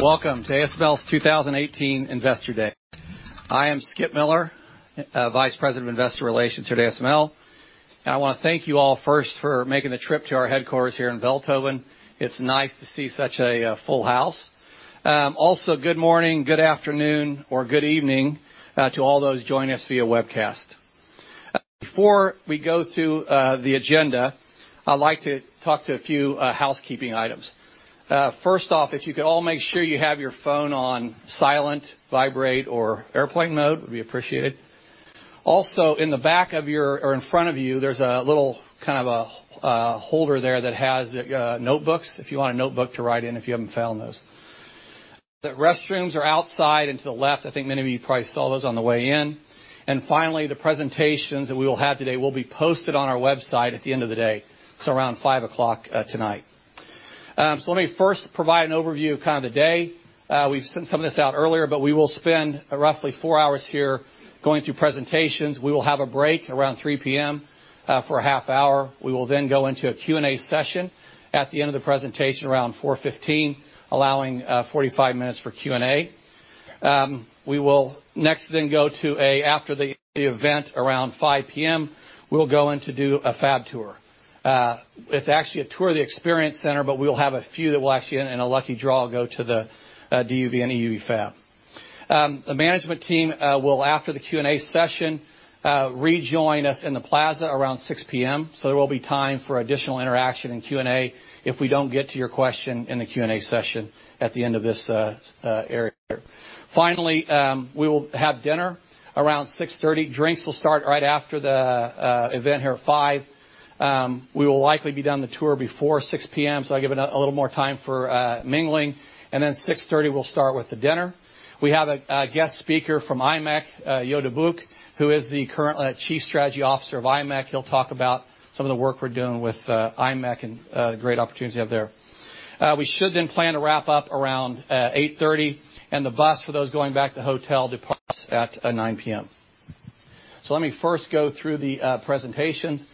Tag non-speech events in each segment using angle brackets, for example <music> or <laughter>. Welcome to ASML's 2018 Investor Day. I am Skip Miller, Vice President of Investor Relations here at ASML, and I want to thank you all first for making the trip to our headquarters here in Veldhoven. It's nice to see such a full house. Good morning, good afternoon, or good evening to all those joining us via webcast. Before we go through the agenda, I'd like to talk to a few housekeeping items. First off, if you could all make sure you have your phone on silent, vibrate, or airplane mode, it would be appreciated. In front of you, there's a little holder there that has notebooks, if you want a notebook to write in, if you haven't found those. The restrooms are outside and to the left. I think many of you probably saw those on the way in. Finally, the presentations that we will have today will be posted on our website at the end of the day, around 5:00 P.M. tonight. Let me first provide an overview of the day. We've sent some of this out earlier, but we will spend roughly four hours here going through presentations. We will have a break around 3:00 P.M. for a half hour. We will then go into a Q&A session at the end of the presentation, around 4:15 P.M., allowing 45 minutes for Q&A. We will next go, after the event, around 5:00 P.M., we'll go in to do a fab tour. It's actually a tour of the Experience Center, but we'll have a few that will actually, in a lucky draw, go to the DUV and EUV fab. The management team will, after the Q&A session, rejoin us in the plaza around 6:00 P.M., there will be time for additional interaction and Q&A if we don't get to your question in the Q&A session at the end of this area. Finally, we will have dinner around 6:30 P.M. Drinks will start right after the event here at 5:00 P.M. We will likely be done the tour before 6:00 P.M., that'll give a little more time for mingling. At 6:30 P.M., we'll start with the dinner. We have a guest speaker from imec, Jo De Boeck, who is the current Chief Strategy Officer of imec. He'll talk about some of the work we're doing with imec and the great opportunity out there. We should then plan to wrap up around 8:30 P.M., and the bus for those going back to the hotel departs at 9:00 P.M. Let me first go through the presentations.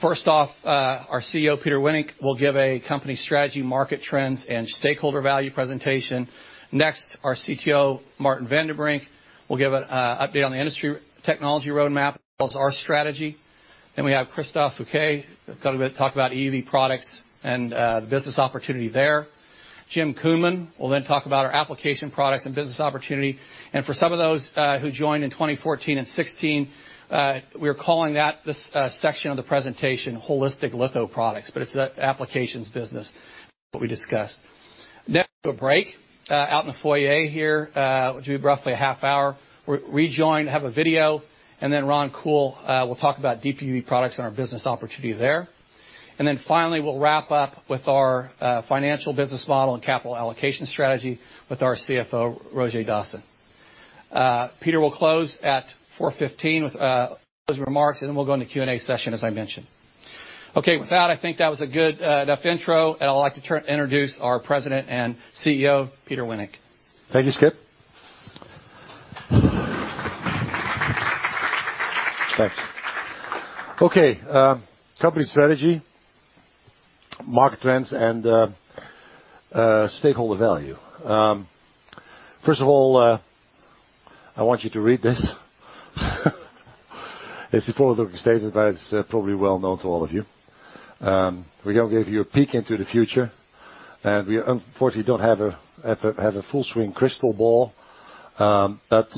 First off, our CEO, Peter Wennink, will give a company strategy, market trends, and stakeholder value presentation. Next, our CTO, Martin van den Brink, will give an update on the industry technology roadmap as well as our strategy. Then we have Christophe Fouquet, going to talk about EUV products and the business opportunity there. Jim Koonmen will then talk about our application products and business opportunity. For some of those who joined in 2014 and 2016, we are calling that section of the presentation Holistic Litho Products, but it's the applications business, what we discussed. Then we'll go to a break out in the foyer here, which will be roughly a half hour. We'll rejoin, have a video, and then Ron Kool will talk about deep UV products and our business opportunity there. Finally, we'll wrap up with our financial business model and capital allocation strategy with our CFO, Roger Dassen. Peter will close at 4:15 P.M. with those remarks, we'll go into Q&A session, as I mentioned. With that, I think that was a good enough intro, I'd like to introduce our President and CEO, Peter Wennink. Thank you, Skip. Thanks. Company strategy, market trends, and stakeholder value. First of all, I want you to read this. It's a forward-looking statement, but it's probably well-known to all of you. We are going to give you a peek into the future, we unfortunately don't have a full swing crystal ball. What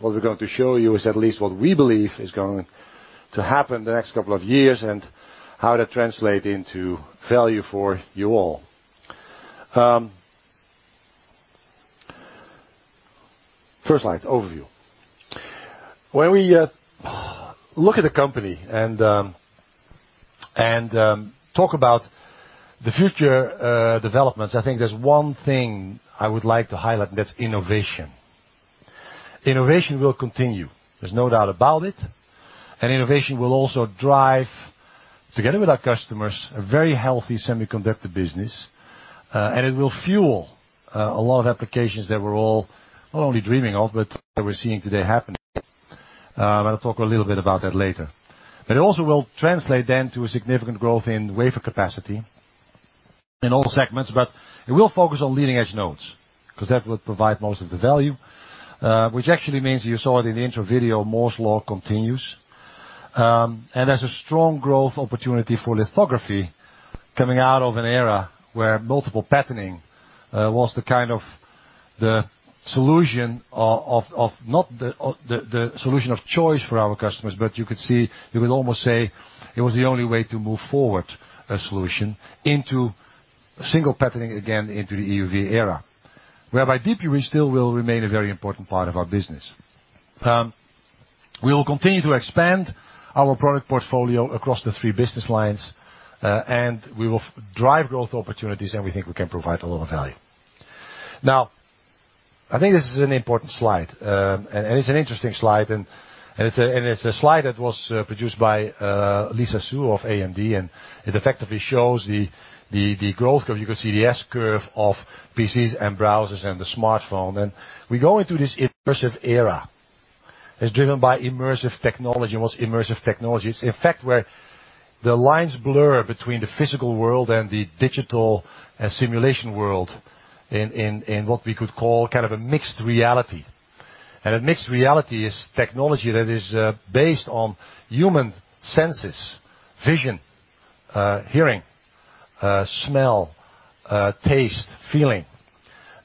we're going to show you is at least what we believe is going to happen the next couple of years and how that translate into value for you all. First slide, overview. When we look at the company and talk about the future developments, I think there's one thing I would like to highlight, that's innovation. Innovation will continue. There's no doubt about it. Innovation will also drive, together with our customers, a very healthy semiconductor business. It will fuel a lot of applications that we're all not only dreaming of, but that we're seeing today happening. I'll talk a little bit about that later. It also will translate then to a significant growth in wafer capacity in all segments, but it will focus on leading-edge nodes, because that will provide most of the value. Which actually means, you saw it in the intro video, Moore's Law continues. There's a strong growth opportunity for lithography coming out of an era where multiple patterning was not the solution of choice for our customers, but you could see, you would almost say it was the only way to move forward a solution into single patterning again into the EUV era. Whereby deep UV still will remain a very important part of our business. We will continue to expand our product portfolio across the three business lines, we will drive growth opportunities, we think we can provide a lot of value. Now, I think this is an important slide. It's an interesting slide, it's a slide that was produced by Lisa Su of AMD, it effectively shows the growth curve. You can see the S-curve of PCs and browsers and the smartphone. We go into this immersive era. It is driven by immersive technology. What's immersive technology? It's the effect where the lines blur between the physical world and the digital and simulation world in what we could call a mixed reality. A mixed reality is technology that is based on human senses, vision, hearing, smell, taste, feeling.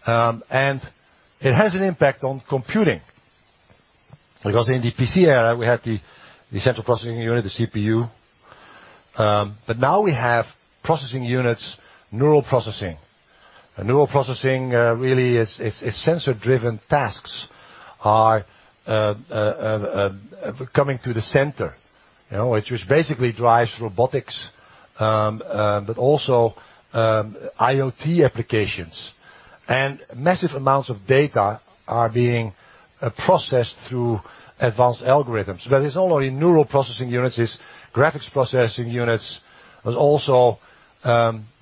It has an impact on computing, because in the PC era, we had the central processing unit, the CPU, but now we have processing units, neural processing. Neural processing really is sensor-driven tasks are coming to the center, which basically drives robotics, but also IoT applications. Massive amounts of data are being processed through advanced algorithms. It's not only neural processing units, it's graphics processing units, but also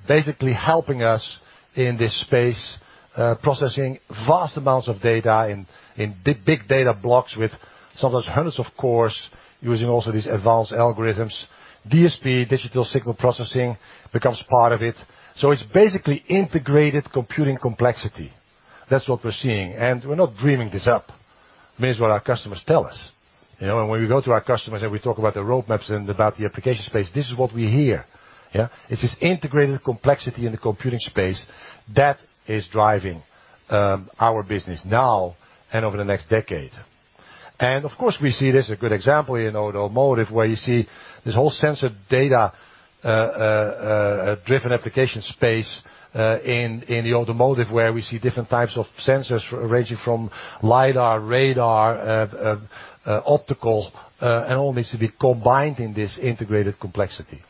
basically helping us in this space, processing vast amounts of data in big data blocks with sometimes hundreds of cores, using also these advanced algorithms. DSP, digital signal processing, becomes part of it. It's basically integrated computing complexity. That's what we're seeing. We're not dreaming this up. I mean, it's what our customers tell us. When we go to our customers and we talk about the roadmaps and about the application space, this is what we hear. Yeah. It's this integrated complexity in the computing space that is driving our business now and over the next decade. Of course, we see this a good example in automotive, where you see this whole sensor data-driven application space, in the automotive, where we see different types of sensors ranging from LIDAR, radar, optical, and all needs to be combined in this integrated complexity.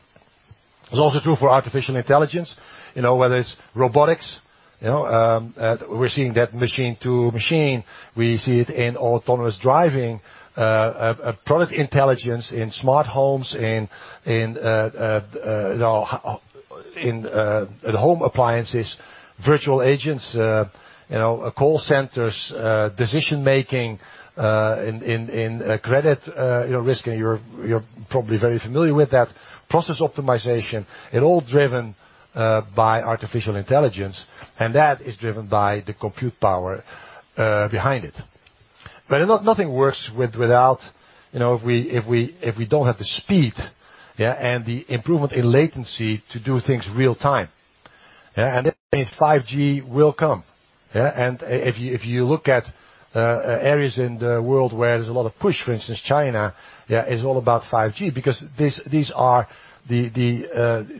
It's also true for artificial intelligence, whether it's robotics, we're seeing that machine to machine. We see it in autonomous driving, product intelligence in smart homes, in home appliances, virtual agents, call centers, decision making, in credit risk, and you're probably very familiar with that. Process optimization, it all driven by artificial intelligence, and that is driven by the compute power behind it. Nothing works if we don't have the speed and the improvement in latency to do things real time. That means 5G will come. If you look at areas in the world where there's a lot of push, for instance, China, is all about 5G because these are the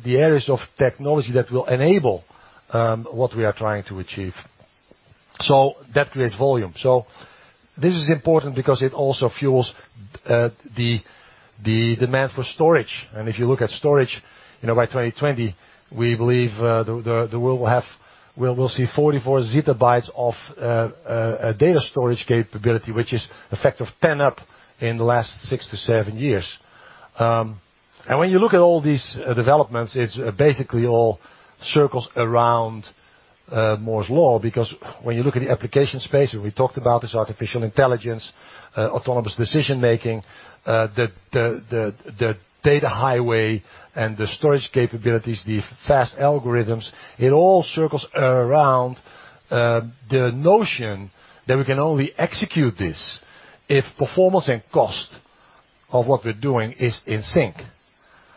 areas of technology that will enable what we are trying to achieve. That creates volume. This is important because it also fuels the demand for storage. If you look at storage, by 2020, we believe we'll see 44 ZB of data storage capability, which is a factor of 10 up in the last six to seven years. When you look at all these developments, it's basically all circles around Moore's Law because when you look at the application space, we talked about this artificial intelligence, autonomous decision-making, the data highway and the storage capabilities, the fast algorithms, it all circles around the notion that we can only execute this if performance and cost of what we're doing is in sync.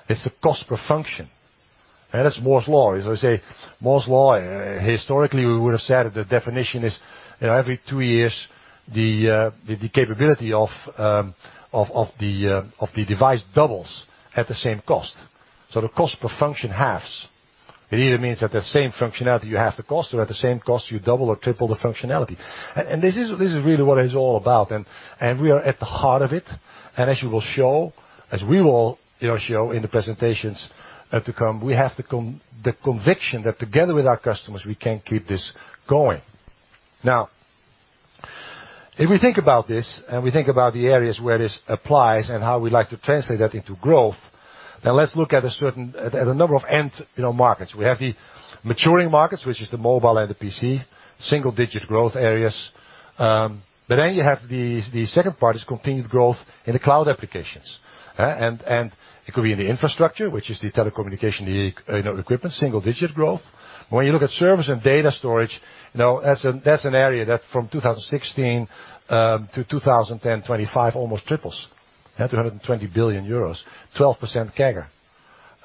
It's the cost per function. That is Moore's Law. As I say, Moore's Law, historically, we would have said the definition is every two years, the capability of the device doubles at the same cost. The cost per function halves. It either means that the same functionality you halve the cost, or at the same cost, you double or triple the functionality. This is really what it's all about. We are at the heart of it. As you will show, as we will show in the presentations to come, we have the conviction that together with our customers, we can keep this going. If we think about this and we think about the areas where this applies and how we like to translate that into growth, let's look at a number of end markets. We have the maturing markets, which is the mobile and the PC, single-digit growth areas. You have the second part is continued growth in the cloud applications. It could be in the infrastructure, which is the telecommunication, the equipment, single-digit growth. When you look at service and data storage, that's an area that from 2016 to 2025, almost triples to 120 billion euros, 12% CAGR.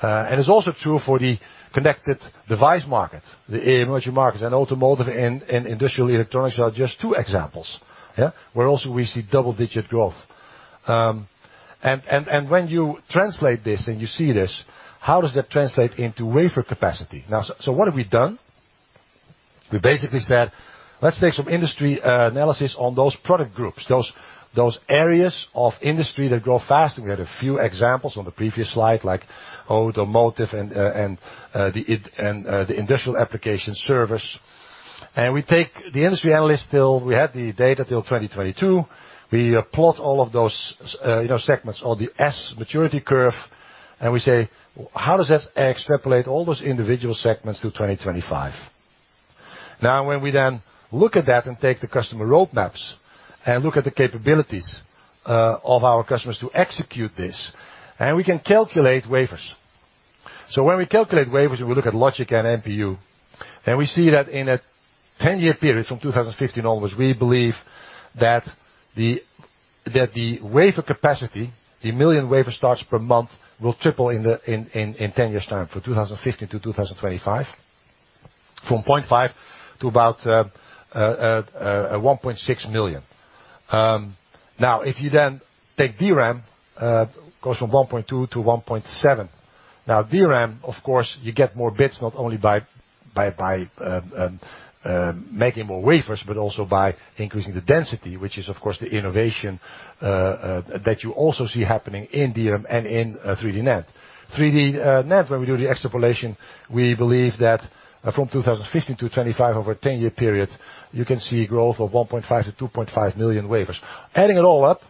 It's also true for the connected device market, the emerging markets and automotive and industrial electronics are just two examples. Where also we see double-digit growth. When you translate this and you see this, how does that translate into wafer capacity? What have we done? We basically said, "Let's take some industry analysis on those product groups, those areas of industry that grow fast." We had a few examples on the previous slide, like automotive and the industrial application service. We take the industry analyst till we had the data till 2022. We plot all of those segments or the S maturity curve, and we say, "How does that extrapolate all those individual segments to 2025?" When we then look at that and take the customer roadmaps, and look at the capabilities of our customers to execute this, we can calculate wafers. When we calculate wafers, we look at logic and NPU, we see that in a 10-year period, from 2015 onwards, we believe that the wafer capacity, the million wafer starts per month, will triple in 10 years' time, from 2015 to 2025, from 0.5 to about 1.6 million. If you then take DRAM, it goes from 1.2 to 1.7. DRAM, of course, you get more bits, not only by making more wafers, but also by increasing the density, which is of course the innovation that you also see happening in DRAM and in 3D NAND. 3D NAND, when we do the extrapolation, we believe that from 2015 to 2025, over a 10-year period, you can see growth of 1.5 to 2.5 million wafers. Adding it all up,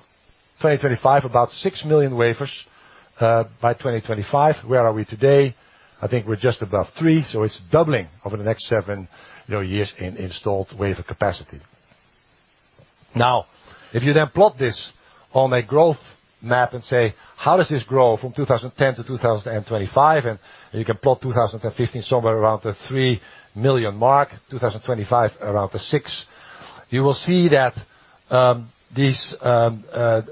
2025, about 6 million wafers by 2025. Where are we today? I think we're just above 3 million, it's doubling over the next seven years in installed wafer capacity. If you then plot this on a growth map and say, "How does this grow from 2010 to 2025?" You can plot 2015 somewhere around the 3 million mark, 2025 around the 6 million, you will see that these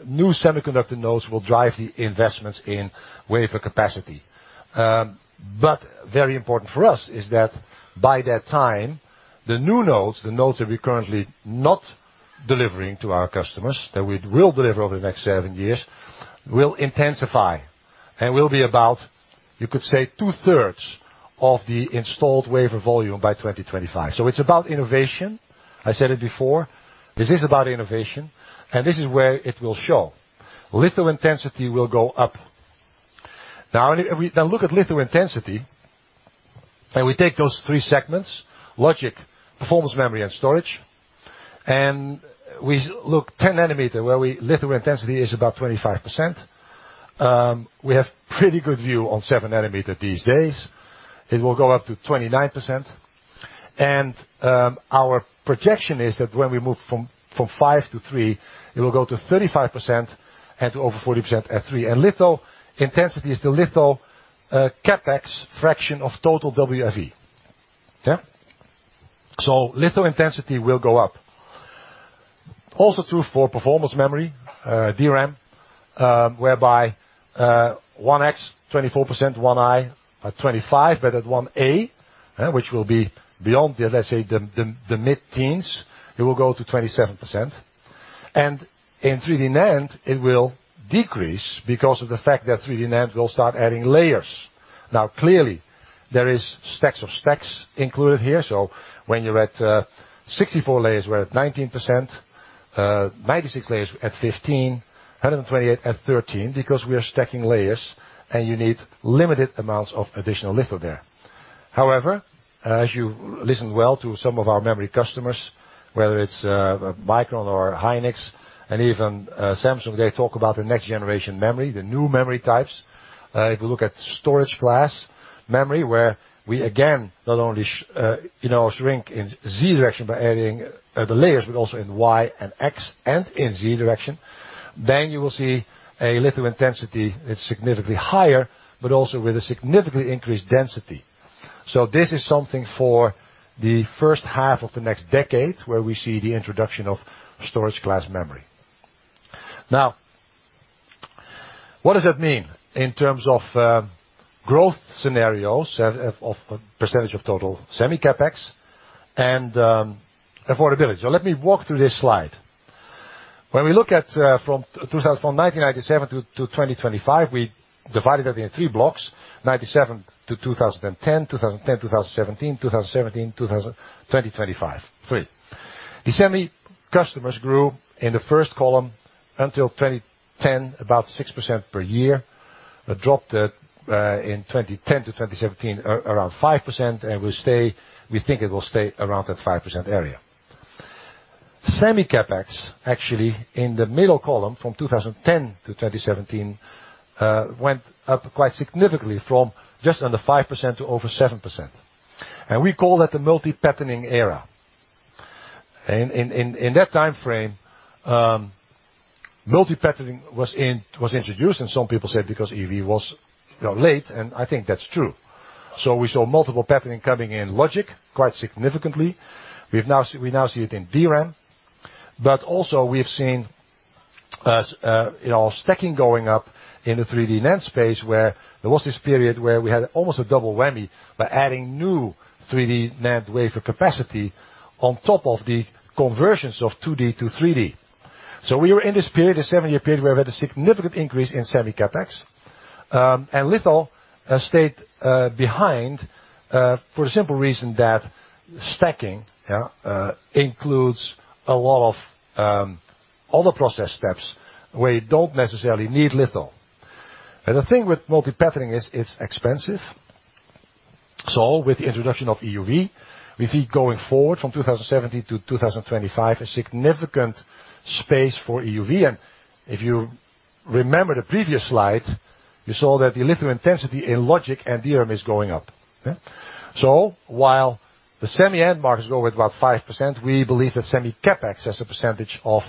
new semiconductor nodes will drive the investments in wafer capacity. Very important for us is that by that time, the new nodes, the nodes that we're currently not delivering to our customers, that we will deliver over the next seven years, will intensify and will be about, you could say, 2/3 of the installed wafer volume by 2025. It's about innovation. I said it before, this is about innovation, and this is where it will show. Litho intensity will go up. Now, if we then look at litho intensity, and we take those three segments, logic, performance memory, and storage, and we look 10 nm where litho intensity is about 25%. We have pretty good view on 7 nm these days. It will go up to 29%, and our projection is that when we move from 5 nm to 3 nm, it will go to 35% and to over 40% at 3 nm. Litho intensity is the litho CapEx fraction of total WFE. So litho intensity will go up. Also true for performance memory, DRAM, whereby 1X, 24%, 1I at 25%, but at 1A, which will be beyond, let's say, the mid-teens, it will go to 27%. In 3D NAND, it will decrease because of the fact that 3D NAND will start adding layers. Now, clearly, there is stacks of stacks included here, so when you're at 64 layers, we're at 19%, 96 layers at 15%, 128 at 13%, because we are stacking layers, and you need limited amounts of additional litho there. However, as you listen well to some of our memory customers, whether it's Micron or Hynix and even Samsung, they talk about the next-generation memory, the new memory types. If you look at storage class memory, where we again, not only shrink in Z direction by adding the layers, but also in Y and X, and in Z direction, then you will see a litho intensity that's significantly higher, but also with a significantly increased density. So this is something for the first half of the next decade, where we see the introduction of storage class memory. Now, what does that mean in terms of growth scenarios of percentage of total semi CapEx and affordability? So let me walk through this slide. When we look at from 1997 to 2025, we divided that into three blocks, 1997 to 2010, 2010 to 2017, 2017 to 2025. Three. The semi customers grew in the first column until 2010, about 6% per year. That dropped in 2010 to 2017, around 5%, and we think it will stay around that 5% area. Semi CapEx actually in the middle column from 2010 to 2017, went up quite significantly from just under 5% to over 7%. We call that the multi-patterning era. In that time frame, multi-patterning was introduced, and some people said because EUV was late, and I think that's true. We saw multi-patterning coming in logic quite significantly. We now see it in DRAM, but also we have seen stacking going up in the 3D NAND space, where there was this period where we had almost a double whammy by adding new 3D NAND wafer capacity on top of the conversions of 2D to 3D. We were in this period, a seven-year period, where we had a significant increase in semi CapEx, and litho stayed behind, for the simple reason that stacking includes a lot of other process steps where you don't necessarily need litho. The thing with multi-patterning is it's expensive. With the introduction of EUV, we see going forward from 2017 to 2025, a significant space for EUV. If you remember the previous slide, you saw that the litho intensity in logic and DRAM is going up. While the semi end markets grow at about 5%, we believe that semi CapEx as a percentage of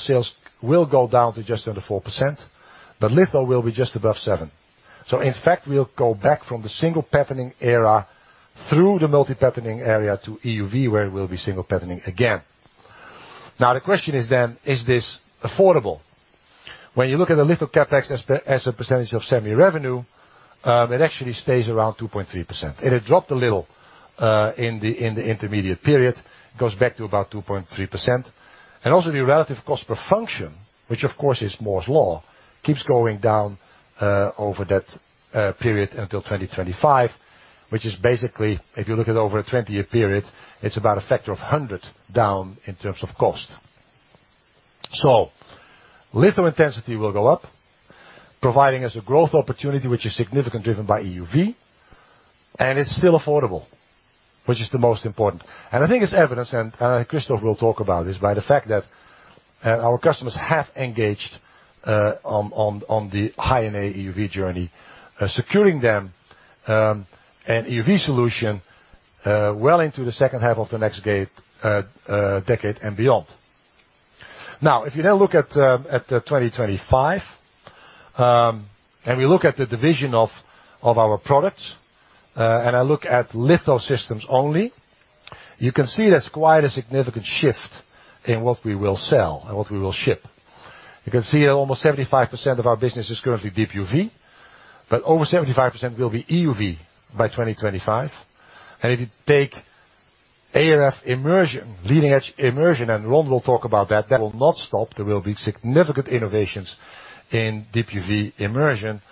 sales will go down to just under 4%, but litho will be just above 7%. In fact, we'll go back from the single patterning era through the multi-patterning area to EUV, where it will be single patterning again. The question is this affordable? When you look at the litho CapEx as a percentage of semi revenue, it actually stays around 2.3%. It had dropped a little, in the intermediate period. It goes back to about 2.3%. Also the relative cost per function, which of course is Moore's Law, keeps going down over that period until 2025, which is basically, if you look at over a 20-year period, it's about a factor of 100 down in terms of cost. Litho intensity will go up, providing us a growth opportunity, which is significantly driven by EUV, and it's still affordable, which is the most important. I think it's evidence, and Christophe will talk about this, by the fact that our customers have engaged on the High-NA EUV journey, securing them an EUV solution well into the second half of the next decade, and beyond. If you now look at 2025, and we look at the division of our products, and I look at litho systems only, you can see there's quite a significant shift in what we will sell and what we will ship. You can see almost 75% of our business is currently deep UV, but over 75% will be EUV by 2025. If you take ArF immersion, leading-edge immersion, and Ron will talk about that will not stop. There will be significant innovations in deep UV immersion,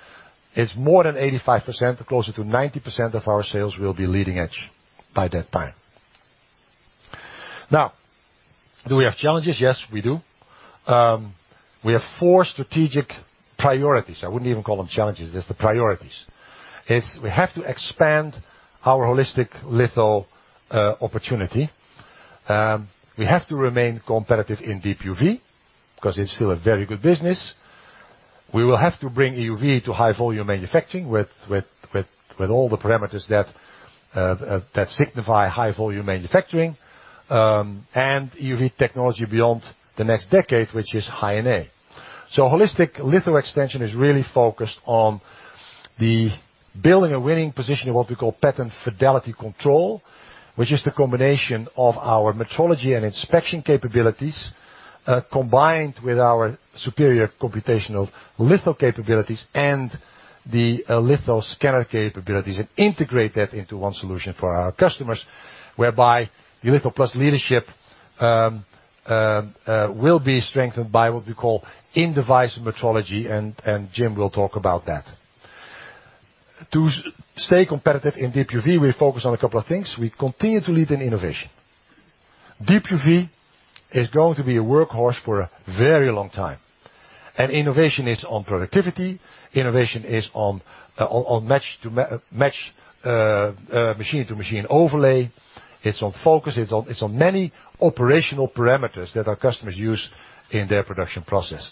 is more than 85% or closer to 90% of our sales will be leading edge by that time. Do we have challenges? Yes, we do. We have four strategic priorities. I wouldn't even call them challenges. It's the priorities. It's we have to expand our holistic litho opportunity. We have to remain competitive in deep UV because it's still a very good business. We will have to bring EUV to high-volume manufacturing with all the parameters that signify high-volume manufacturing, and EUV technology beyond the next decade, which is High-NA. Holistic litho extension is really focused on the building a winning position in what we call pattern fidelity control, which is the combination of our metrology and inspection capabilities, combined with our superior computational litho capabilities and the litho scanner capabilities, and integrate that into one solution for our customers, whereby the litho plus leadership will be strengthened by what we call in-device metrology, and Jim will talk about that. To stay competitive in deep UV, we focus on a couple of things. We continue to lead in innovation. Deep UV is going to be a workhorse for a very long time. Innovation is on productivity. Innovation is on match machine-to-machine overlay. It's on focus. It's on many operational parameters that our customers use in their production process.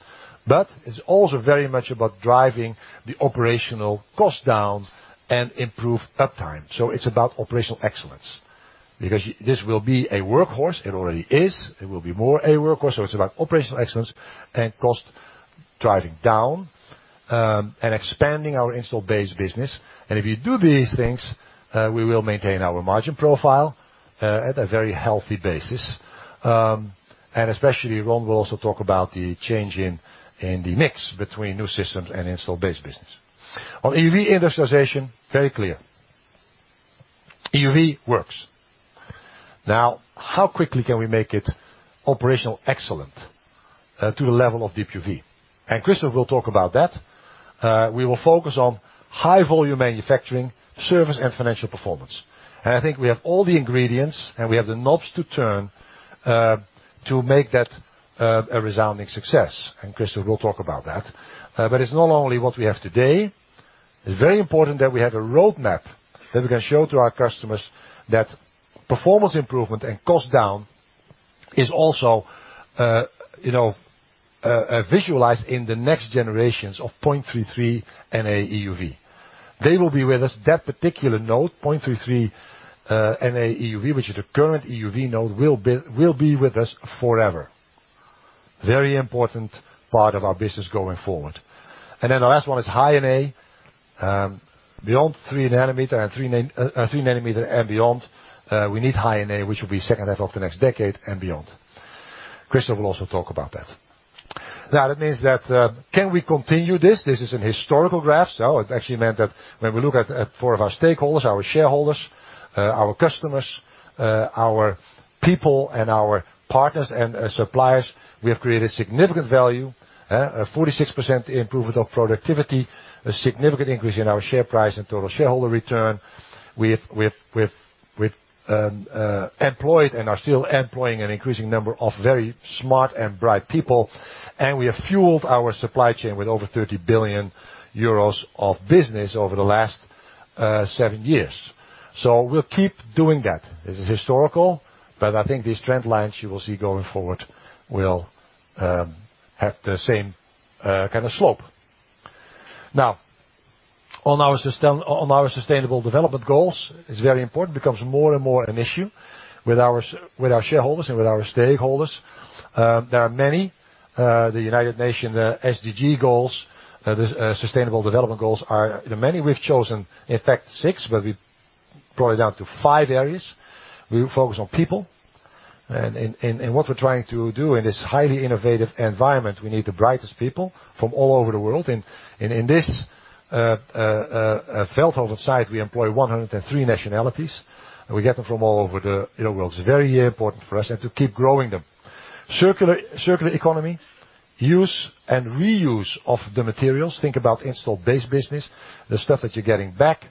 It's also very much about driving the operational cost down and improve uptime. It's about operational excellence because this will be a workhorse. It already is. It will be more a workhorse. It's about operational excellence and cost driving down, and expanding our install base business. If you do these things, we will maintain our margin profile at a very healthy basis. Especially Ron will also talk about the change in the mix between new systems and install base business. On EUV industrialization, very clear. EUV works. Now, how quickly can we make it operational excellent to the level of deep UV? Christophe will talk about that. We will focus on high-volume manufacturing, service, and financial performance. I think we have all the ingredients, and we have the knobs to turn to make that a resounding success, and Christophe will talk about that. It's not only what we have today. It's very important that we have a roadmap that we can show to our customers that performance improvement and cost down is also visualized in the next generations of 0.33 NA EUV. They will be with us. That particular node, 0.33 NA EUV, which is the current EUV node, will be with us forever. Very important part of our business going forward. The last one is High-NA, 3 nm and beyond. We need High-NA, which will be second half of the next decade and beyond. Christophe will also talk about that. That means that, can we continue this? This is an historical graph. It actually meant that when we look at four of our stakeholders, our shareholders, our customers, our people, and our partners and suppliers, we have created significant value, a 46% improvement of productivity, a significant increase in our share price and total shareholder return. We've employed and are still employing an increasing number of very smart and bright people, and we have fueled our supply chain with over 30 billion euros of business over the last seven years. We'll keep doing that. This is historical, but I think these trend lines you will see going forward will have the same kind of slope. On our Sustainable Development Goals, it's very important, becomes more and more an issue with our shareholders and with our stakeholders. There are many. The United Nations SDG goals, the Sustainable Development Goals are many. We've chosen, in fact, six, but we brought it down to five areas. We focus on people, and what we're trying to do in this highly innovative environment, we need the brightest people from all over the world. In this Veldhoven site, we employ 103 nationalities, and we get them from all over the world. It's very important for us and to keep growing them. Circular economy, use and reuse of the materials. Think about installed base business, the stuff that you're getting back.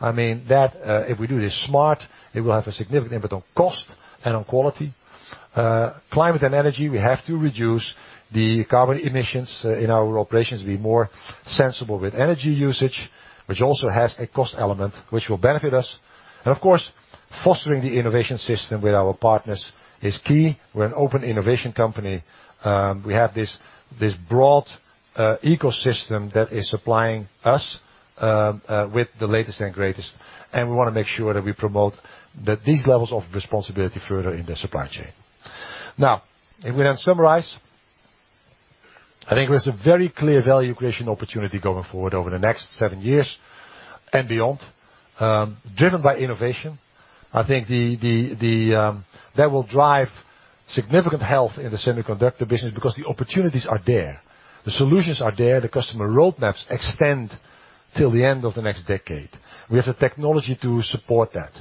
That, if we do this smart, it will have a significant impact on cost and on quality. Climate and energy, we have to reduce the carbon emissions in our operations, be more sensible with energy usage, which also has a cost element, which will benefit us. Of course, fostering the innovation system with our partners is key. We're an open innovation company. We have this broad ecosystem that is supplying us with the latest and greatest. We want to make sure that we promote these levels of responsibility further in the supply chain. If we summarize, I think there's a very clear value creation opportunity going forward over the next seven years and beyond, driven by innovation. I think that will drive significant health in the semiconductor business because the opportunities are there. The solutions are there. The customer roadmaps extend till the end of the next decade. We have the technology to support that.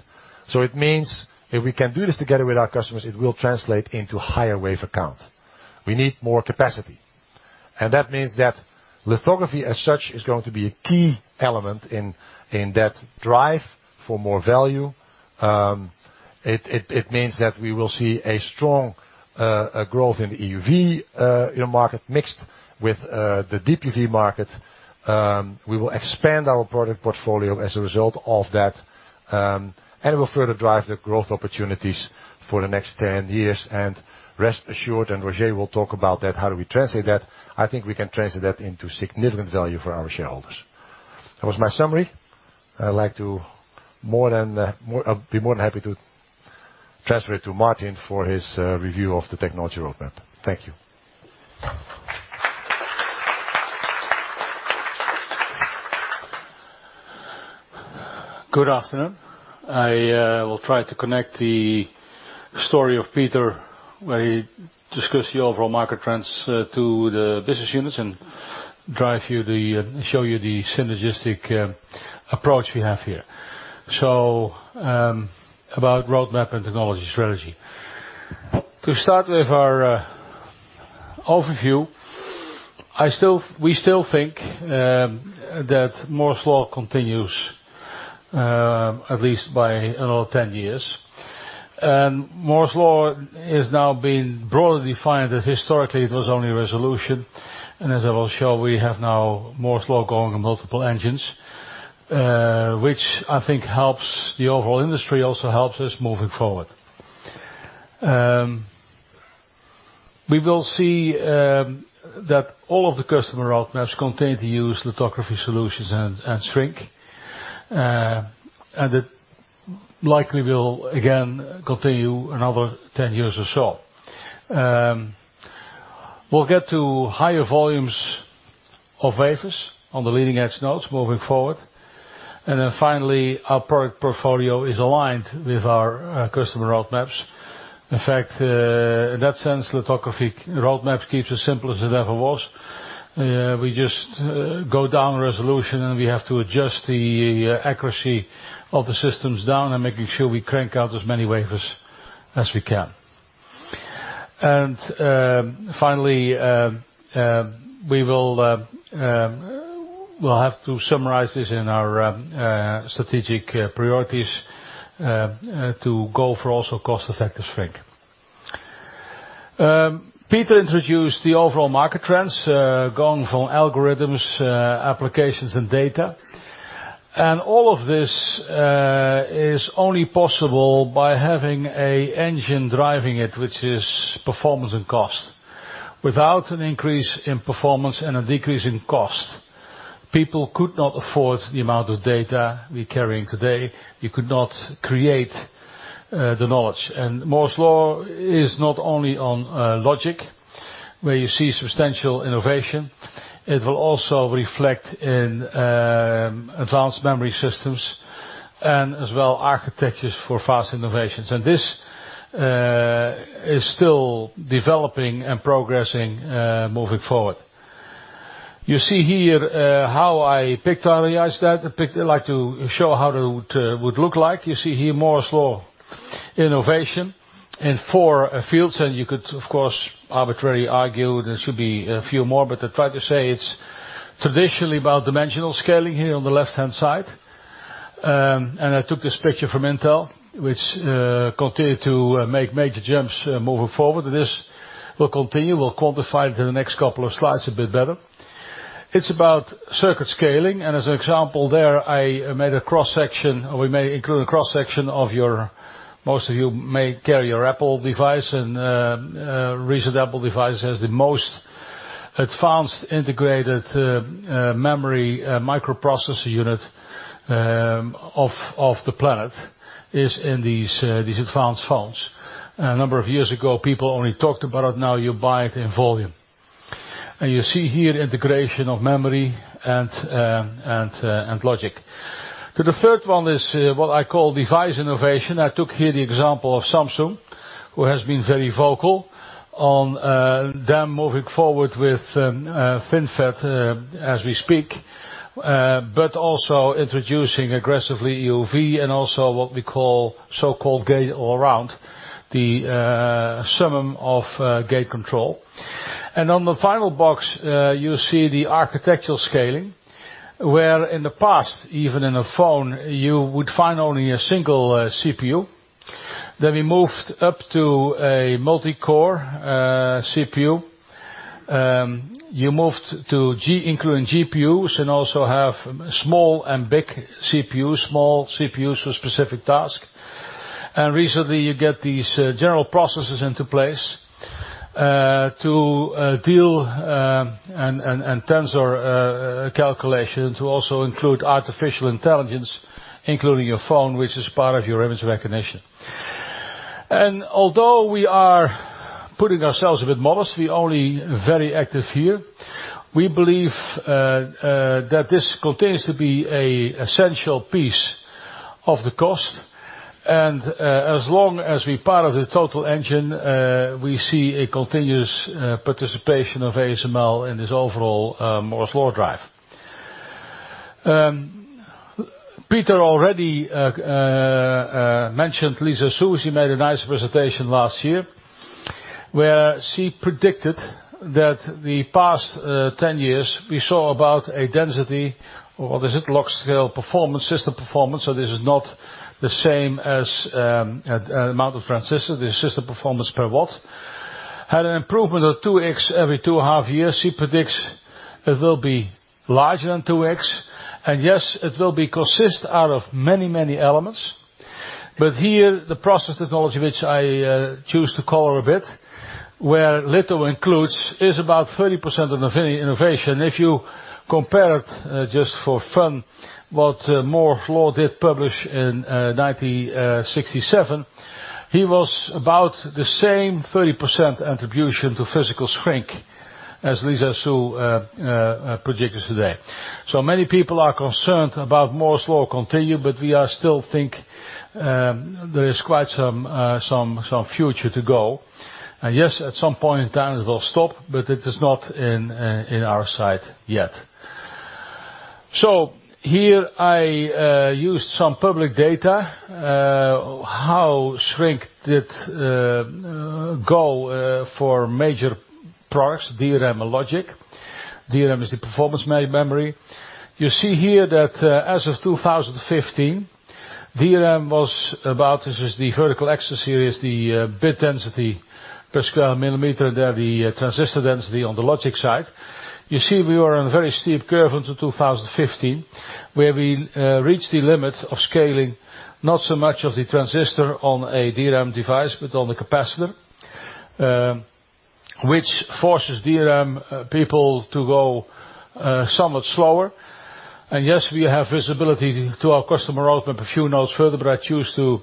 It means if we can do this together with our customers, it will translate into higher wafer count. We need more capacity. That means that lithography as such is going to be a key element in that drive for more value. It means that we will see a strong growth in the EUV market mixed with the deep UV market. We will expand our product portfolio as a result of that, and it will further drive the growth opportunities for the next 10 years. Rest assured, Roger will talk about that, how do we translate that. I think we can translate that into significant value for our shareholders. That was my summary. I'll be more than happy to transfer to Martin for his review of the technology roadmap. Thank you. Good afternoon. I will try to connect the story of Peter, where he discussed the overall market trends to the business units and show you the synergistic approach we have here. About roadmap and technology strategy. To start with our overview, we still think that Moore's Law continues, at least by another 10 years. Moore's Law is now being broadly defined that historically it was only resolution. As I will show, we have now Moore's Law going on multiple engines, which I think helps the overall industry, also helps us moving forward. We will see that all of the customer roadmaps continue to use lithography solutions and shrink. It likely will again continue another 10 years or so. We'll get to higher volumes of wafers on the leading-edge nodes moving forward. Finally, our product portfolio is aligned with our customer roadmaps. In fact, in that sense, lithography roadmaps keeps as simple as it ever was. We just go down resolution, we have to adjust the accuracy of the systems down and making sure we crank out as many wafers as we can. Finally, we'll have to summarize this in our strategic priorities, to go for also cost-effective shrink. Peter introduced the overall market trends, going from algorithms, applications, and data. All of this is only possible by having a engine driving it, which is performance and cost. Without an increase in performance and a decrease in cost, people could not afford the amount of data we're carrying today. You could not create the knowledge. Moore's Law is not only on logic, where you see substantial innovation. It will also reflect in advanced memory systems and as well architectures for fast innovations. This is still developing and progressing, moving forward. You see here how I picturized that. I like to show how it would look like. You see here Moore's Law innovation in four fields. You could, of course, arbitrarily argue there should be a few more, but I try to say it's traditionally about dimensional scaling here on the left-hand side. I took this picture from Intel, which continue to make major jumps moving forward. This will continue. We'll quantify it in the next couple of slides a bit better. It's about circuit scaling, and as an example there, we may include a cross-section of your, most of you may carry your Apple device, and recent Apple device has the most advanced integrated memory microprocessor unit of the planet is in these advanced phones. A number of years ago, people only talked about it, now you buy it in volume. You see here integration of memory and logic. The third one is what I call device innovation. I took here the example of Samsung, who has been very vocal on them moving forward with FinFET as we speak, but also introducing aggressively EUV and also what we call so-called gate-all-around, the summum of gate control. On the final box, you see the architectural scaling, where in the past, even in a phone, you would find only a single CPU. We moved up to a multi-core CPU. You moved to including GPUs and also have small and big CPU, small CPUs for specific task. Recently, you get these general processors into place, to deal and tensor calculation to also include artificial intelligence, including your phone, which is part of your image recognition. Although we are putting ourselves a bit modestly only very active here, we believe that this continues to be a essential piece of the cost. As long as we're part of the total engine, we see a continuous participation of ASML in this overall Moore's Law drive. Peter already mentioned Lisa Su. She made a nice presentation last year, where she predicted that the past 10 years we saw about a density or log scale system performance. This is not the same as amount of transistor. This is system performance per watt. Had an improvement of 2X every two and a half years. She predicts it will be larger than 2X. Yes, it will consist out of many elements. Here the process technology, which I choose to color a bit, where litho includes, is about 30% of any innovation. If you compare it, just for fun, what Moore's Law did publish in 1967, he was about the same 30% attribution to physical shrink as Lisa Su predicted today. Many people are concerned about Moore's Law continue, but we are still think there is quite some future to go. Yes, at some point in time it will stop, but it is not in our sight yet. Here I used some public data, how shrink did go for major products, DRAM and logic. DRAM is the performance main memory. You see here that as of 2015, DRAM was about, this is the vertical axis here is the bit density per square millimeter, there the transistor density on the logic side. You see we were on a very steep curve until 2015, where we reached the limits of scaling, not so much of the transistor on a DRAM device, but on the capacitor, which forces DRAM people to go somewhat slower. Yes, we have visibility to our customer roadmap a few nodes further, but I choose to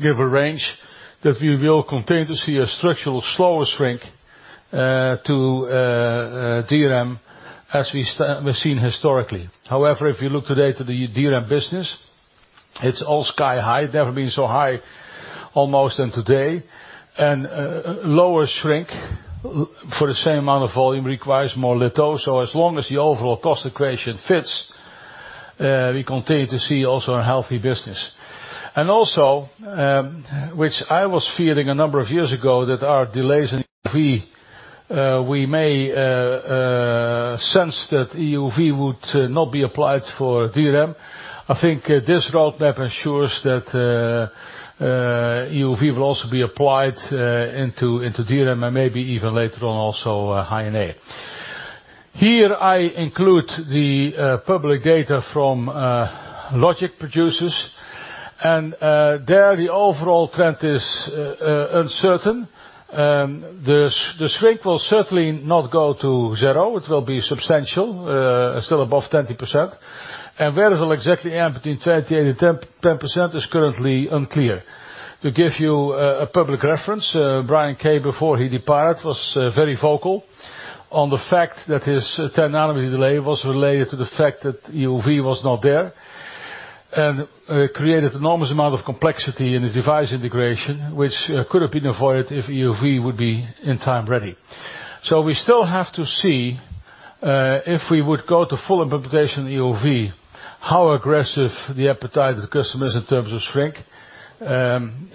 give a range that we will continue to see a structural slower shrink to DRAM as we've seen historically. However, if you look today to the DRAM business, it's all sky high. Never been so high almost than today. Lower shrink for the same amount of volume requires more litho. As long as the overall cost equation fits, we continue to see also a healthy business. Also, which I was fearing a number of years ago, that our delays in EUV, we may sense that EUV would not be applied for DRAM. I think this roadmap ensures that EUV will also be applied into DRAM, and maybe even later on also High-NA. Here I include the public data from logic producers, there the overall trend is uncertain. The shrink will certainly not go to zero. It will be substantial, still above 20%. Where it will exactly end between 20% and 10% is currently unclear. To give you a public reference, Brian K, before he departed, was very vocal on the fact that his 10-nm delay was related to the fact that EUV was not there, and created enormous amount of complexity in his device integration, which could have been avoided if EUV would be in time ready. We still have to see, if we would go to full implementation EUV, how aggressive the appetite of the customer is in terms of shrink.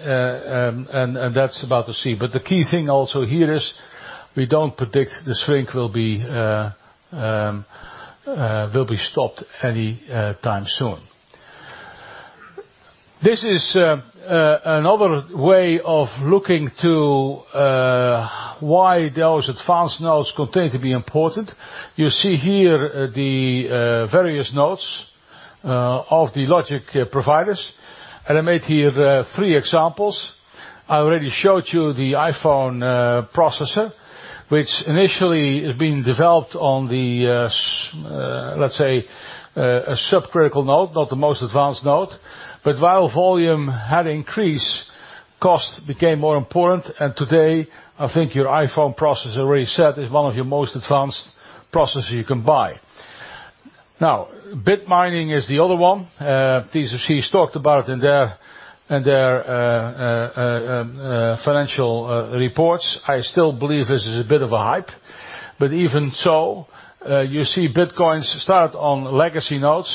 That's about to see. The key thing also here is we don't predict the shrink will be stopped any time soon. This is another way of looking to why those advanced nodes continue to be important. You see here the various nodes of the logic providers, I made here the three examples. I already showed you the iPhone processor, which initially has been developed on the, let's say, a subcritical node, not the most advanced node, but while volume had increased, cost became more important, and today, I think your iPhone processor, I already said, is one of your most advanced processors you can buy. Now, bit mining is the other one. TSMC's talked about in their financial reports. I still believe this is a bit of a hype, but even so, you see Bitcoins start on legacy nodes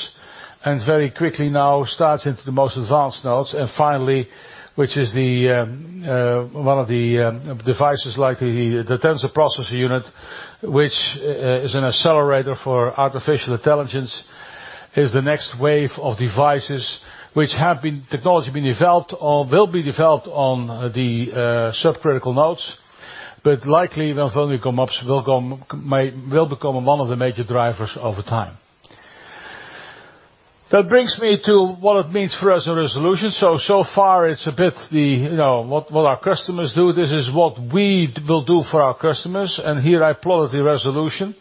and very quickly now starts into the most advanced nodes. Finally, which is one of the devices like the Tensor Processing Unit, which is an accelerator for artificial intelligence, is the next wave of devices which technology will be developed on the subcritical nodes, but likely when foundry come up, will become one of the major drivers over time. That brings me to what it means for us in resolution. So far, what our customers do, this is what we will do for our customers. Here I plotted the resolution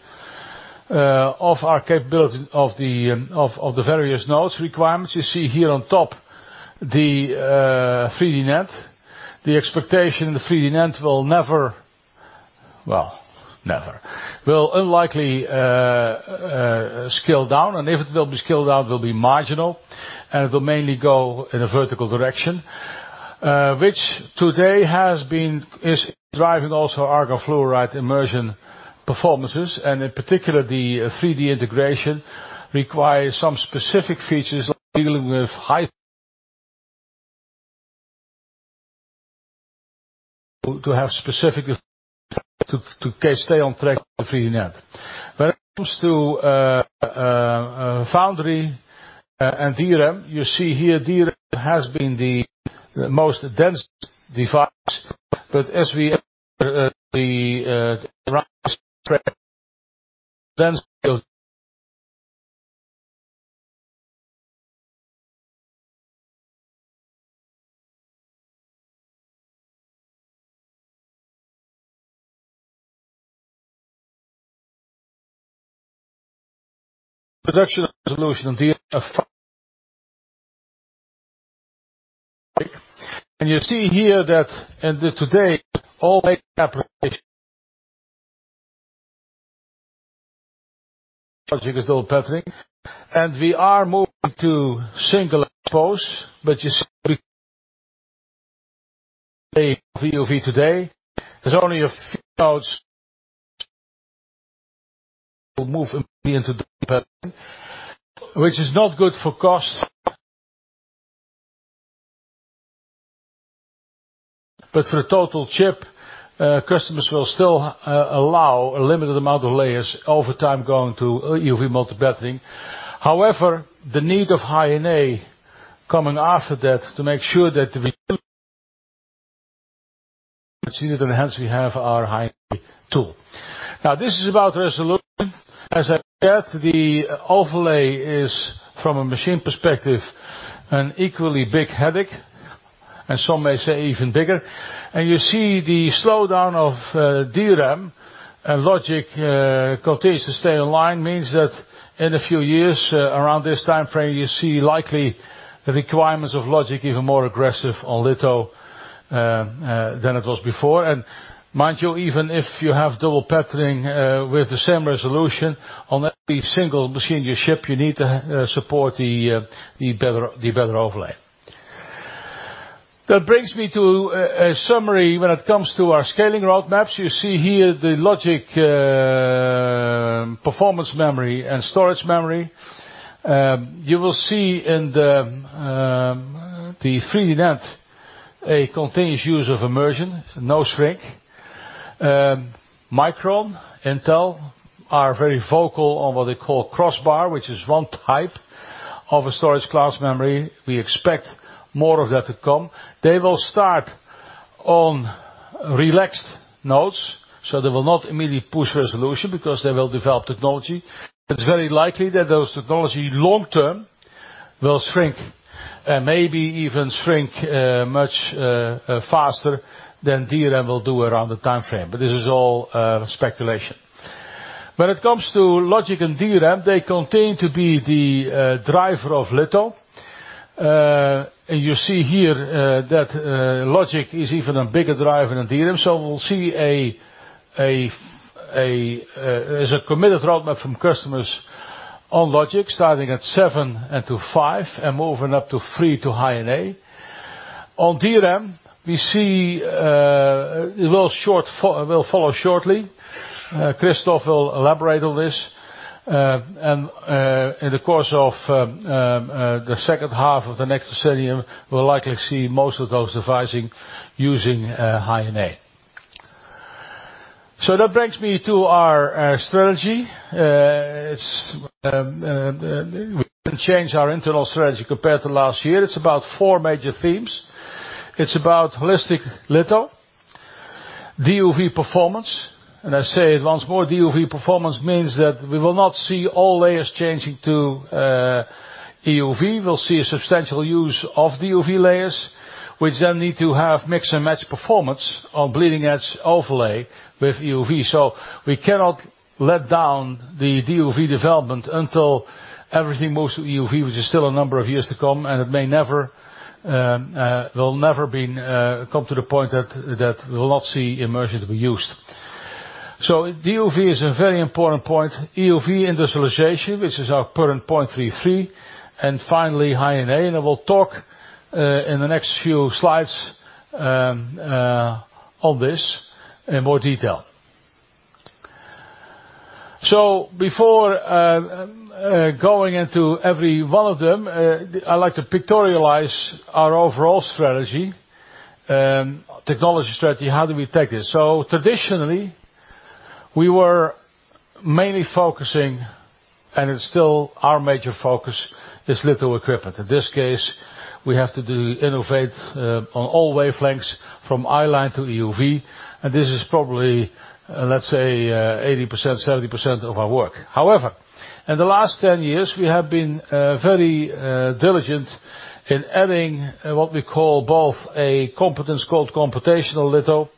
of our capability of the various nodes requirements. You see here on top the 3D NAND. The expectation, 3D NAND will never. Well, never. Will unlikely scale down, and if it will be scaled down, it will be marginal, and it will mainly go in a vertical direction, which today is driving also argon fluoride immersion performances, and in particular, the 3D integration requires some specific features to stay on track with 3D NAND. When it comes to foundry and DRAM, you see here DRAM has been the most dense device. As we enter the production resolution. You see here that today, <audio distortion> and we are moving to single expose, but you see we use EUV today. There's only a few nodes will move immediately into the patterning, which is not good for cost. <audio distortion> For a total chip, customers will still allow a limited amount of layers over time going to EUV multi-patterning. However, the need of High-NA coming after that to make sure that we see that enhance we have our High-NA tool. Now, this is about resolution. As I said, the overlay is, from a machine perspective, an equally big headache, and some may say even bigger. You see the slowdown of DRAM and logic continues to stay online, means that in a few years, around this timeframe, you see likely the requirements of logic even more aggressive on litho than it was before. Mind you, even if you have double patterning, with the same resolution on every single machine you ship, you need to support the better overlay. That brings me to a summary when it comes to our scaling roadmaps. You see here the logic, performance memory, and storage memory. You will see in the 3D NAND a continuous use of immersion, no shrink. Micron, Intel, are very vocal on what they call Crossbar, which is one type of a storage class memory. We expect more of that to come. They will start on relaxed nodes, so they will not immediately push resolution because they will develop technology. It's very likely that those technology long-term will shrink, and maybe even shrink much faster than DRAM will do around the timeframe. This is all speculation. When it comes to logic and DRAM, they continue to be the driver of litho. You see here that logic is even a bigger driver than DRAM. We'll see there's a committed roadmap from customers on logic, starting at seven and to five, and moving up to three to High-NA. On DRAM, we see it will follow shortly. Christophe will elaborate on this. In the course of the second half of the next stage, we'll likely see most of those devices using High-NA. That brings me to our strategy. We haven't changed our internal strategy compared to last year. It's about four major themes. It's about holistic litho, DUV performance. I say it once more, DUV performance means that we will not see all layers changing to EUV. We'll see a substantial use of DUV layers, which then need to have mix-and-match performance on bleeding edge overlay with EUV. We cannot let down the DUV development until everything moves to EUV, which is still a number of years to come, and it will never come to the point that we will not see immersion to be used. DUV is a very important point. EUV industrialization, which is our current point 3.3. Finally, High-NA, and I will talk in the next few slides on this in more detail. Before going into every one of them, I like to pictorialize our overall strategy, technology strategy. How do we take this. Traditionally, we were mainly focusing, and it's still our major focus, is litho equipment. In this case, we have to innovate on all wavelengths from i-line to EUV, and this is probably, let's say, 80%, 70% of our work. However, in the last 10 years, we have been very diligent in adding what we call both a competence called computational litho,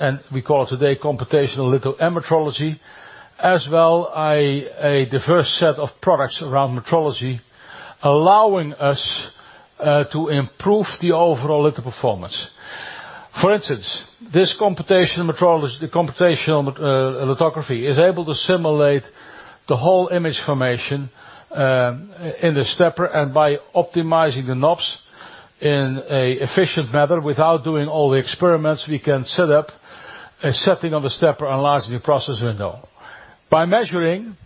and we call it today computational litho and metrology, as well a diverse set of products around metrology, allowing us to improve the overall litho performance. For instance, this computational metrology, the computational lithography, is able to simulate the whole image formation in the stepper, and by optimizing the knobs in an efficient manner without doing all the experiments, we can set up a setting of the stepper and enlarge the process window. By measuring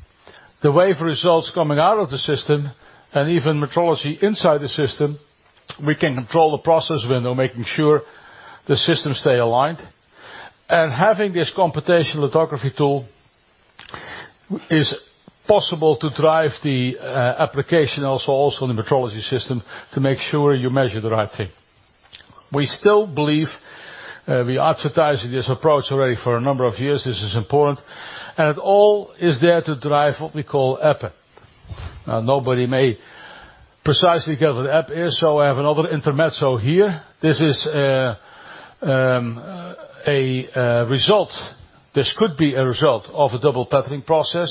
the wafer results coming out of the system and even metrology inside the system, we can control the process window, making sure the systems stay aligned. Having this computational lithography tool is possible to drive the application also in the metrology system to make sure you measure the right thing. We still believe, we advertised this approach already for a number of years, this is important, and it all is there to drive what we call EP. Now, nobody may precisely gather what EP is, so I have another intermezzo here. This is a result. This could be a result of a double patterning process,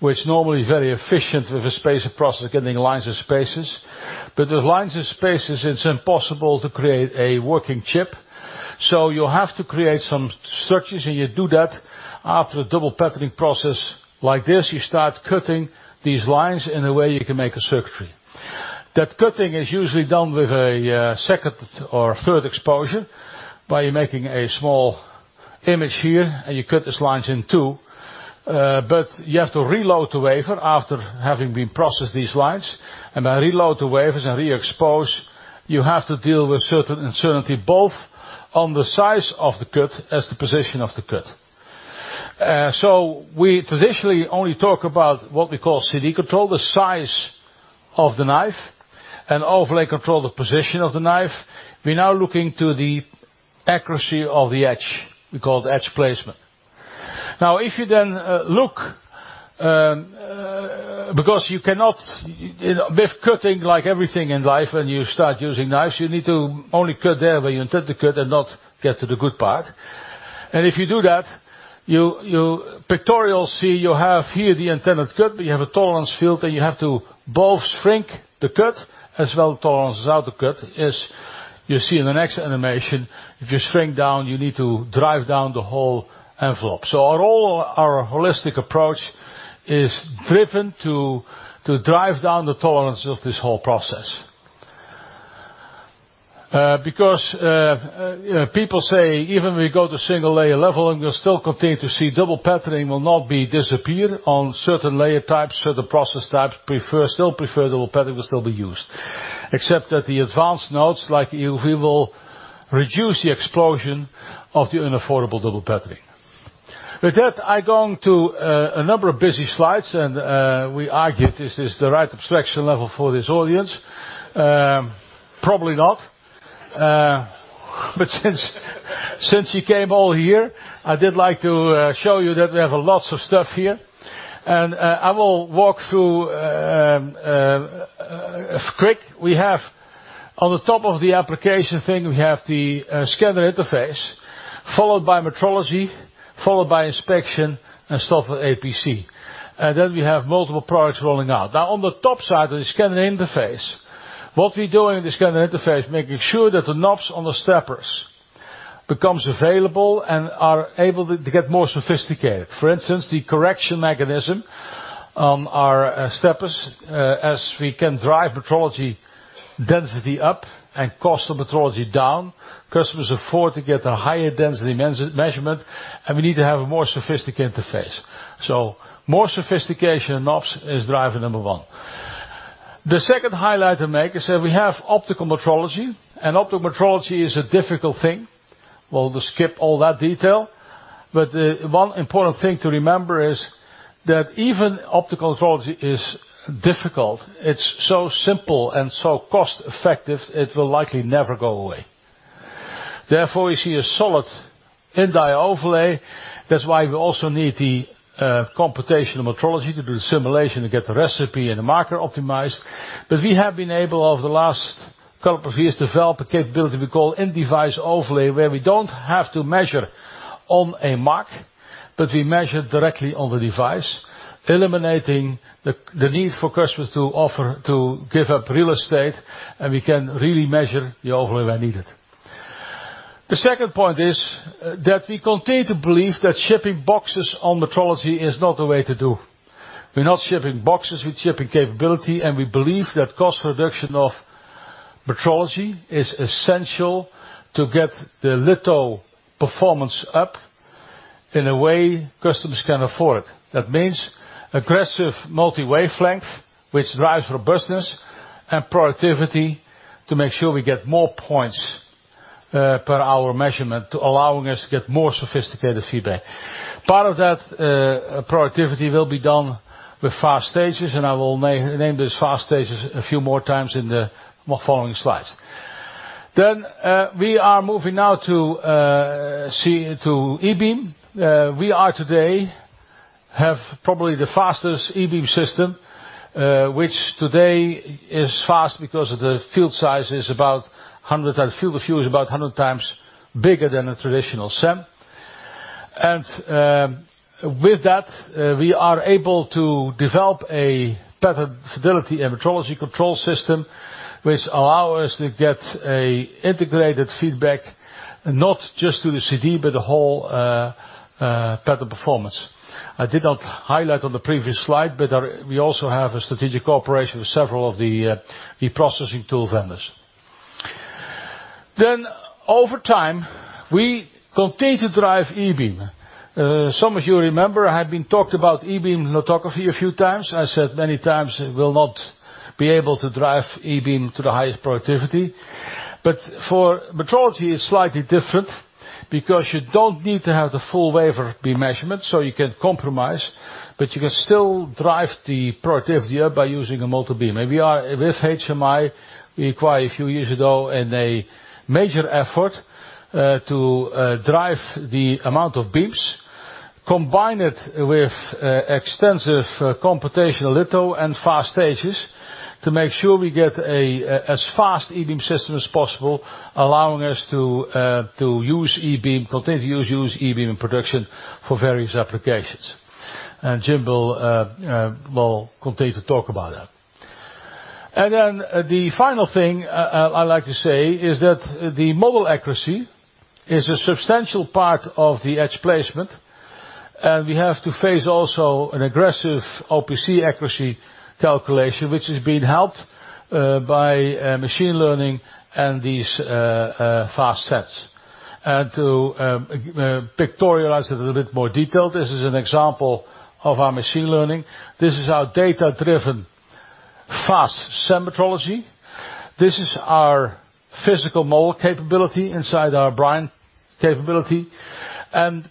which normally is very efficient with a space across getting lines and spaces. With lines and spaces, it's impossible to create a working chip. You have to create some structures, and you do that after a double patterning process like this. You start cutting these lines in a way you can make a circuitry. That cutting is usually done with a second or a third exposure by making a small image here, and you cut these lines in two. You have to reload the wafer after having been processed these lines, and by reload the wafers and re-expose, you have to deal with certain uncertainty, both on the size of the cut as the position of the cut. We traditionally only talk about what we call CD control, the size of the knife, and overlay control, the position of the knife. We're now looking to the accuracy of the edge. We call it edge placement. If you look, because with cutting, like everything in life, when you start using knives, you need to only cut there where you intend to cut and not get to the good part. If you do that, you pictorial see you have here the intended cut, but you have a tolerance field that you have to both shrink the cut as well tolerance out the cut. As you see in the next animation, if you shrink down, you need to drive down the whole envelope. All our holistic approach is driven to drive down the tolerance of this whole process. Because people say, even we go to single-layer level, we still continue to see double patterning will not be disappeared on certain layer types, certain process types, still prefer double patterning will still be used. Except at the advanced nodes, like EUV, will reduce the explosion of the unaffordable double patterning. With that, I go on to a number of busy slides, we argue this is the right abstraction level for this audience. Probably not. Since you came all here, I did like to show you that we have a lots of stuff here. I will walk through quick. On the top of the application thing, we have the scanner interface, followed by metrology, followed by inspection, and software APC. We have multiple products rolling out. On the top side of the scanner interface, what we do in the scanner interface, making sure that the knobs on the steppers becomes available and are able to get more sophisticated. For instance, the correction mechanism on our steppers, as we can drive metrology density up and cost of metrology down, customers afford to get a higher density measurement, we need to have a more sophisticated interface. More sophistication and knobs is driver number one. The second highlight to make is that we have optical metrology, optical metrology is a difficult thing. We'll skip all that detail, one important thing to remember is that even optical metrology is difficult, it's so simple and so cost-effective, it will likely never go away. Therefore, we see a solid in-die overlay. That's why we also need the computational metrology to do the simulation to get the recipe and the marker optimized. We have been able, over the last couple of years, develop a capability we call in-device overlay, where we don't have to measure on a mark, we measure directly on the device, eliminating the need for customers to give up real estate, we can really measure the overlay where needed. The second point is that we continue to believe that shipping boxes on metrology is not the way to do. We're not shipping boxes, we're shipping capability, we believe that cost reduction of metrology is essential to get the little performance up in a way customers can afford. That means aggressive multi-wavelength, which drives robustness and productivity to make sure we get more points per our measurement, allowing us to get more sophisticated feedback. Part of that productivity will be done with fast stages. I will name these fast stages a few more times in the following slides. We are moving now to E-beam. We today have probably the fastest E-beam system, which today is fast because the field size is about 100, and field view is about 100 times bigger than a traditional SEM. With that, we are able to develop a better fidelity and metrology control system, which allow us to get integrated feedback, not just to the CD, but the whole better performance. I did not highlight on the previous slide, but we also have a strategic cooperation with several of the processing tool vendors. Over time, we continue to drive E-beam. Some of you remember, I had been talked about E-beam lithography a few times. I said many times, it will not be able to drive E-beam to the highest productivity. For metrology, it's slightly different because you don't need to have the full wafer be measured, so you can compromise, but you can still drive the productivity up by using a multi-beam. With HMI, we acquired a few years ago in a major effort, to drive the amount of beams, combine it with extensive computational litho and fast stages to make sure we get as fast E-beam system as possible, allowing us to continue to use E-beam in production for various applications. Jim will continue to talk about that. The final thing I'd like to say is that the model accuracy is a substantial part of the edge placement, and we have to face also an aggressive OPC accuracy calculation, which is being helped by machine learning and these fast sets. To pictorialize it a little bit more detail, this is an example of our machine learning. This is our data-driven fast SEM metrology. This is our physical model capability inside our Brion capability.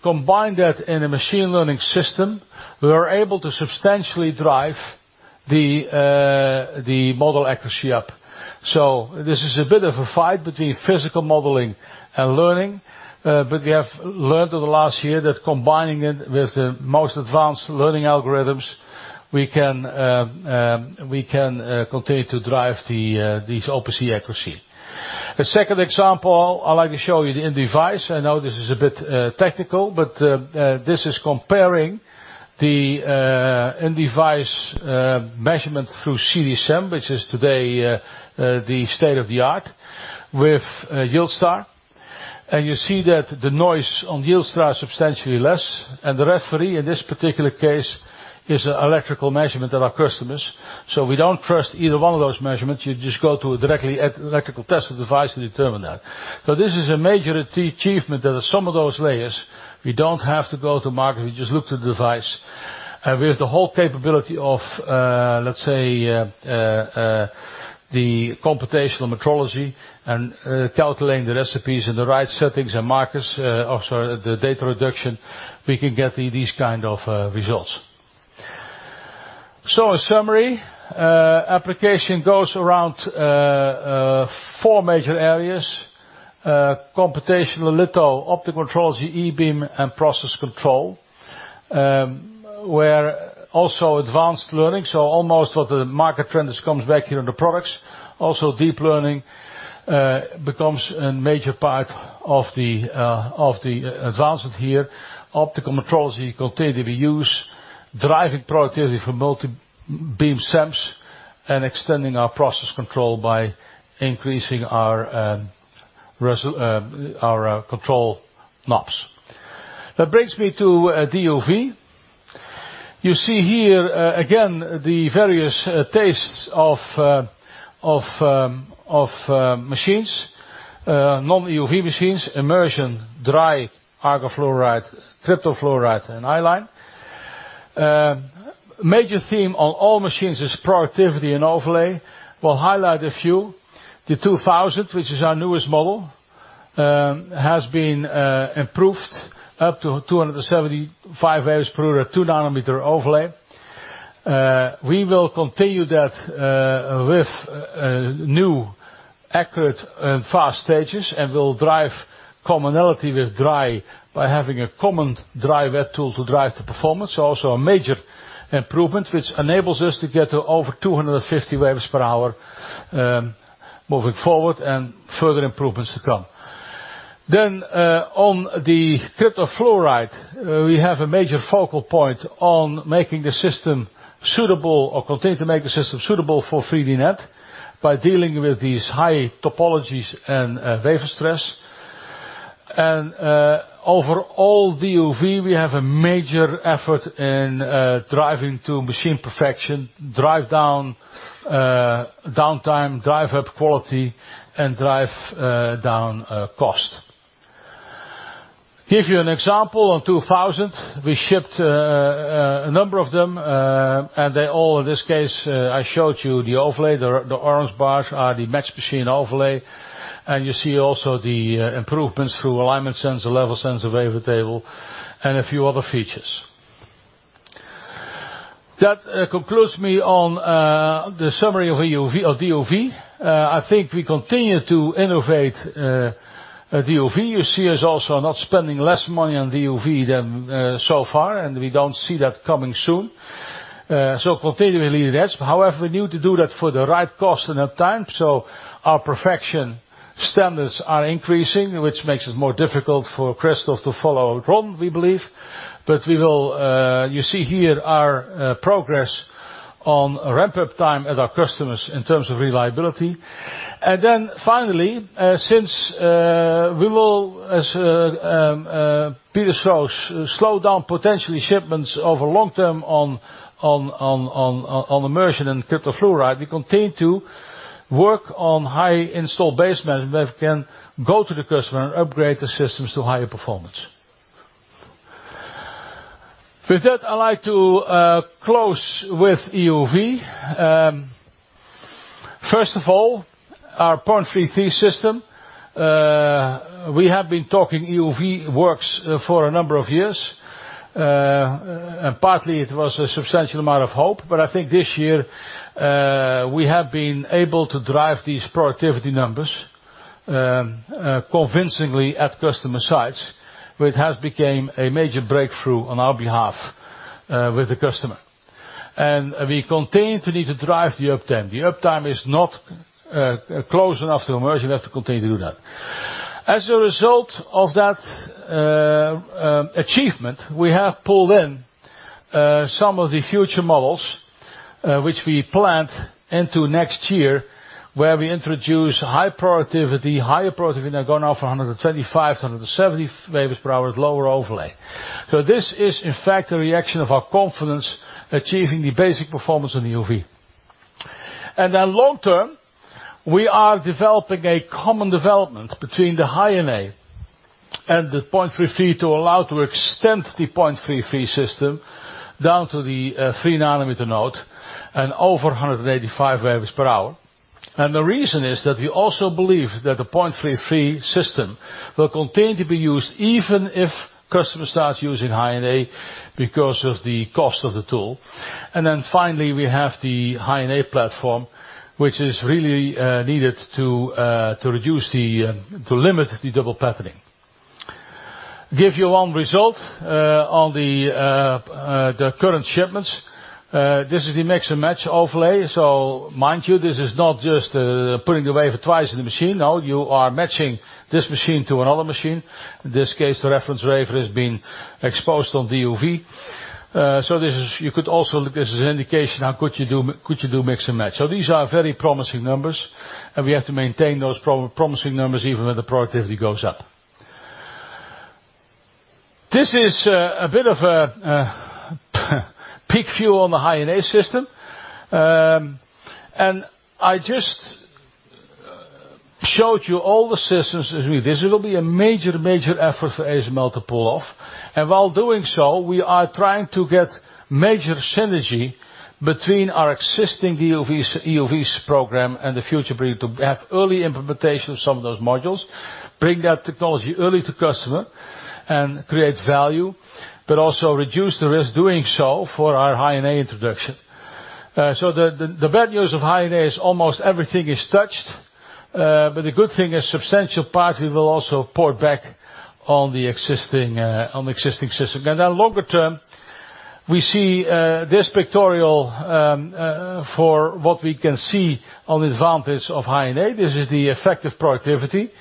Combine that in a machine learning system, we are able to substantially drive the model accuracy up. This is a bit of a fight between physical modeling and learning, but we have learned over the last year that combining it with the most advanced learning algorithms, we can continue to drive these OPC accuracy. The second example I'd like to show you the in-device. I know this is a bit technical, but this is comparing the end device measurement through CD SEM, which is today the state-of-the-art, with YieldStar. You see that the noise on YieldStar is substantially less, and the referee, in this particular case, is an electrical measurement of our customers. We don't trust either one of those measurements. You just go to directly electrical tester device to determine that. This is a major achievement, that at some of those layers, we don't have to go to market. We just look to the device, and with the whole capability of, let's say, the computational metrology and calculating the recipes and the right settings and markers, also the data reduction, we can get these kind of results. In summary, application goes around four major areas: computational litho, optical metrology, E-beam, and process control, where also advanced learning, almost all the market trend comes back here on the products. Also, deep learning becomes a major part of the advancement here. Optical metrology continue to use, driving productivity for multi-beam SEMs, and extending our process control by increasing our control knobs. That brings me to DUV. You see here, again, the various tastes of machines, non-EUV machines, immersion, dry argon fluoride, krypton fluoride, and i-line. Major theme on all machines is productivity and overlay. We will highlight a few. The 2000, which is our newest model, has been improved up to 275 wafers per hour at 2 nm overlay. We will continue that with new accurate and fast stages, and we will drive commonality with dry by having a common dry wet tool to drive the performance. A major improvement, which enables us to get to over 250 wafers per hour moving forward, and further improvements to come. On the krypton fluoride, we have a major focal point on making the system suitable or continue to make the system suitable for 3D NAND by dealing with these high topologies and wafer stress. Overall DUV, we have a major effort in driving to machine perfection, drive down downtime, drive up quality, and drive down cost. Give you an example on 2000. We shipped a number of them, and they all, in this case, I showed you the overlay, the orange bars are the match machine overlay, and you see also the improvements through alignment sensor, level sensor, wafer table, and a few other features. That concludes me on the summary of DUV. I think we continue to innovate, DUV. You see us also not spending less money on DUV than so far, and we don't see that coming soon. Continually that. However, we need to do that for the right cost and at time, our perfection standards are increasing, which makes it more difficult for Christophe to follow Ron, we believe. You see here our progress on ramp-up time at our customers in terms of reliability. Finally, since we will, as Peter shows, slow down potentially shipments over long term on immersion and krypton fluoride, we continue to work on high install base management that can go to the customer and upgrade the systems to higher performance. With that, I'd like to close with EUV. First of all, our 0.33 system. We have been talking EUV works for a number of years. Partly, it was a substantial amount of hope, I think this year, we have been able to drive these productivity numbers convincingly at customer sites. It has became a major breakthrough on our behalf with the customer. We continue to need to drive the uptime. The uptime is not close enough to immersion. We have to continue to do that. As a result of that achievement, we have pulled in some of the future models, which we planned into next year, where we introduce high productivity, higher productivity, now going up from 125 to 170 wafers per hour at lower overlay. This is, in fact, a reaction of our confidence achieving the basic performance on EUV. Long term, we are developing a common development between the High-NA and the 0.33 to allow to extend the 0.33 system down to the three nanometer node and over 185 wafers per hour. The reason is that we also believe that the 0.33 system will continue to be used even if customers start using High-NA because of the cost of the tool. Finally, we have the High-NA platform, which is really needed to limit the double patterning. Give you one result on the current shipments. This is the mix-and-match overlay. Mind you, this is not just putting the wafer twice in the machine. No, you are matching this machine to another machine. In this case, the reference wafer has been exposed on DUV. This is an indication how could you do mix and match. These are very promising numbers, and we have to maintain those promising numbers even when the productivity goes up. This is a bit of a peak view on the High-NA system. I just showed you all the systems. This will be a major effort for ASML to pull off. While doing so, we are trying to get major synergy between our existing EUV program and the future bring to have early implementation of some of those modules, bring that technology early to customer and create value, but also reduce the risk doing so for our High-NA introduction. The bad news of High-NA is almost everything is touched. The good thing, a substantial part, we will also port back on the existing system. Longer term, we see this pictorial, for what we can see on the advantage of High-NA. This is the effective productivity,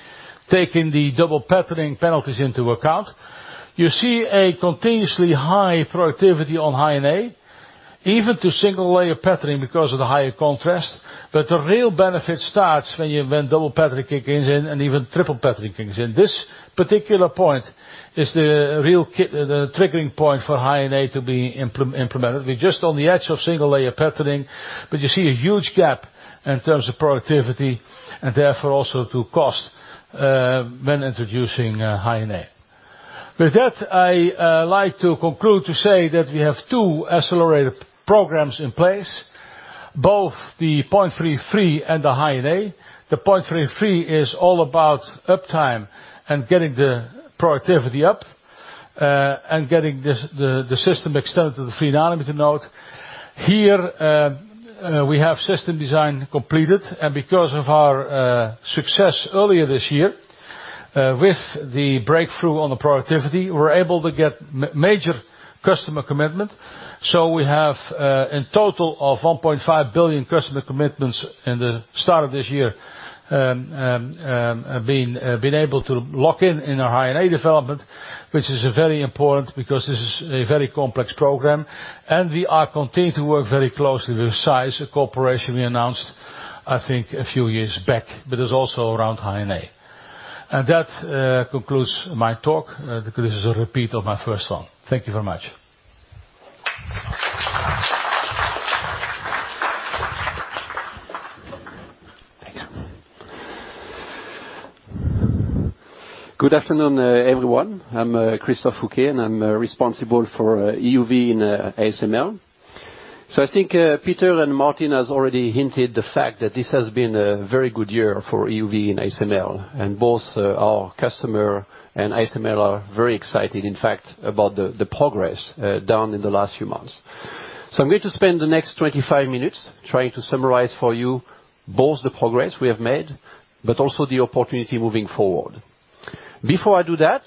taking the double patterning penalties into account. You see a continuously high productivity on High-NA, even to single layer patterning because of the higher contrast. The real benefit starts when double patterning kicks in and even triple patterning kicks in. This particular point is the real triggering point for High-NA to be implemented. We're just on the edge of single layer patterning, you see a huge gap in terms of productivity, and therefore also to cost, when introducing High-NA. With that, I like to conclude to say that we have two accelerated programs in place, both the 0.33 and the High-NA. The 0.33 is all about uptime and getting the productivity up, and getting the system extended to the 3 nm node. Here, we have system design completed, because of our success earlier this year with the breakthrough on the productivity, we're able to get major customer commitment. We have a total of 1.5 billion customer commitments in the start of this year, being able to lock in our High-NA development, which is very important because this is a very complex program, we are continuing to work very closely with ZEISS, a corporation we announced, I think, a few years back, but it's also around High-NA. That concludes my talk, because this is a repeat of my first one. Thank you very much. Thanks. Good afternoon, everyone. I'm Christophe Fouquet, and I'm responsible for EUV in ASML. I think Peter and Martin has already hinted the fact that this has been a very good year for EUV and ASML, and both our customer and ASML are very excited, in fact, about the progress done in the last few months. I'm going to spend the next 25 minutes trying to summarize for you both the progress we have made, but also the opportunity moving forward. Before I do that,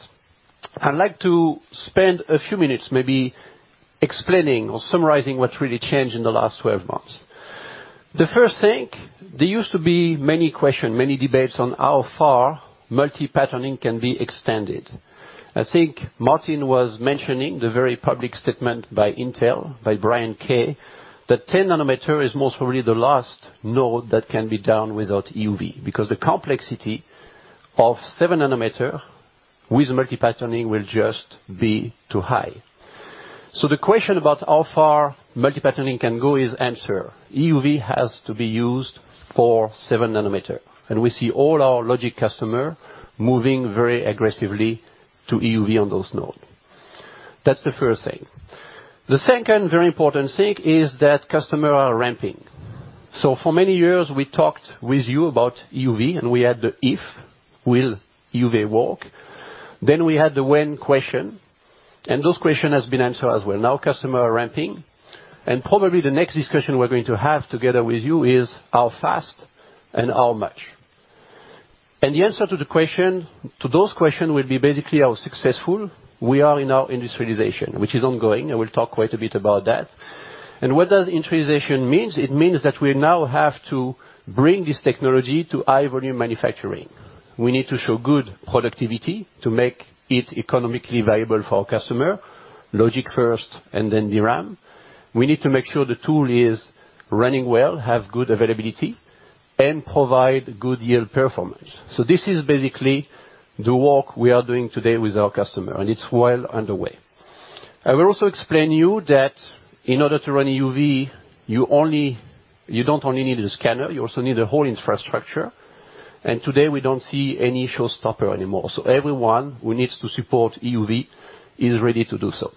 I'd like to spend a few minutes maybe explaining or summarizing what really changed in the last 12 months. The first thing, there used to be many questions, many debates on how far multi-patterning can be extended. I think Martin was mentioning the very public statement by Intel, by Brian K., that 10 nm is most probably the last node that can be done without EUV, because the complexity of 7 nm with multi-patterning will just be too high. The question about how far multi-patterning can go is answered. EUV has to be used for 7 nm, and we see all our logic customer moving very aggressively to EUV on those nodes. That's the first thing. The second very important thing is that customer are ramping. For many years, we talked with you about EUV, and we had the if, will EUV work? We had the when question, and those question has been answered as well. Now customer are ramping, and probably the next discussion we're going to have together with you is how fast and how much. The answer to those questions will be basically how successful we are in our industrialization, which is ongoing, and we'll talk quite a bit about that. What does industrialization means? It means that we now have to bring this technology to high volume manufacturing. We need to show good productivity to make it economically viable for our customer, logic first, and then DRAM. We need to make sure the tool is running well, have good availability, and provide good yield performance. This is basically the work we are doing today with our customer, and it's well underway. I will also explain you that in order to run EUV, you don't only need a scanner, you also need a whole infrastructure. Today, we don't see any showstopper anymore. Everyone who needs to support EUV is ready to do so.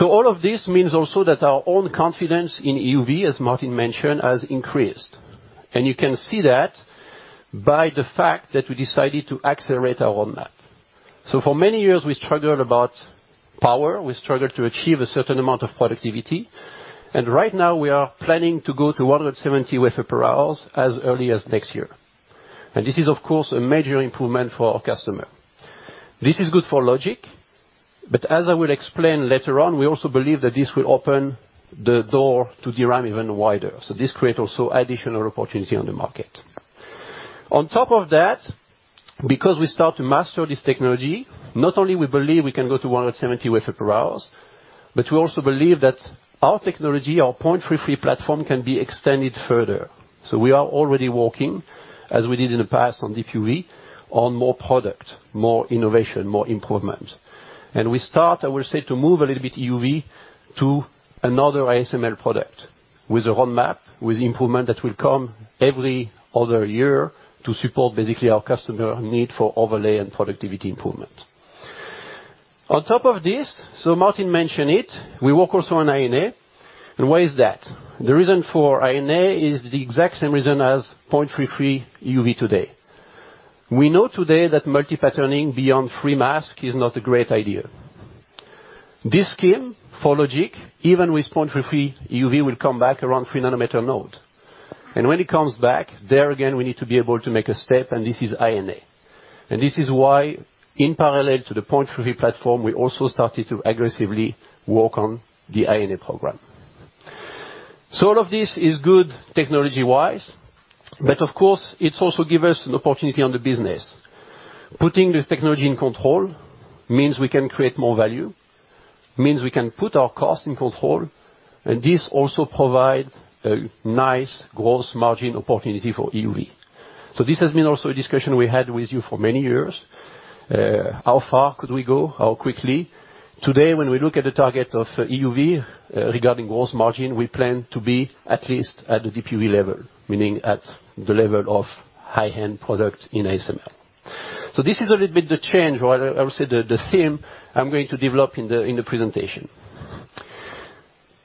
All of this means also that our own confidence in EUV, as Martin mentioned, has increased. You can see that by the fact that we decided to accelerate our roadmap. For many years, we struggled about power. We struggled to achieve a certain amount of productivity. Right now, we are planning to go to 170 wafer per hours as early as next year. This is, of course, a major improvement for our customer. This is good for logic, but as I will explain later on, we also believe that this will open the door to DRAM even wider. This create also additional opportunity on the market. On top of that, because we start to master this technology, not only we believe we can go to 170 wafer per hours, but we also believe that our technology, our 0.33 platform, can be extended further. We are already working, as we did in the past from deep UV, on more product, more innovation, more improvement. We start, I will say, to move a little bit EUV to another ASML product with a roadmap, with improvement that will come every other year to support basically our customer need for overlay and productivity improvement. On top of this, Martin mentioned it, we work also on High-NA, and why is that? The reason for High-NA is the exact same reason as 0.33 EUV today. We know today that multi-patterning beyond three mask is not a great idea. This scheme for logic, even with 0.33 EUV, will come back around 3 nm node. When it comes back, there again, we need to be able to make a step, and this is High-NA. This is why in parallel to the 0.33 platform, we also started to aggressively work on the High-NA program. All of this is good technology-wise, but of course, it also give us an opportunity on the business. Putting the technology in control means we can create more value, means we can put our cost in control, and this also provides a nice gross margin opportunity for EUV. This has been also a discussion we had with you for many years. How far could we go? How quickly? Today, when we look at the target of EUV regarding gross margin, we plan to be at least at the deep UV level, meaning at the level of high-end product in ASML. This is a little bit the change, or I would say the theme I'm going to develop in the presentation.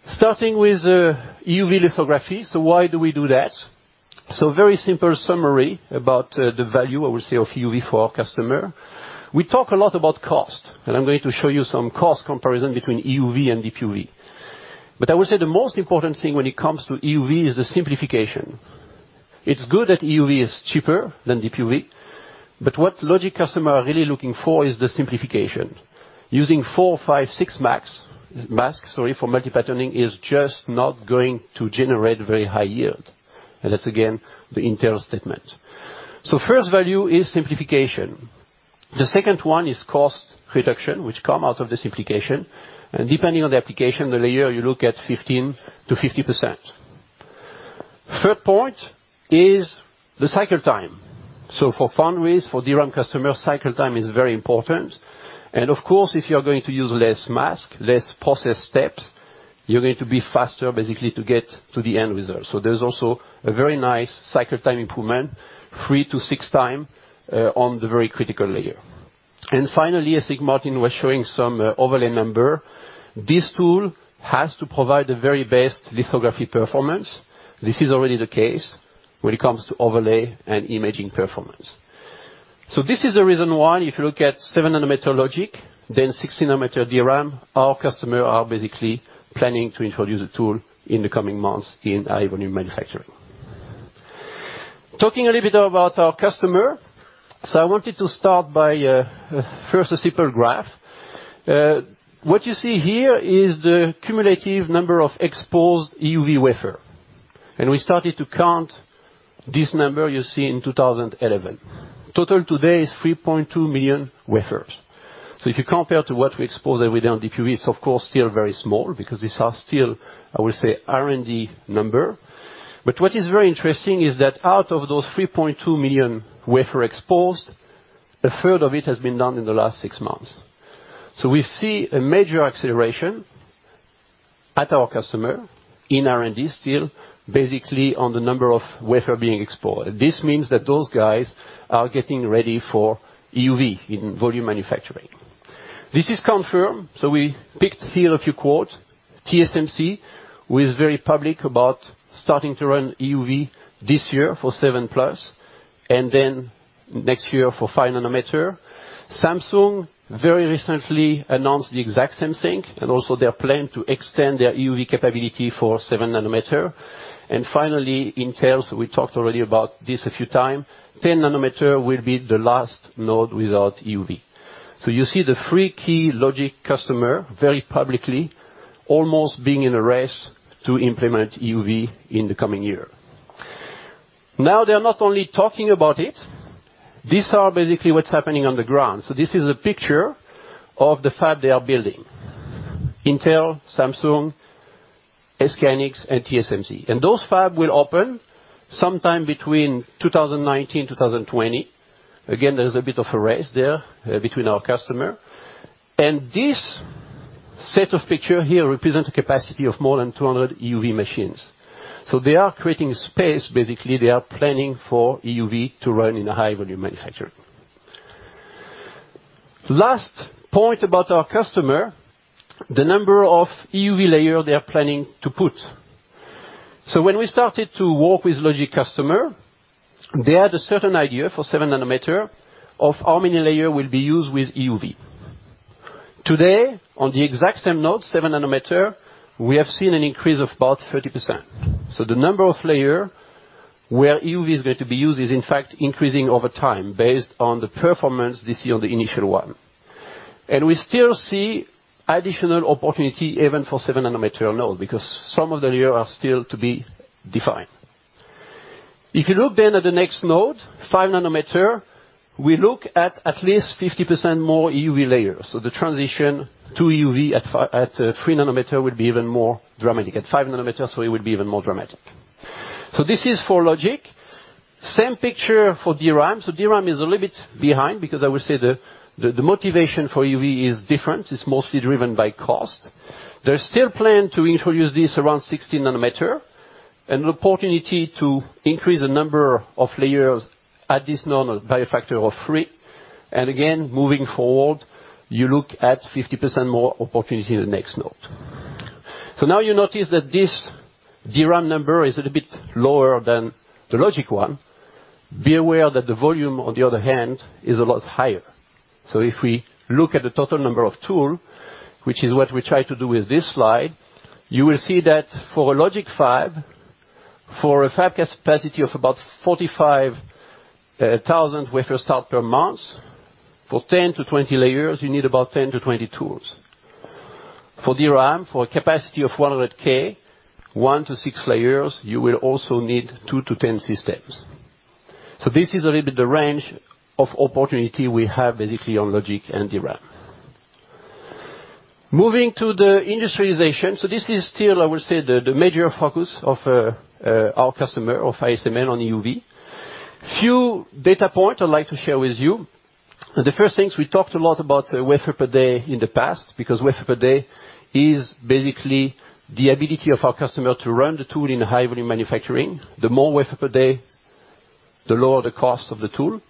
Starting with EUV lithography. Why do we do that? Very simple summary about the value, I would say, of EUV for our customer. We talk a lot about cost, and I'm going to show you some cost comparison between EUV and deep UV. i would say the most important thing when it comes to EUV is the simplification. It's good that EUV is cheaper than deep UV, but what logic customer are really looking for is the simplification. Using four, five, six masks for multi-patterning is just not going to generate very high yield, and that's, again, the Intel statement. First value is simplification. The second one is cost reduction, which come out of the simplification. Depending on the application, the layer, you look at 15%-50%. Third point is the cycle time. For foundries, for DRAM customer, cycle time is very important. Of course, if you're going to use less mask, less process steps, you're going to be faster basically to get to the end result. There's also a very nice cycle time improvement, three to six times, on the very critical layer. Finally, I think Martin was showing some overlay number, this tool has to provide the very best lithography performance. This is already the case when it comes to overlay and imaging performance. This is the reason why if you look at 7 nm logic, then 16 nm DRAM, our customer are basically planning to introduce a tool in the coming months in high-volume manufacturing. Talking a little bit about our customer. I wanted to start by first a simple graph. What you see here is the cumulative number of exposed EUV wafer. We started to count this number you see in 2011. Total today is 3.2 million wafers. If you compare to what we expose every day on deep UV, it's of course still very small because these are still, I would say, R&D numbers. What is very interesting is that out of those 3.2 million wafers exposed, 1/3 of it has been done in the last six months. We see a major acceleration at our customer in R&D still, basically on the number of wafers being exported. This means that those guys are getting ready for EUV in volume manufacturing. This is confirmed. We picked here a few quotes. TSMC, who is very public about starting to run EUV this year for 7+, and then next year for 5 nm. Samsung very recently announced the exact same thing, and also their plan to extend their EUV capability for 7 nm. Finally, Intel, we talked already about this a few times, 10 nm will be the last node without EUV. You see the three key logic customers very publicly almost being in a race to implement EUV in the coming year. Now they're not only talking about it, these are basically what's happening on the ground. This is a picture of the fabs they are building. Intel, Samsung, SK hynix, and TSMC. Those fabs will open sometime between 2019, 2020. Again, there's a bit of a race there between our customer. This set of picture here represent a capacity of more than 200 EUV machines. They are creating space, basically, they are planning for EUV to run in a high-volume manufacturing. Last point about our customer, the number of EUV layer they are planning to put. When we started to work with logic customers, they had a certain idea for 7 nm of how many layers will be used with EUV. Today, on the exact same node, 7 nm, we have seen an increase of about 30%. The number of layers where EUV is going to be used is in fact increasing over time based on the performance this year on the initial one. We still see additional opportunity even for 7 nm node, because some of the layers are still to be defined. If you look then at the next node, 5 nm, we look at at least 50% more EUV layers. The transition to EUV at 3 nm would be even more dramatic. At 5 nm, it would be even more dramatic. This is for logic. Same picture for DRAM. DRAM is a little bit behind because I would say the motivation for EUV is different. It's mostly driven by cost. There's still plan to introduce this around 16 nm, and an opportunity to increase the number of layers at this normal by a factor of three. Again, moving forward, you look at 50% more opportunity in the next node. Now you notice that this DRAM number is a little bit lower than the logic one. Be aware that the volume, on the other hand, is a lot higher. If we look at the total number of tools, which is what we try to do with this slide, you will see that for a logic fab, for a fab capacity of about 45,000 wafer starts per month, for 10-20 layers, you need about 10-20 tools. For DRAM, for a capacity of 100K, one to six layers, you will also need two to 10 systems. This is a little bit the range of opportunity we have basically on logic and DRAM. Moving to the industrialization. This is still, I would say, the major focus of our customer, of ASML on EUV. Few data points I'd like to share with you. The first things, we talked a lot about wafer per day in the past, because wafer per day is basically the ability of our customer to run the tool in high-volume manufacturing. The more wafer per day, the lower the cost of the tool.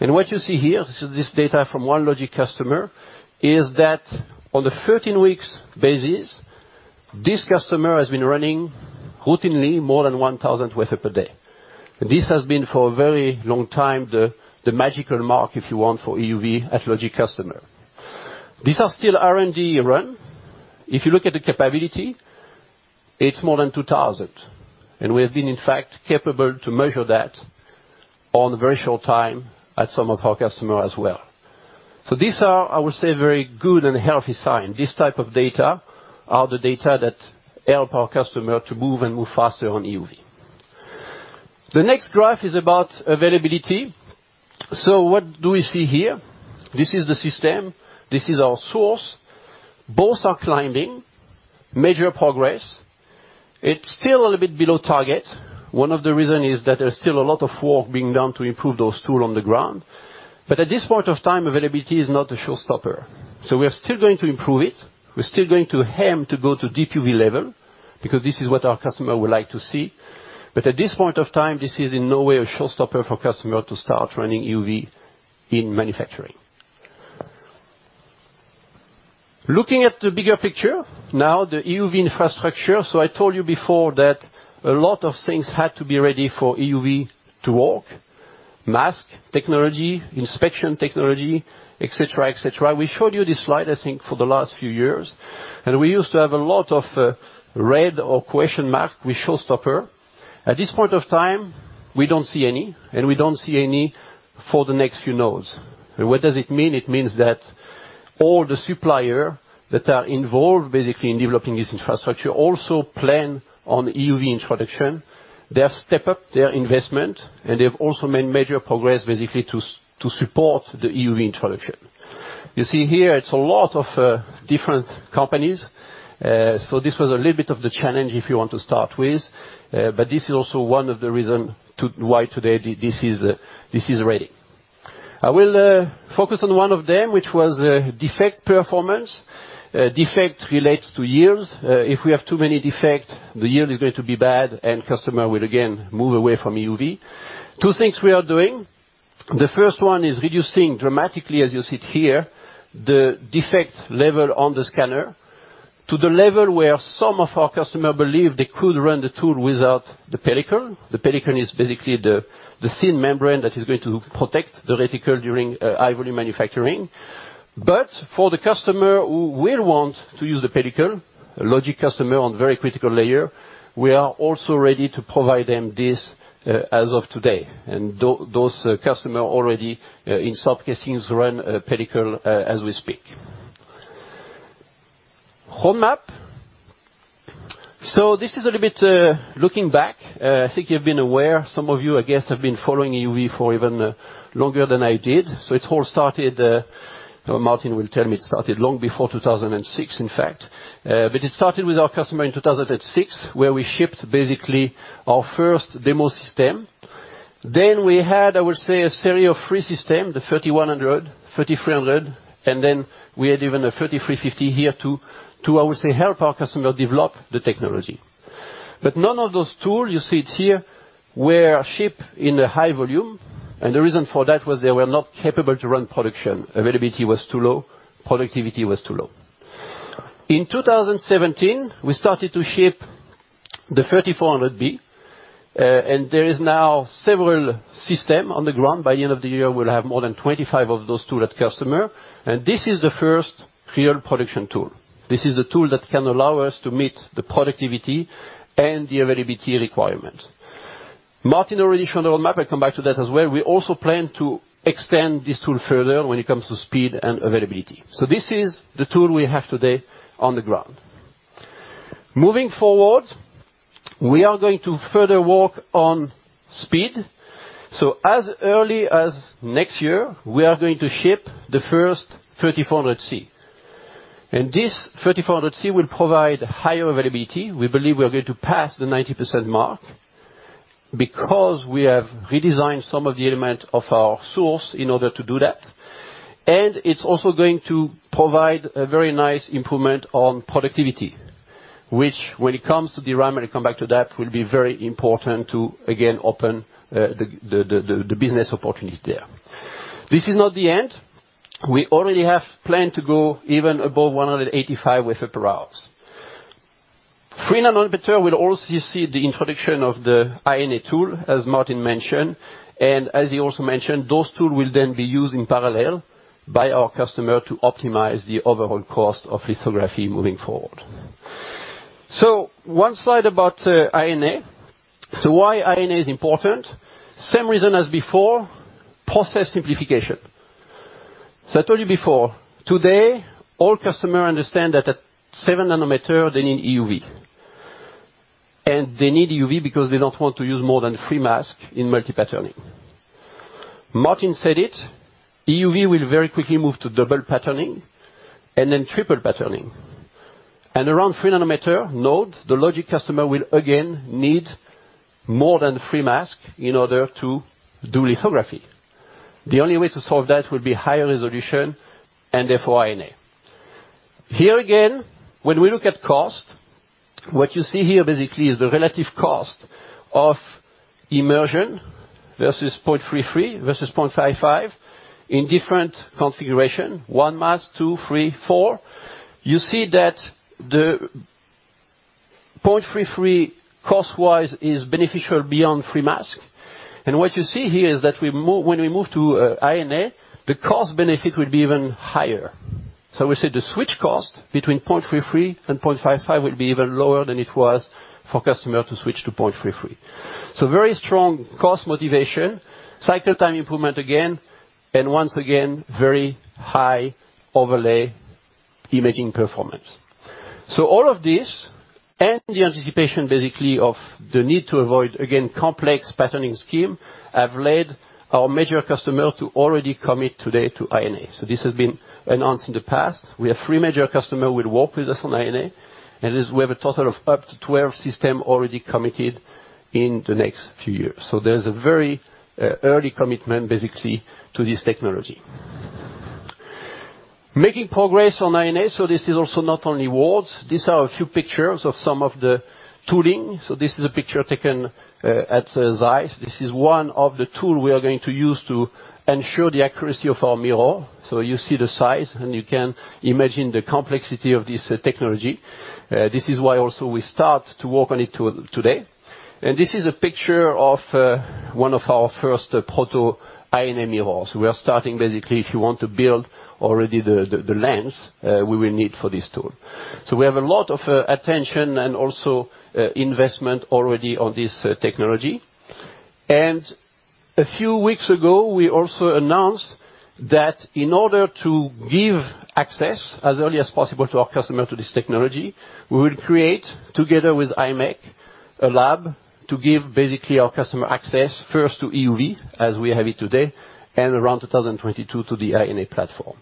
What you see here, this is data from one Logic customer, is that on the 13-week basis, this customer has been running routinely more than 1,000 wafer per day. This has been for a very long time, the magical mark, if you want, for EUV at Logic customer. These are still R&D run. If you look at the capability, it's more than 2,000, and we have been, in fact, capable to measure that on very short time at some of our customer as well. These are, I would say, very good and healthy sign. This type of data are the data that help our customer to move and move faster on EUV. The next graph is about availability. What do we see here? This is the system. This is our source. Both are climbing. Major progress. It's still a little bit below target. One of the reason is that there's still a lot of work being done to improve those tool on the ground. At this point of time, availability is not a showstopper. We are still going to improve it. We're still going to aim to go to deep UV level, because this is what our customer would like to see. At this point of time, this is in no way a showstopper for customer to start running EUV in manufacturing. Looking at the bigger picture, now the EUV infrastructure. I told you before that a lot of things had to be ready for EUV to work. Mask technology, inspection technology, et cetera. We showed you this slide, I think, for the last few years, and we used to have a lot of red or question mark with showstopper. At this point of time, we don't see any, and we don't see any for the next few nodes. What does it mean? It means that all the supplier that are involved basically in developing this infrastructure also plan on EUV introduction. They have step up their investment, and they have also made major progress basically to support the EUV introduction. You see here, it's a lot of different companies. This was a little bit of the challenge, if you want to start with. This is also one of the reason why today this is ready. I will focus on one of them, which was defect performance. Defect relates to yields. If we have too many defect, the yield is going to be bad, and customer will again move away from EUV. Two things we are doing. The first one is reducing dramatically, as you see it here, the defect level on the scanner to the level where some of our customer believe they could run the tool without the pellicle. The pellicle is basically the thin membrane that is going to protect the reticle during high-volume manufacturing. For the customer who will want to use the pellicle, logic customer on very critical layer, we are also ready to provide them this, as of today. Those customer already in some cases run a pellicle as we speak. Roadmap. This is a little bit looking back. I think you've been aware, some of you, I guess, have been following EUV for even longer than I did. It all started, Martin will tell me, it started long before 2006, in fact. It started with our customer in 2006, where we shipped basically our first demo system. Then we had, I would say, a series of three systems, the 3100, 3300, and then we had even a 3350 here to, I would say, help our customer develop the technology. None of those tools, you see it here, were shipped in a high volume, the reason for that was they were not capable to run production. Availability was too low, productivity was too low. In 2017, we started to ship the 3400B, there are now several systems on the ground. By end of the year, we'll have more than 25 of those tools at customer. This is the first real production tool. This is the tool that can allow us to meet the productivity and the availability requirement. Martin already showed the roadmap. I'll come back to that as well. We also plan to extend this tool further when it comes to speed and availability. This is the tool we have today on the ground. Moving forward, we are going to further work on speed. As early as next year, we are going to ship the first 3400C. This 3400C will provide higher availability. We believe we are going to pass the 90% mark because we have redesigned some of the element of our source in order to do that. It's also going to provide a very nice improvement on productivity, which when it comes to the DRAM, and I'll come back to that, will be very important to again open the business opportunity there. This is not the end. We already have planned to go even above 185 wafers per hour. 3 nm will also see the introduction of the High-NA tool, as Martin mentioned. As he also mentioned, those tools will then be used in parallel by our customer to optimize the overall cost of lithography moving forward. One slide about High-NA. Why High-NA is important? Same reason as before, process simplification. I told you before, today, all customer understand that at 7 nm, they need EUV. They need EUV because they don't want to use more than three masks in multi-patterning. Martin said it, EUV will very quickly move to double patterning and then triple patterning. Around 3 nm node, the logic customer will again need more than three masks in order to do lithography. The only way to solve that will be higher resolution and therefore, High-NA. Here again, when we look at cost, what you see here basically is the relative cost of immersion versus 0.33 NA versus 0.55 NA in different configuration, one mask, two, three, four. You see that the 0.33 NA cost-wise is beneficial beyond three masks. What you see here is that when we move to High-NA, the cost benefit will be even higher. We say the switch cost between 0.33 NA and 0.55 NA will be even lower than it was for customers to switch to 0.33 NA. Very strong cost motivation, cycle time improvement again, and once again, very high overlay imaging performance. All of this, and the anticipation basically of the need to avoid, again, complex patterning scheme, have led our major customers to already commit today to High-NA. This has been announced in the past. We have three major customers will work with us on High-NA, and we have a total of up to 12 systems already committed in the next few years. There's a very early commitment, basically, to this technology. Making progress on High-NA. This is also not only words. These are a few pictures of some of the tooling. This is a picture taken at ZEISS. This is one of the tools we are going to use to ensure the accuracy of our mirror. You see the size, and you can imagine the complexity of this technology. This is why also we start to work on it today. This is a picture of one of our first proto High-NA mirrors. We are starting, basically, if you want to build already the lens we will need for this tool. We have a lot of attention and also investment already on this technology. A few weeks ago, we also announced that in order to give access as early as possible to our customers to this technology, we will create, together with imec, a lab to give basically our customers access first to EUV as we have it today, and around 2022 to the High-NA platform.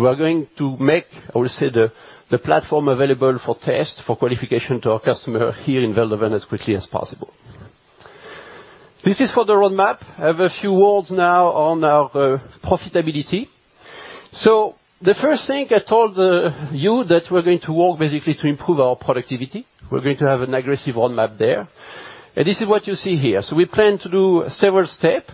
We are going to make, I would say, the platform available for test, for qualification to our customers here in Veldhoven as quickly as possible. This is for the roadmap. I have a few words now on our profitability. The first thing I told you that we're going to work basically to improve our productivity. We're going to have an aggressive roadmap there. This is what you see here. We plan to do several steps.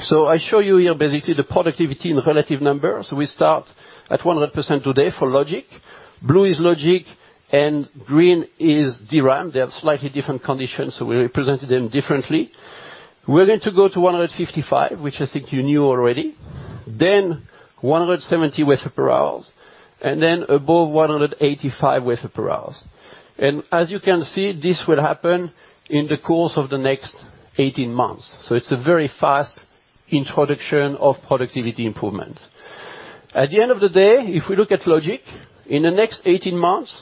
I show you here basically the productivity in relative numbers. We start at 100% today for logic. Blue is logic and green is DRAM. They have slightly different conditions, we represented them differently. We're going to go to 155, which I think you knew already. 170 wafers per hour, above 185 wafers per hour. As you can see, this will happen in the course of the next 18 months. It's a very fast introduction of productivity improvement. At the end of the day, if we look at logic, in the next 18 months,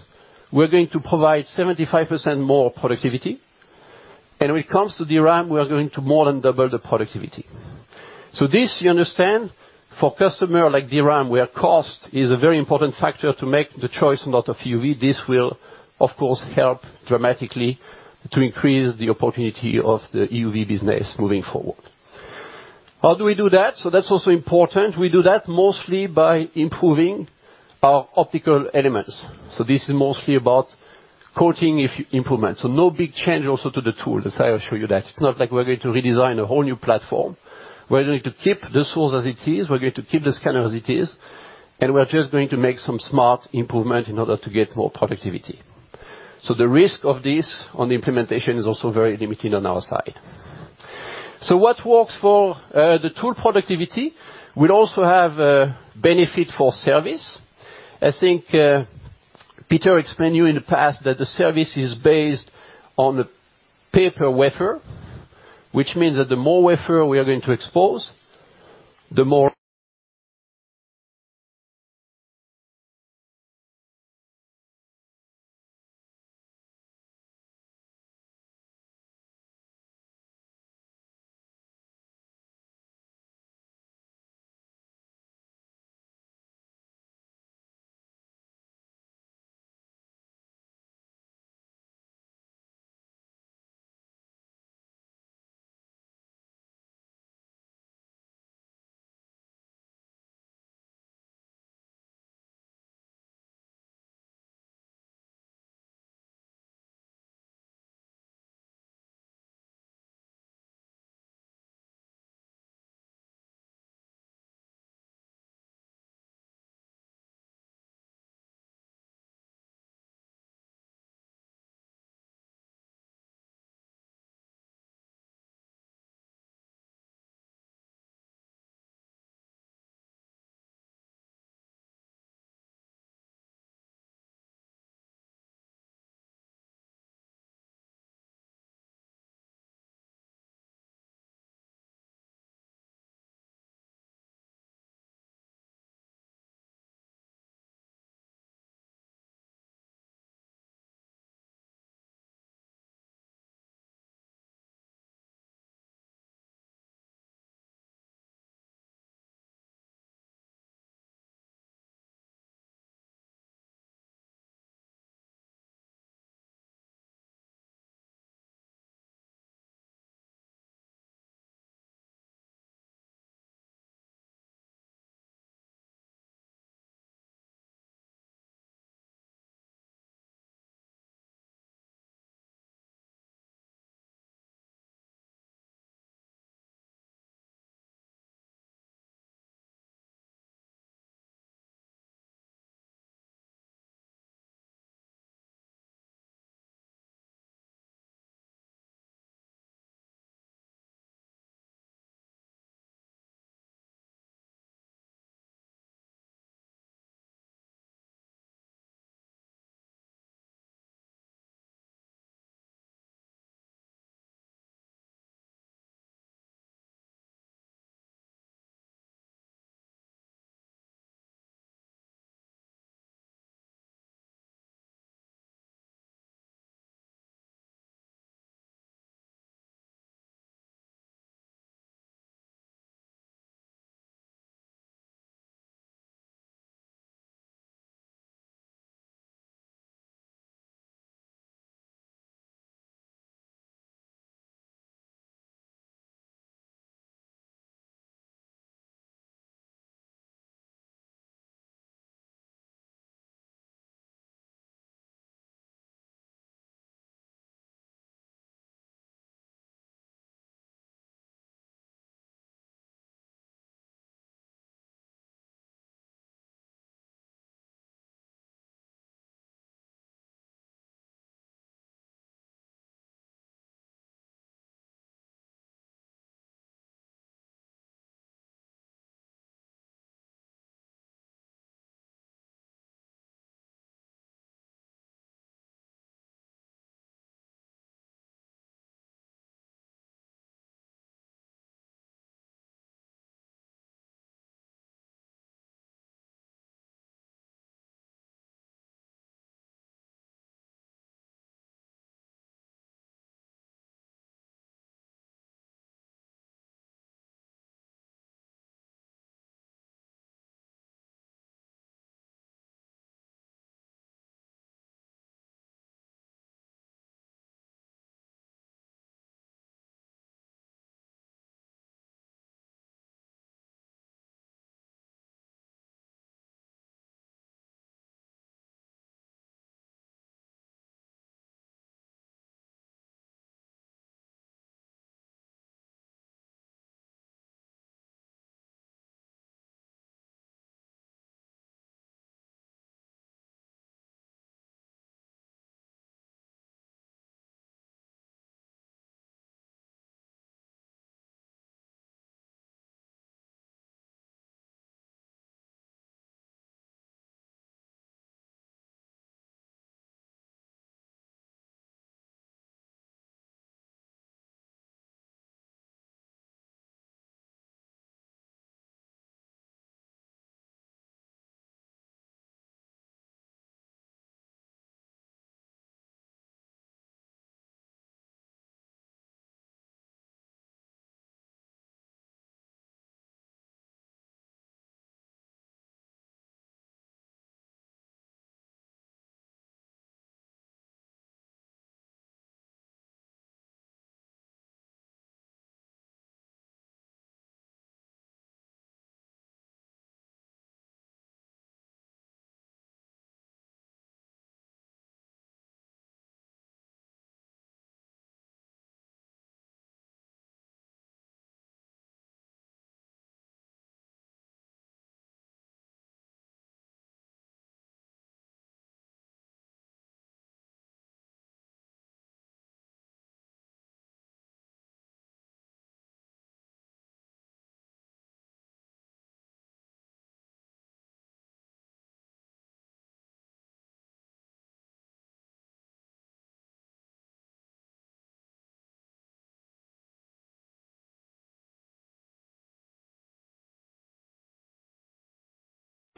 we're going to provide 75% more productivity. When it comes to DRAM, we are going to more than double the productivity. This, you understand, for customers like DRAM, where cost is a very important factor to make the choice on a lot of EUV, this will, of course, help dramatically to increase the opportunity of the EUV business moving forward. How do we do that? That's also important. We do that mostly by improving our optical elements. This is mostly about coating improvement. No big change also to the tool as I show you that. It's not like we're going to redesign a whole new platform. We're going to keep the tools as it is, we're going to keep the scanner as it is, and we are just going to make some smart improvement in order to get more productivity. The risk of this on the implementation is also very limited on our side. What works for the tool productivity will also have a benefit for service. I think Peter explained you in the past that the service is based on a pay per wafer, which means that the more wafer we are going to expose, the more-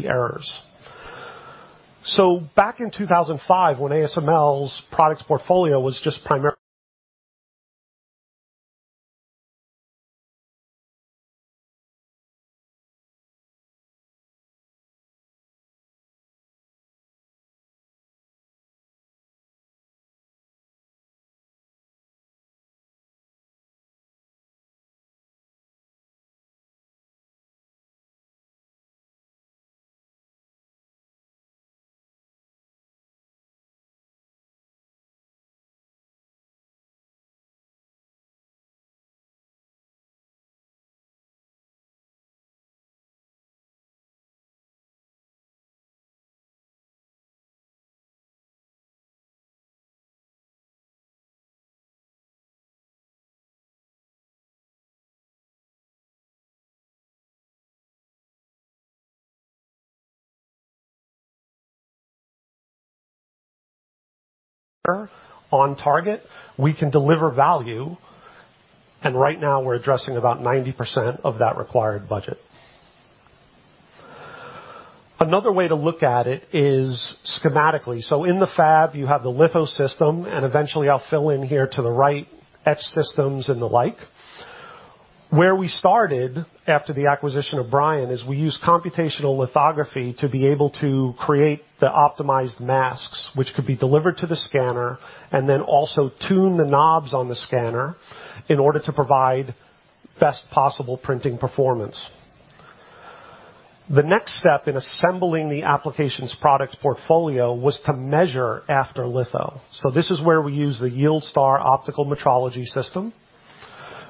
The errors. Back in 2005, when ASML's products portfolio was just primary- On target, we can deliver value, and right now we're addressing about 90% of that required budget. Another way to look at it is schematically. In the fab, you have the litho system, and eventually, I'll fill in here to the right etch systems and the like. Where we started after the acquisition of Brion is we used computational lithography to be able to create the optimized masks, which could be delivered to the scanner, and then also tune the knobs on the scanner in order to provide best possible printing performance. The next step in assembling the applications product portfolio was to measure after litho. This is where we use the YieldStar optical metrology system.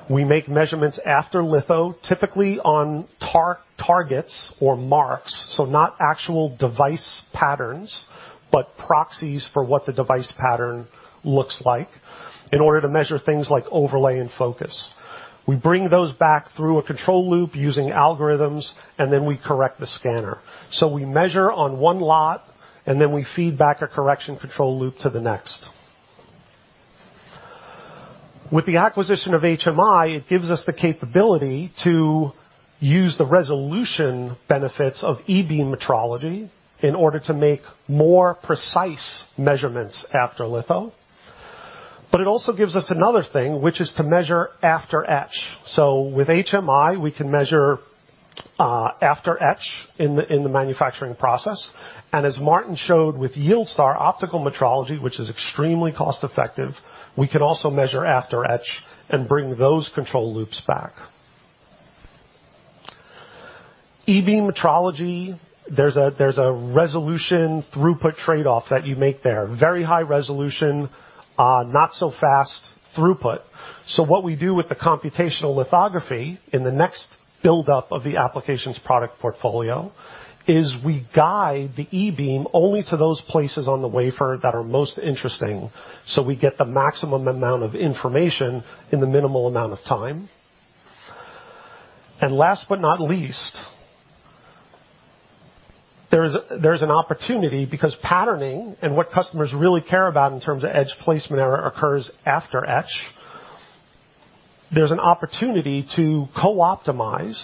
We make measurements after litho, typically on targets or marks, not actual device patterns, but proxies for what the device pattern looks like in order to measure things like overlay and focus. We bring those back through a control loop using algorithms, and then we correct the scanner. We measure on one lot, and then we feed back a correction control loop to the next. With the acquisition of HMI, it gives us the capability to use the resolution benefits of E-beam metrology in order to make more precise measurements after litho. It also gives us another thing, which is to measure after etch. With HMI, we can measure after etch in the manufacturing process. As Martin showed with YieldStar optical metrology, which is extremely cost-effective, we can also measure after etch and bring those control loops back. E-beam metrology, there's a resolution throughput trade-off that you make there. Very high resolution, not so fast throughput. What we do with the computational lithography in the next build-up of the applications product portfolio is we guide the E-beam only to those places on the wafer that are most interesting. We get the maximum amount of information in the minimal amount of time. Last but not least, there's an opportunity because patterning and what customers really care about in terms of etch placement error occurs after etch. There's an opportunity to co-optimize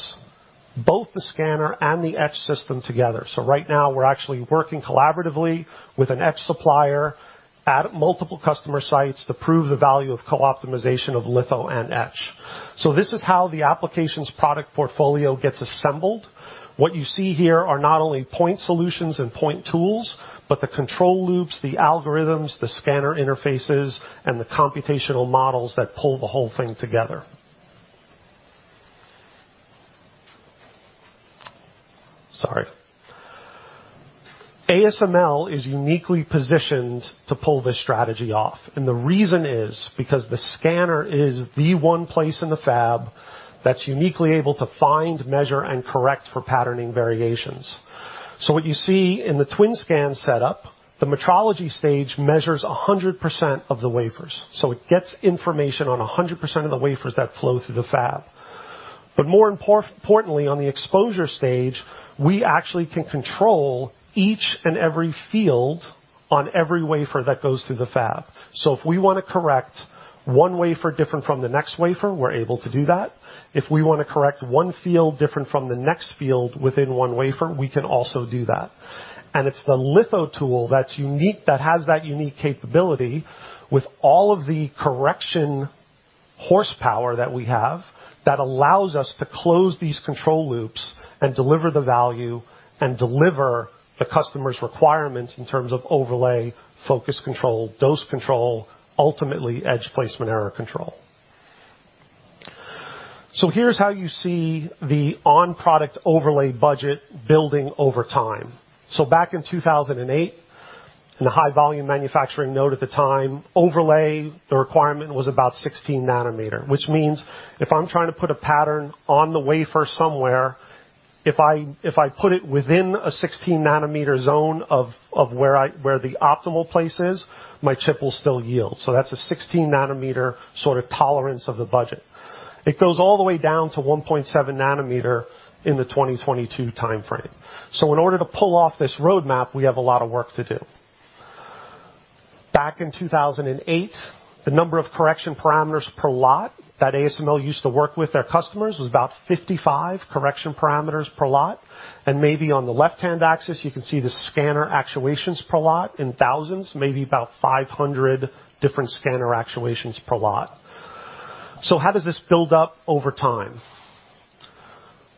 both the scanner and the etch system together. Right now, we're actually working collaboratively with an etch supplier at multiple customer sites to prove the value of co-optimization of litho and etch. This is how the applications product portfolio gets assembled. What you see here are not only point solutions and point tools, but the control loops, the algorithms, the scanner interfaces, and the computational models that pull the whole thing together. Sorry. ASML is uniquely positioned to pull this strategy off, and the reason is because the scanner is the one place in the fab that's uniquely able to find, measure, and correct for patterning variations. What you see in the TwinScan setup, the metrology stage measures 100% of the wafers. It gets information on 100% of the wafers that flow through the fab. More importantly, on the exposure stage, we actually can control each and every field on every wafer that goes through the fab. If we want to correct one wafer different from the next wafer, we're able to do that. If we want to correct one field different from the next field within one wafer, we can also do that. It's the litho tool that has that unique capability with all of the correction horsepower that we have that allows us to close these control loops and deliver the value and deliver the customer's requirements in terms of overlay, focus control, dose control, ultimately, etch placement error control. Here's how you see the on-product overlay budget building over time. Back in 2008, in the high volume manufacturing node at the time, overlay, the requirement was about 16 nm, which means if I'm trying to put a pattern on the wafer somewhere, if I put it within a 16 nm zone of where the optimal place is, my chip will still yield. That's a 16 nm sort of tolerance of the budget. It goes all the way down to 1.7 nm in the 2022 timeframe. In order to pull off this roadmap, we have a lot of work to do. Back in 2008, the number of correction parameters per lot that ASML used to work with their customers was about 55 correction parameters per lot, and maybe on the left-hand axis, you can see the scanner actuations per lot in thousands, maybe about 500 different scanner actuations per lot. How does this build up over time?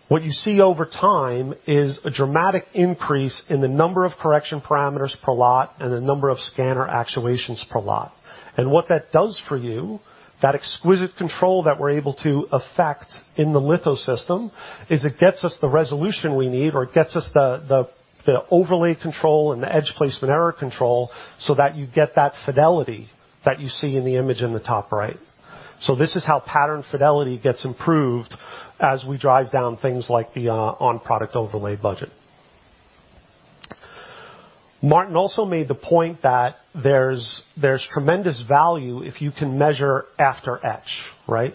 What you see over time is a dramatic increase in the number of correction parameters per lot and the number of scanner actuations per lot. What that does for you, that exquisite control that we're able to affect in the litho system, is it gets us the resolution we need, or it gets us the overlay control and the etch placement error control so that you get that fidelity that you see in the image in the top right. This is how pattern fidelity gets improved as we drive down things like the on-product overlay budget. Martin also made the point that there's tremendous value if you can measure after etch, right?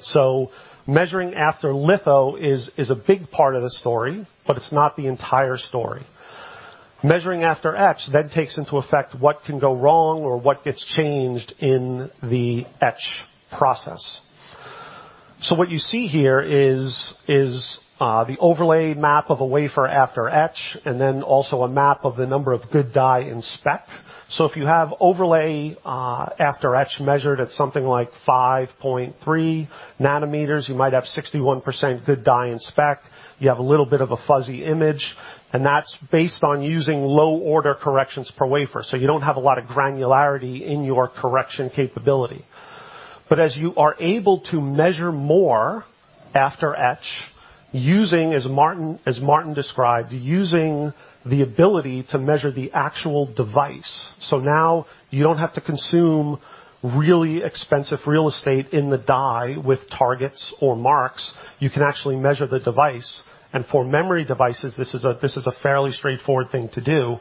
Measuring after litho is a big part of the story, it's not the entire story. Measuring after etch takes into effect what can go wrong or what gets changed in the etch process. What you see here is the overlay map of a wafer after etch, and also a map of the number of good die in spec. If you have overlay after etch measured at something like 5.3 nm, you might have 61% good die in spec. You have a little bit of a fuzzy image. That's based on using low-order corrections per wafer. You don't have a lot of granularity in your correction capability. As you are able to measure more after etch, using, as Martin described, the ability to measure the actual device. Now you don't have to consume really expensive real estate in the die with targets or marks, you can actually measure the device. For memory devices, this is a fairly straightforward thing to do.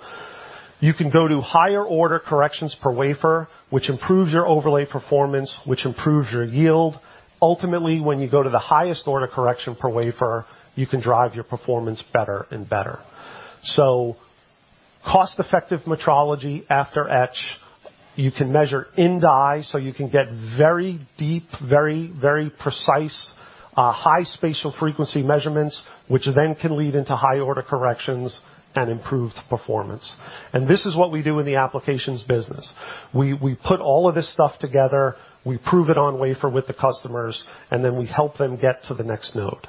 You can go to higher order corrections per wafer, which improves your overlay performance, which improves your yield. Ultimately, when you go to the highest order correction per wafer, you can drive your performance better and better. Cost-effective metrology after etch, you can measure in die, so you can get very deep, very precise, high spatial frequency measurements, which can lead into high-order corrections and improved performance. This is what we do in the applications business. We put all of this stuff together, we prove it on wafer with the customers, and we help them get to the next node.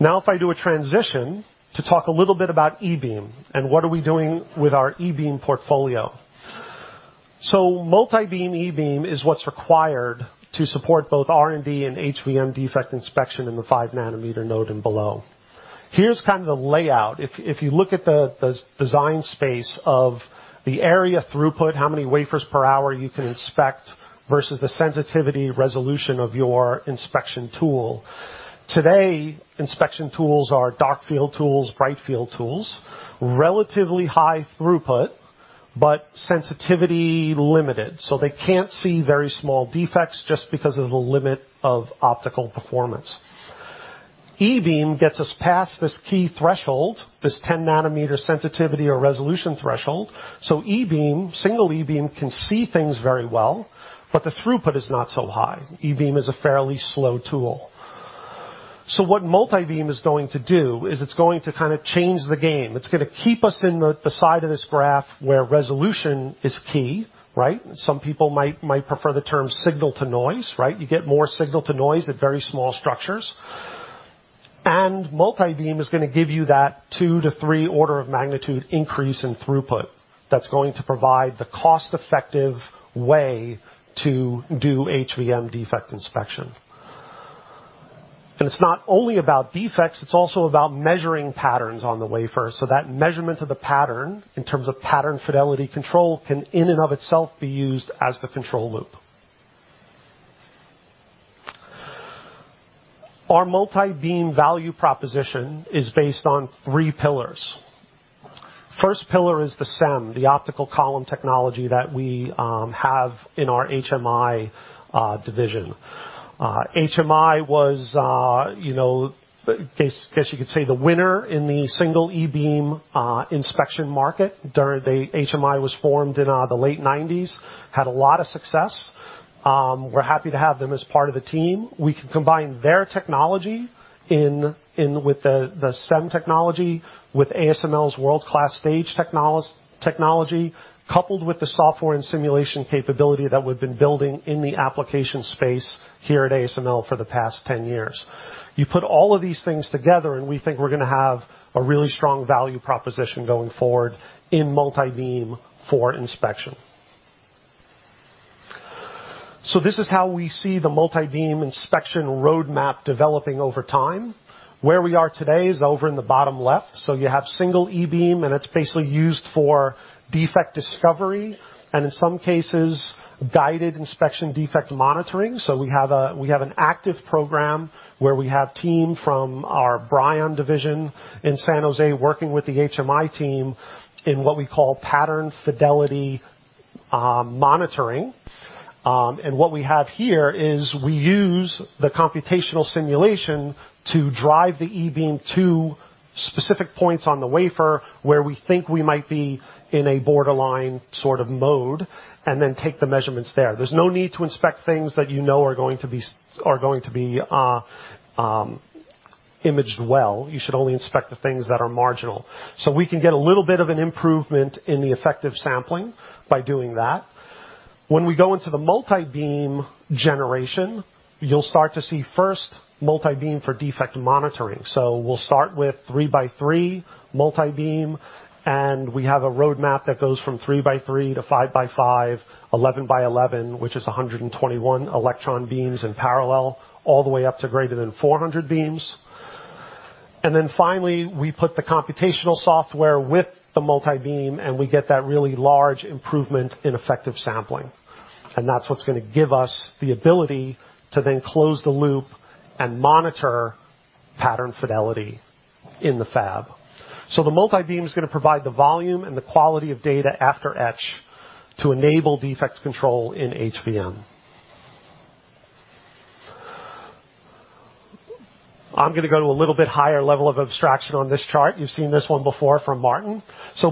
Now, if I do a transition to talk a little bit about E-beam and what are we doing with our E-beam portfolio. Multi-beam E-beam is what's required to support both R&D and HVM defect inspection in the 5-nm node and below. Here's kind of the layout. If you look at the design space of the area throughput, how many wafers per hour you can inspect versus the sensitivity resolution of your inspection tool. Today, inspection tools are dark field tools, bright field tools, relatively high throughput, but sensitivity limited. They can't see very small defects just because of the limit of optical performance. E-beam gets us past this key threshold, this 10-nm sensitivity or resolution threshold. E-beam, single E-beam, can see things very well, but the throughput is not so high. E-beam is a fairly slow tool. What multi-beam is going to do is it's going to kind of change the game. It's going to keep us in the side of this graph where resolution is key, right? Some people might prefer the term signal-to-noise, right? You get more signal to noise at very small structures. Multi-beam is going to give you that two to three order of magnitude increase in throughput that's going to provide the cost-effective way to do HVM defect inspection. It's not only about defects, it's also about measuring patterns on the wafer, so that measurement of the pattern, in terms of pattern fidelity control, can in and of itself be used as the control loop. Our multi-beam value proposition is based on 3 pillars. First pillar is the SEM, the optical column technology that we have in our HMI division. HMI was, I guess you could say, the winner in the single E-beam inspection market. HMI was formed in the late 1990s, had a lot of success. We're happy to have them as part of the team. We can combine their technology in with the SEM technology, with ASML's world-class stage technology, coupled with the software and simulation capability that we've been building in the application space here at ASML for the past 10 years. We think we're going to have a really strong value proposition going forward in multibeam for inspection. This is how we see the multibeam inspection roadmap developing over time. Where we are today is over in the bottom left. You have single E-beam, and it's basically used for defect discovery and, in some cases, guided inspection defect monitoring. We have an active program where we have team from our Brion division in San Jose working with the HMI team in what we call pattern fidelity monitoring. What we have here is we use the computational simulation to drive the E-beam to specific points on the wafer where we think we might be in a borderline sort of mode. Then take the measurements there. There's no need to inspect things that you know are going to be imaged well. You should only inspect the things that are marginal. We can get a little bit of an improvement in the effective sampling by doing that. When we go into the multibeam generation, you'll start to see first multibeam for defect monitoring. We'll start with three by three multibeam. We have a roadmap that goes from three by three to five by five, 11 by 11, which is 121 electron beams in parallel, all the way up to greater than 400 beams. Then finally, we put the computational software with the multibeam. We get that really large improvement in effective sampling. That's what's going to give us the ability to then close the loop and monitor pattern fidelity in the fab. The multibeam is going to provide the volume and the quality of data after etch to enable defects control in HVM. I'm going to go to a little bit higher level of abstraction on this chart. You've seen this one before from Martin.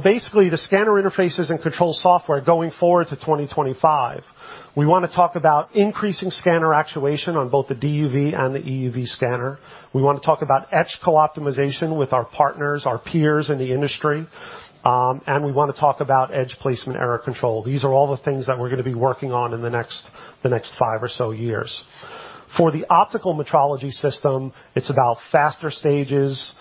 Basically, the scanner interfaces and control software going forward to 2025, we want to talk about increasing scanner actuation on both the DUV and the EUV scanner. We want to talk about etch co-optimization with our partners, our peers in the industry. We want to talk about edge placement error control. These are all the things that we're going to be working on in the next five or so years. For the optical metrology system, it's about faster stages,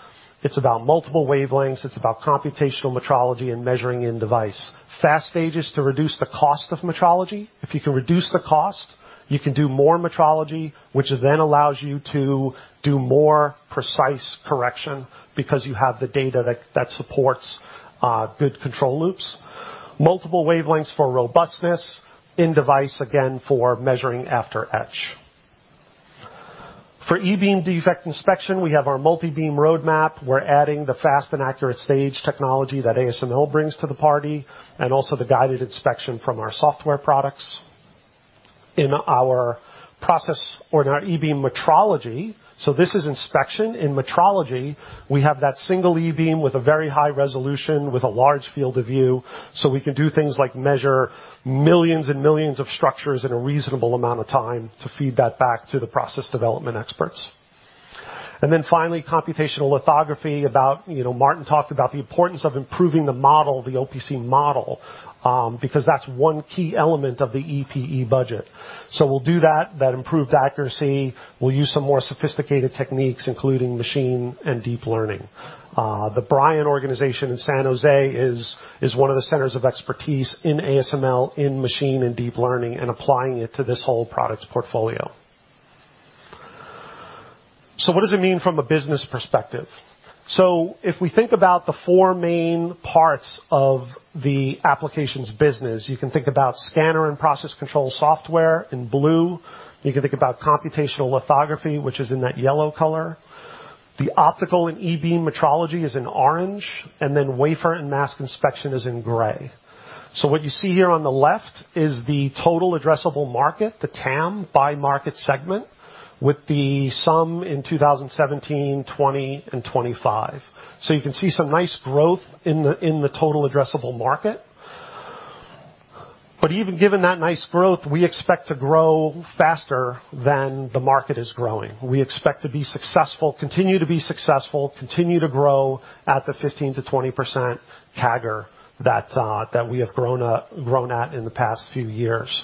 it's about multiple wavelengths, it's about computational metrology. Measuring in-device. Fast stages to reduce the cost of metrology. If you can reduce the cost, you can do more metrology, which then allows you to do more precise correction because you have the data that supports good control loops. Multiple wavelengths for robustness, in-device, again, for measuring after etch. For E-beam defect inspection, we have our multi-beam roadmap. Also the fast and accurate stage technology that ASML brings to the party, and the guided inspection from our software products. In our process or in our E-beam metrology, this is inspection. In metrology, we have that single E-beam with a very high resolution, with a large field of view, we can do things like measure millions and millions of structures in a reasonable amount of time to feed that back to the process development experts. Finally, computational lithography, Martin talked about the importance of improving the model, the OPC model, because that's one key element of the EPE budget. We'll do that improved accuracy. We'll use some more sophisticated techniques, including machine and deep learning. The Brion organization in San Jose is one of the centers of expertise in ASML, in machine and deep learning and applying it to this whole product portfolio. What does it mean from a business perspective? If we think about the four main parts of the applications business, you can think about scanner and process control software in blue. You can think about computational lithography, which is in that yellow color, the optical and E-beam metrology is in orange, then wafer and mask inspection is in gray. What you see here on the left is the total addressable market, the TAM, by market segment, with the sum in 2017, 2020, and 2025. You can see some nice growth in the total addressable market. Even given that nice growth, we expect to grow faster than the market is growing. We expect to continue to be successful, continue to grow at the 15%-20% CAGR that we have grown at in the past few years.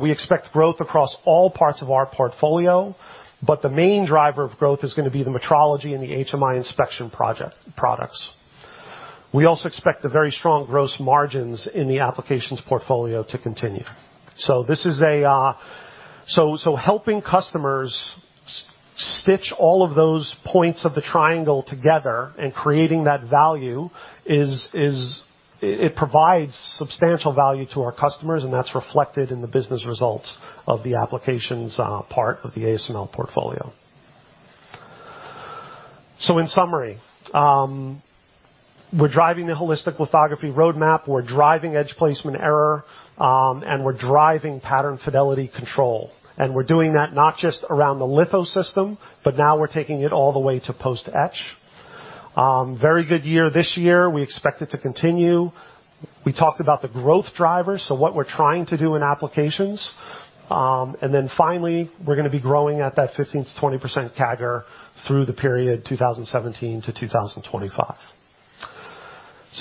We expect growth across all parts of our portfolio, but the main driver of growth is going to be the metrology and the HMI inspection products. We also expect the very strong gross margins in the applications portfolio to continue. Helping customers stitch all of those points of the triangle together and creating that value, it provides substantial value to our customers, and that's reflected in the business results of the applications part of the ASML portfolio. In summary, we're driving the holistic lithography roadmap. We're driving edge placement error, and we're driving pattern fidelity control. We're doing that not just around the litho system, but now we're taking it all the way to post-etch. Very good year this year. We expect it to continue. We talked about the growth drivers, what we're trying to do in applications. Finally, we're going to be growing at that 15%-20% CAGR through the period 2017 to 2025.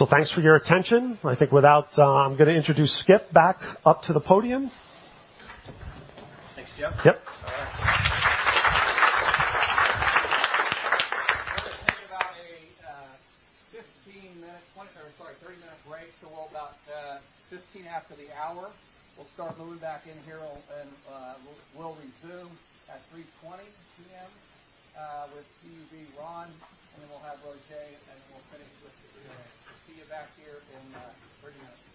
Thanks for your attention. I'm going to introduce Skip back up to the podium. Thanks, Jim. Yep. All right. We're going to take about a 30-minute break, so about 15 after the hour, we'll start moving back in here, and we'll resume at 3:20 P.M., with EUV Ron, and then we'll have Roger Dassen, and then we'll finish with the Q&A. See you back here in 30 minutes.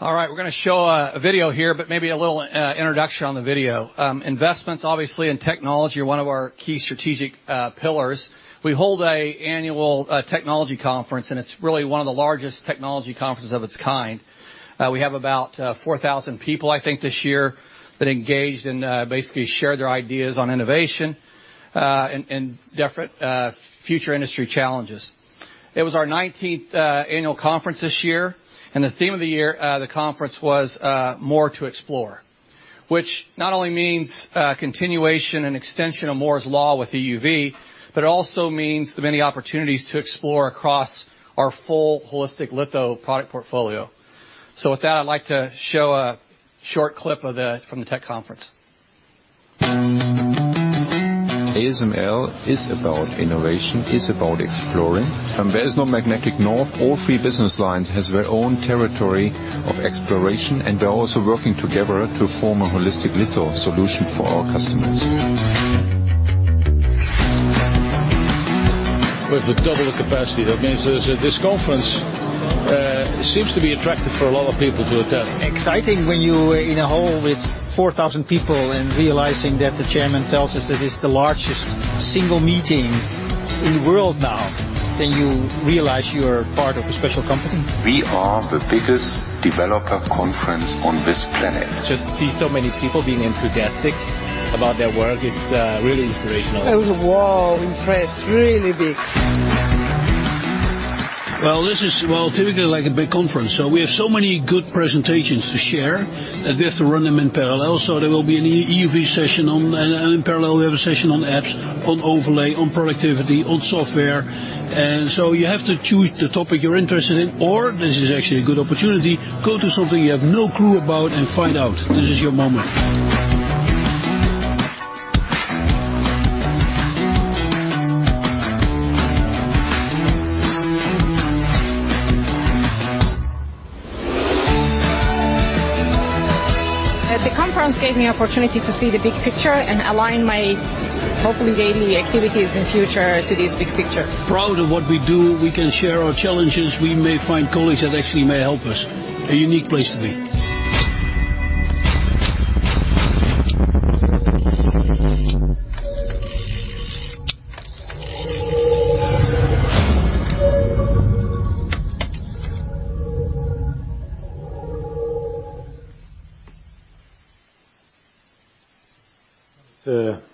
All right. We're going to show a video here, maybe a little introduction on the video. Investments, obviously, in technology are one of our key strategic pillars. We hold an annual technology conference, and it's really one of the largest technology conferences of its kind. We have about 4,000 people, I think, this year that engaged and basically shared their ideas on innovation and different future industry challenges. It was our 19th annual conference this year, and the theme of the year, the conference was More to Explore, which not only means continuation and extension of Moore's Law with EUV, but also means the many opportunities to explore across our full holistic litho product portfolio. With that, I'd like to show a short clip from the tech conference. ASML is about innovation, is about exploring. There is no magnetic north. All three business lines have their own territory of exploration, and they're also working together to form a holistic lithography solution for our customers. With the double the capacity, that means this conference seems to be attractive for a lot of people to attend. Exciting when you're in a hall with 4,000 people and realizing that the chairman tells us that it's the largest single meeting in the world now, then you realize you're part of a special company. We are the biggest developer conference on this planet. Just to see so many people being enthusiastic about their work is really inspirational. I was wow, impressed, really big. Well, this is, well, typically like a big conference. We have so many good presentations to share that we have to run them in parallel. There will be an EUV session, and in parallel, we have a session on apps, on overlay, on productivity, on software. You have to choose the topic you're interested in, or this is actually a good opportunity, go to something you have no clue about and find out. This is your moment. The conference gave me opportunity to see the big picture and align. Hopefully gaining the activities in future to this big picture. Proud of what we do. We can share our challenges. We may find colleagues that actually may help us. A unique place to be.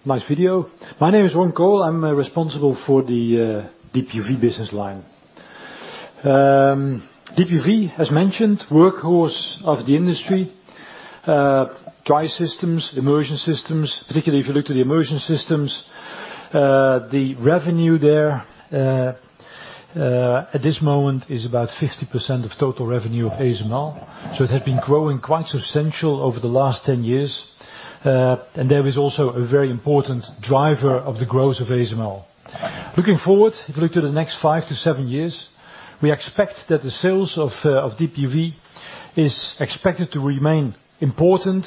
Nice video. My name is Ron Kool. I'm responsible for the deep UV business line. Deep UV, as mentioned, workhorse of the industry, dry systems, immersion systems. Particularly if you look to the immersion systems, the revenue there at this moment is about 50% of total revenue of ASML. It had been growing quite substantial over the last 10 years. There is also a very important driver of the growth of ASML. Looking forward, if you look to the next five to seven years, we expect that the sales of deep UV is expected to remain important,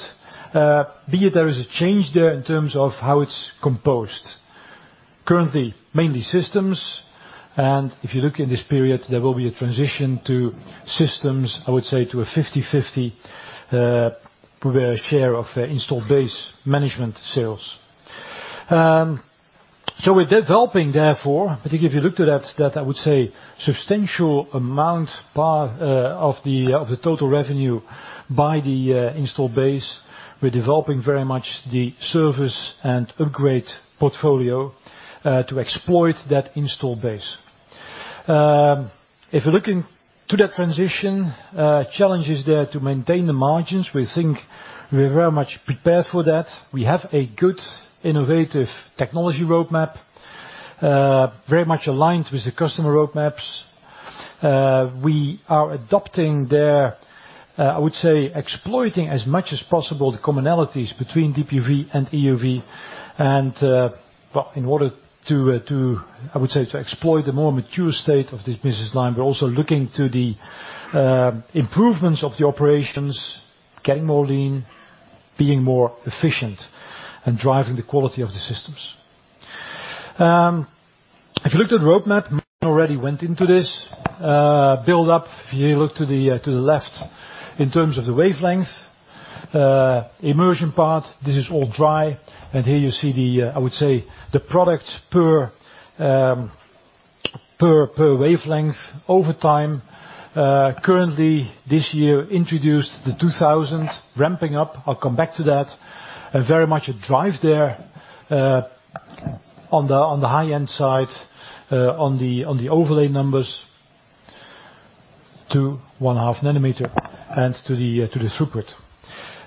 be it there is a change there in terms of how it's composed. Currently, mainly systems, and if you look in this period, there will be a transition to systems, I would say, to a 50/50 share of installed base management sales. We're developing, therefore, particularly if you look to that, I would say, substantial amount part of the total revenue by the installed base. We're developing very much the service and upgrade portfolio to exploit that installed base. If you're looking to that transition, challenge is there to maintain the margins. We think we're very much prepared for that. We have a good innovative technology roadmap, very much aligned with the customer roadmaps. We are exploiting as much as possible the commonalities between deep UV and EUV, and in order to exploit the more mature state of this business line, we're also looking to the improvements of the operations, getting more lean, being more efficient and driving the quality of the systems. If you looked at the roadmap, already went into this buildup. If you look to the left in terms of the wavelength, immersion part, this is all dry. Here you see the, I would say, the product per wavelength over time. Currently, this year introduced the 2000 ramping up. I'll come back to that. Very much a drive there, on the high-end side, on the overlay numbers to 1.5 nm and to the throughput.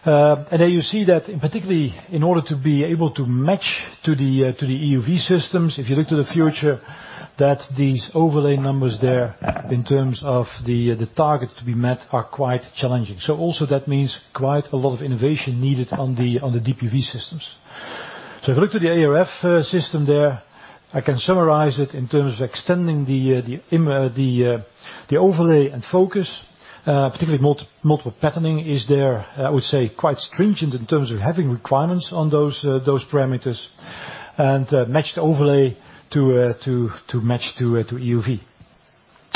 There you see that particularly in order to be able to match to the EUV systems, if you look to the future, that these overlay numbers there in terms of the target to be met are quite challenging. Also that means quite a lot of innovation needed on the deep UV systems. If you look to the ArF system there, I can summarize it in terms of extending the overlay and focus, particularly multiple patterning is there. I would say quite stringent in terms of having requirements on those parameters and match the overlay to match to EUV.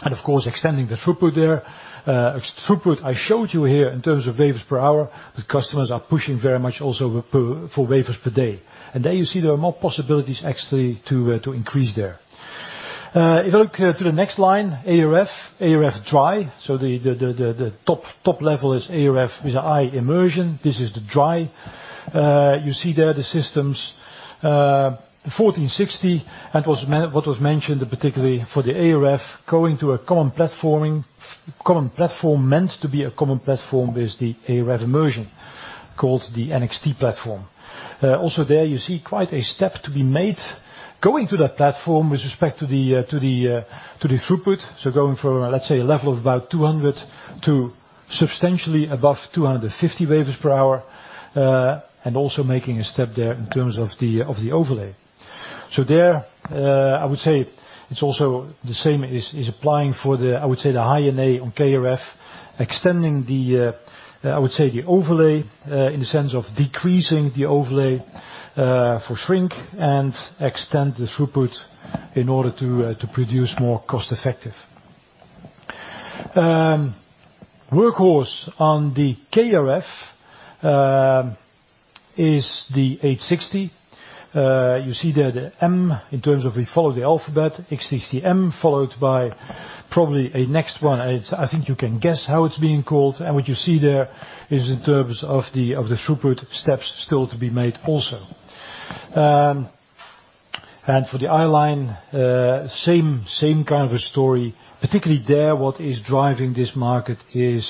Of course, extending the throughput there. Throughput I showed you here in terms of wafers per hour, the customers are pushing very much also for wafers per day. There you see there are more possibilities actually to increase there. If you look to the next line, ArF. ArF dry, so the top level is ArF with immersion. This is the dry. You see there the systems, 1460, and what was mentioned particularly for the ArF, going to a common platform meant to be a common platform with the ArF immersion called the NXT platform. Also there you see quite a step to be made going to that platform with respect to the throughput. Going from, let's say, a level of about 200 to substantially above 250 wafers per hour, and also making a step there in terms of the overlay. There, I would say it's also the same is applying for the, I would say, the High-NA on KrF, extending the, I would say, the overlay, in the sense of decreasing the overlay, for shrink and extend the throughput in order to produce more cost-effective. Workhorse on the KrF, is the 860. You see there the M in terms of we follow the alphabet, 860M, followed by probably a next one. I think you can guess how it's being called. What you see there is in terms of the throughput steps still to be made also. For the i-line, same kind of a story. Particularly there, what is driving this market is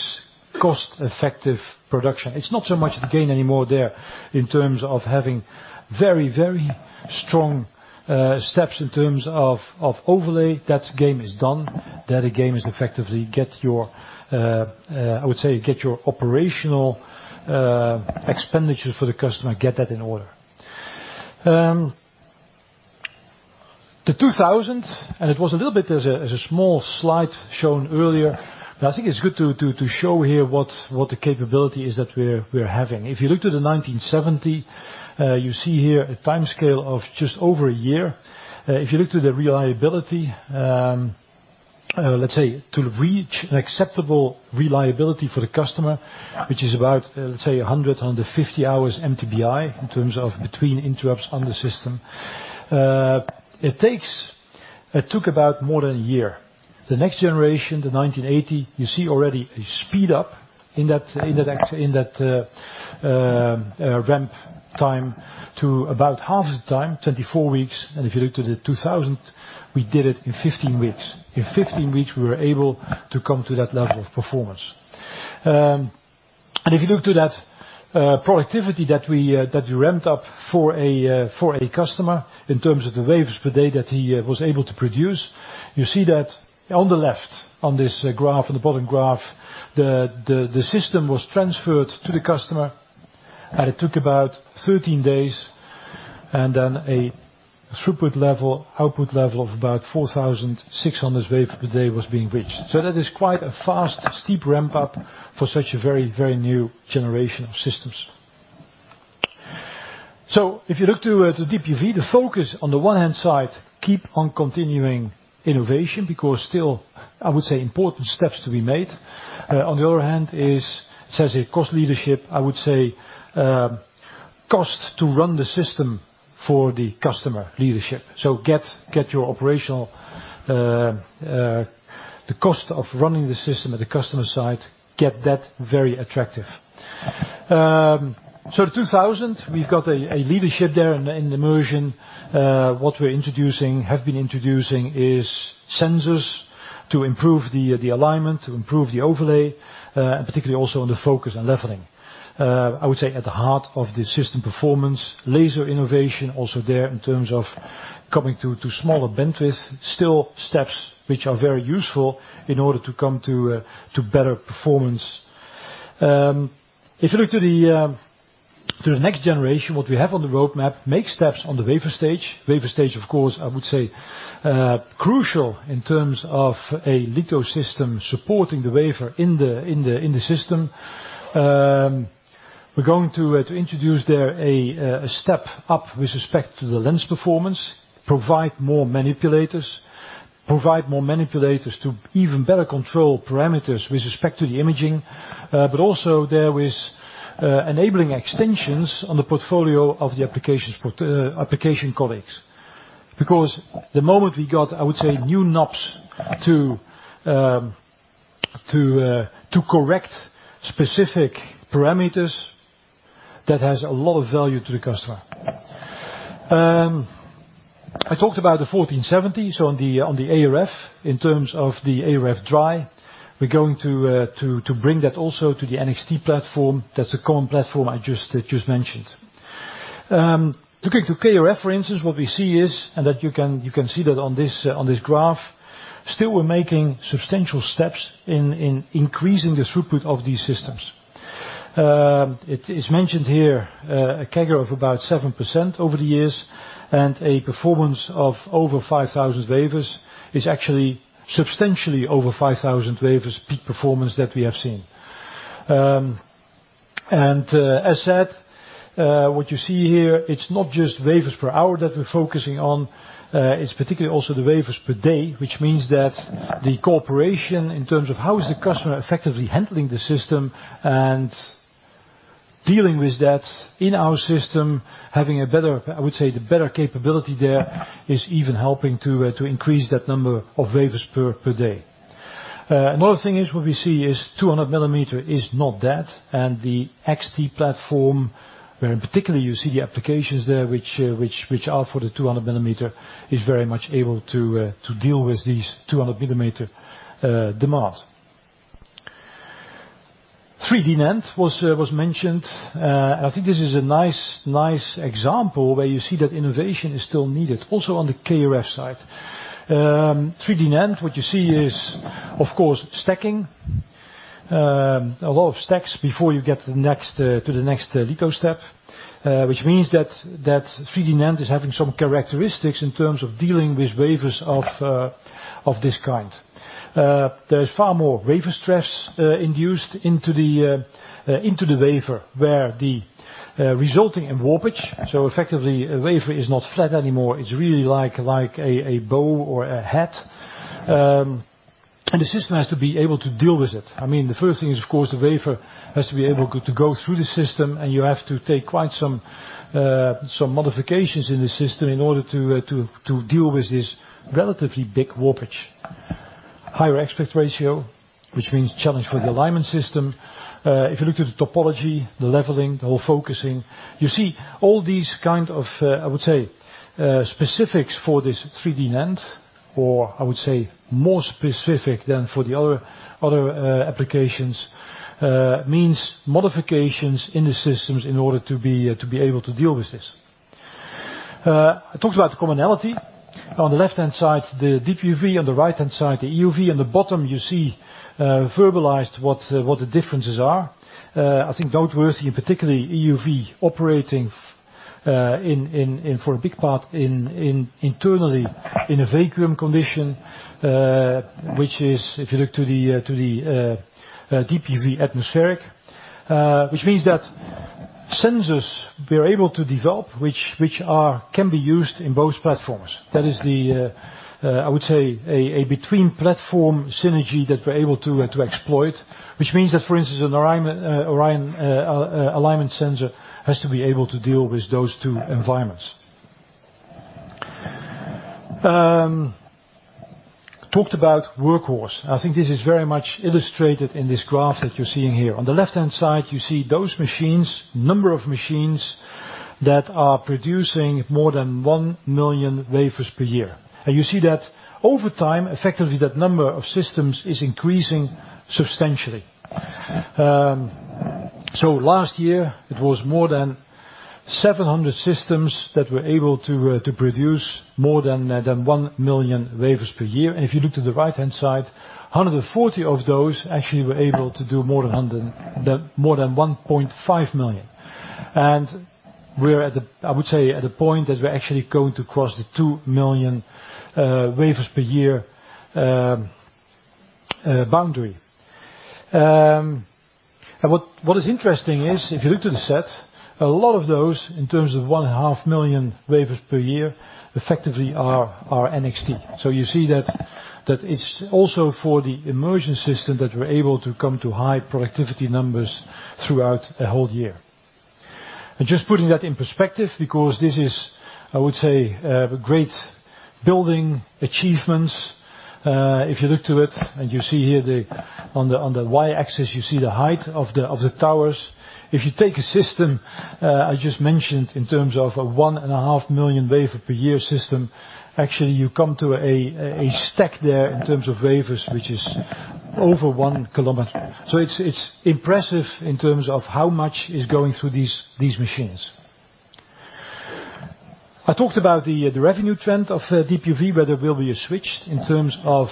cost-effective production. It's not so much the gain anymore there in terms of having very, very strong steps in terms of overlay. That game is done. There the game is effectively get your, I would say, get your operational expenditures for the customer, get that in order. The 2000, it was a little bit as a small slide shown earlier, but I think it's good to show here what the capability is that we're having. If you look to the 1970, you see here a time scale of just over a year. If you look to the reliability, let's say, to reach an acceptable reliability for the customer, which is about, let's say, 100, 150 hours MTBI, in terms of between interrupts on the system. It took about more than a year. The next generation, the 1980, you see already a speedup in that ramp time to about half the time, 24 weeks. If you look to the 2000, we did it in 15 weeks. In 15 weeks, we were able to come to that level of performance. If you look to that productivity that we ramped up for a customer, in terms of the wafers per day that he was able to produce, you see that on the left, on this graph, on the bottom graph, the system was transferred to the customer, and it took about 13 days, and then a throughput level, output level of about 4,600 wafers per day was being reached. That is quite a fast, steep ramp-up for such a very new generation of systems. If you look to the deep UV, the focus on the one hand side, keep on continuing innovation, because still, I would say important steps to be made. On the other hand, it says here cost leadership, I would say, cost to run the system for the customer leadership. Get your operational, the cost of running the system at the customer site, get that very attractive. 2000, we've got a leadership there in immersion. What we're introducing, have been introducing is sensors to improve the alignment, to improve the overlay, and particularly also on the focus and leveling. I would say at the heart of the system performance, laser innovation also there in terms of coming to smaller bandwidth, still steps which are very useful in order to come to better performance. If you look to the next generation, what we have on the roadmap, we make steps on the wafer stage. Wafer stage, of course, I would say, crucial in terms of a litho system supporting the wafer in the system. We're going to introduce there a step up with respect to the lens performance, provide more manipulators to even better control parameters with respect to the imaging, but also there with enabling extensions on the portfolio of the application colleagues. Because the moment we got, I would say, new knobs to correct specific parameters, that has a lot of value to the customer. I talked about the 1470, so on the ArF, in terms of the ArF dry. We're going to bring that also to the NXT platform. That's a common platform I just mentioned. To get to KrF, what we see is, and that you can see that on this graph, still we're making substantial steps in increasing the throughput of these systems. It's mentioned here, a CAGR of about 7% over the years and a performance of over 5,000 wafers is actually substantially over 5,000 wafers peak performance that we have seen. As said, what you see here, it's not just wafers per hour that we're focusing on. It's particularly also the wafers per day, which means that the cooperation in terms of how is the customer effectively handling the system and dealing with that in our system, having a better, I would say, the better capability there is even helping to increase that number of wafers per day. Another thing is what we see is 200 mm is not that, and the XT platform, where in particular you see the applications there which are for the 200 mm, is very much able to deal with these 200 mm demands. 3D NAND was mentioned. I think this is a nice example where you see that innovation is still needed, also on the KrF side. 3D NAND, what you see is, of course, stacking. A lot of stacks before you get to the next litho step, which means that 3D NAND is having some characteristics in terms of dealing with wafers of this kind. There's far more wafer stress induced into the wafer, resulting in warpage. So effectively, a wafer is not flat anymore. It's really like a bow or a hat. The system has to be able to deal with it. I mean, the first thing is, of course, the wafer has to be able to go through the system, and you have to take quite some modifications in the system in order to deal with this relatively big warpage. Higher aspect ratio, which means challenge for the alignment system. If you look to the topology, the leveling, the whole focusing, you see all these kind of, I would say, specifics for this 3D NAND, or I would say more specific than for the other applications, means modifications in the systems in order to be able to deal with this. I talked about the commonality. On the left-hand side, the deep UV, on the right-hand side, the EUV, on the bottom, you see verbalized what the differences are. I think noteworthy, particularly EUV operating for a big part internally, in a vacuum condition, which is, if you look to the deep UV atmospheric. Sensors we are able to develop, which can be used in both platforms. That is, I would say, a between-platform synergy that we're able to exploit, which means that, for instance, an ORION alignment sensor has to be able to deal with those two environments. I talked about workhorse. This is very much illustrated in this graph that you're seeing here. On the left-hand side, you see those machines, number of machines, that are producing more than 1 million wafers per year. You see that over time, effectively, that number of systems is increasing substantially. Last year, it was more than 700 systems that were able to produce more than 1 million wafers per year. If you look to the right-hand side, 140 of those actually were able to do more than 1.5 million. We're, I would say, at a point that we're actually going to cross the 2 million wafers per year boundary. What is interesting is, if you look to the set, a lot of those, in terms of 1.5 million wafers per year, effectively are NXT. You see that it's also for the immersion system that we're able to come to high productivity numbers throughout a whole year. Just putting that in perspective, because this is, I would say, great building achievements. If you look to it and you see here on the Y-axis, you see the height of the towers. If you take a system, I just mentioned, in terms of a 1.5 million wafer per year system, actually, you come to a stack there in terms of wafers, which is over 1 km. It's impressive in terms of how much is going through these machines. I talked about the revenue trend of deep UV, where there will be a switch in terms of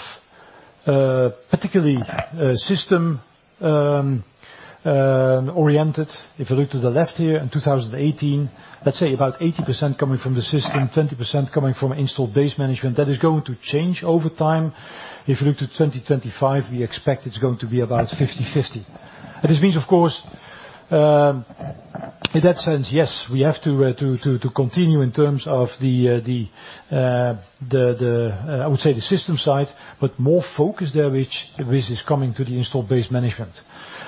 particularly system-oriented. If you look to the left here, in 2018, let's say about 80% coming from the system, 20% coming from installed base management. That is going to change over time. If you look to 2025, we expect it's going to be about 50/50. This means, of course, in that sense, yes, we have to continue in terms of, I would say, the system side, but more focus there, which is coming to the installed base management.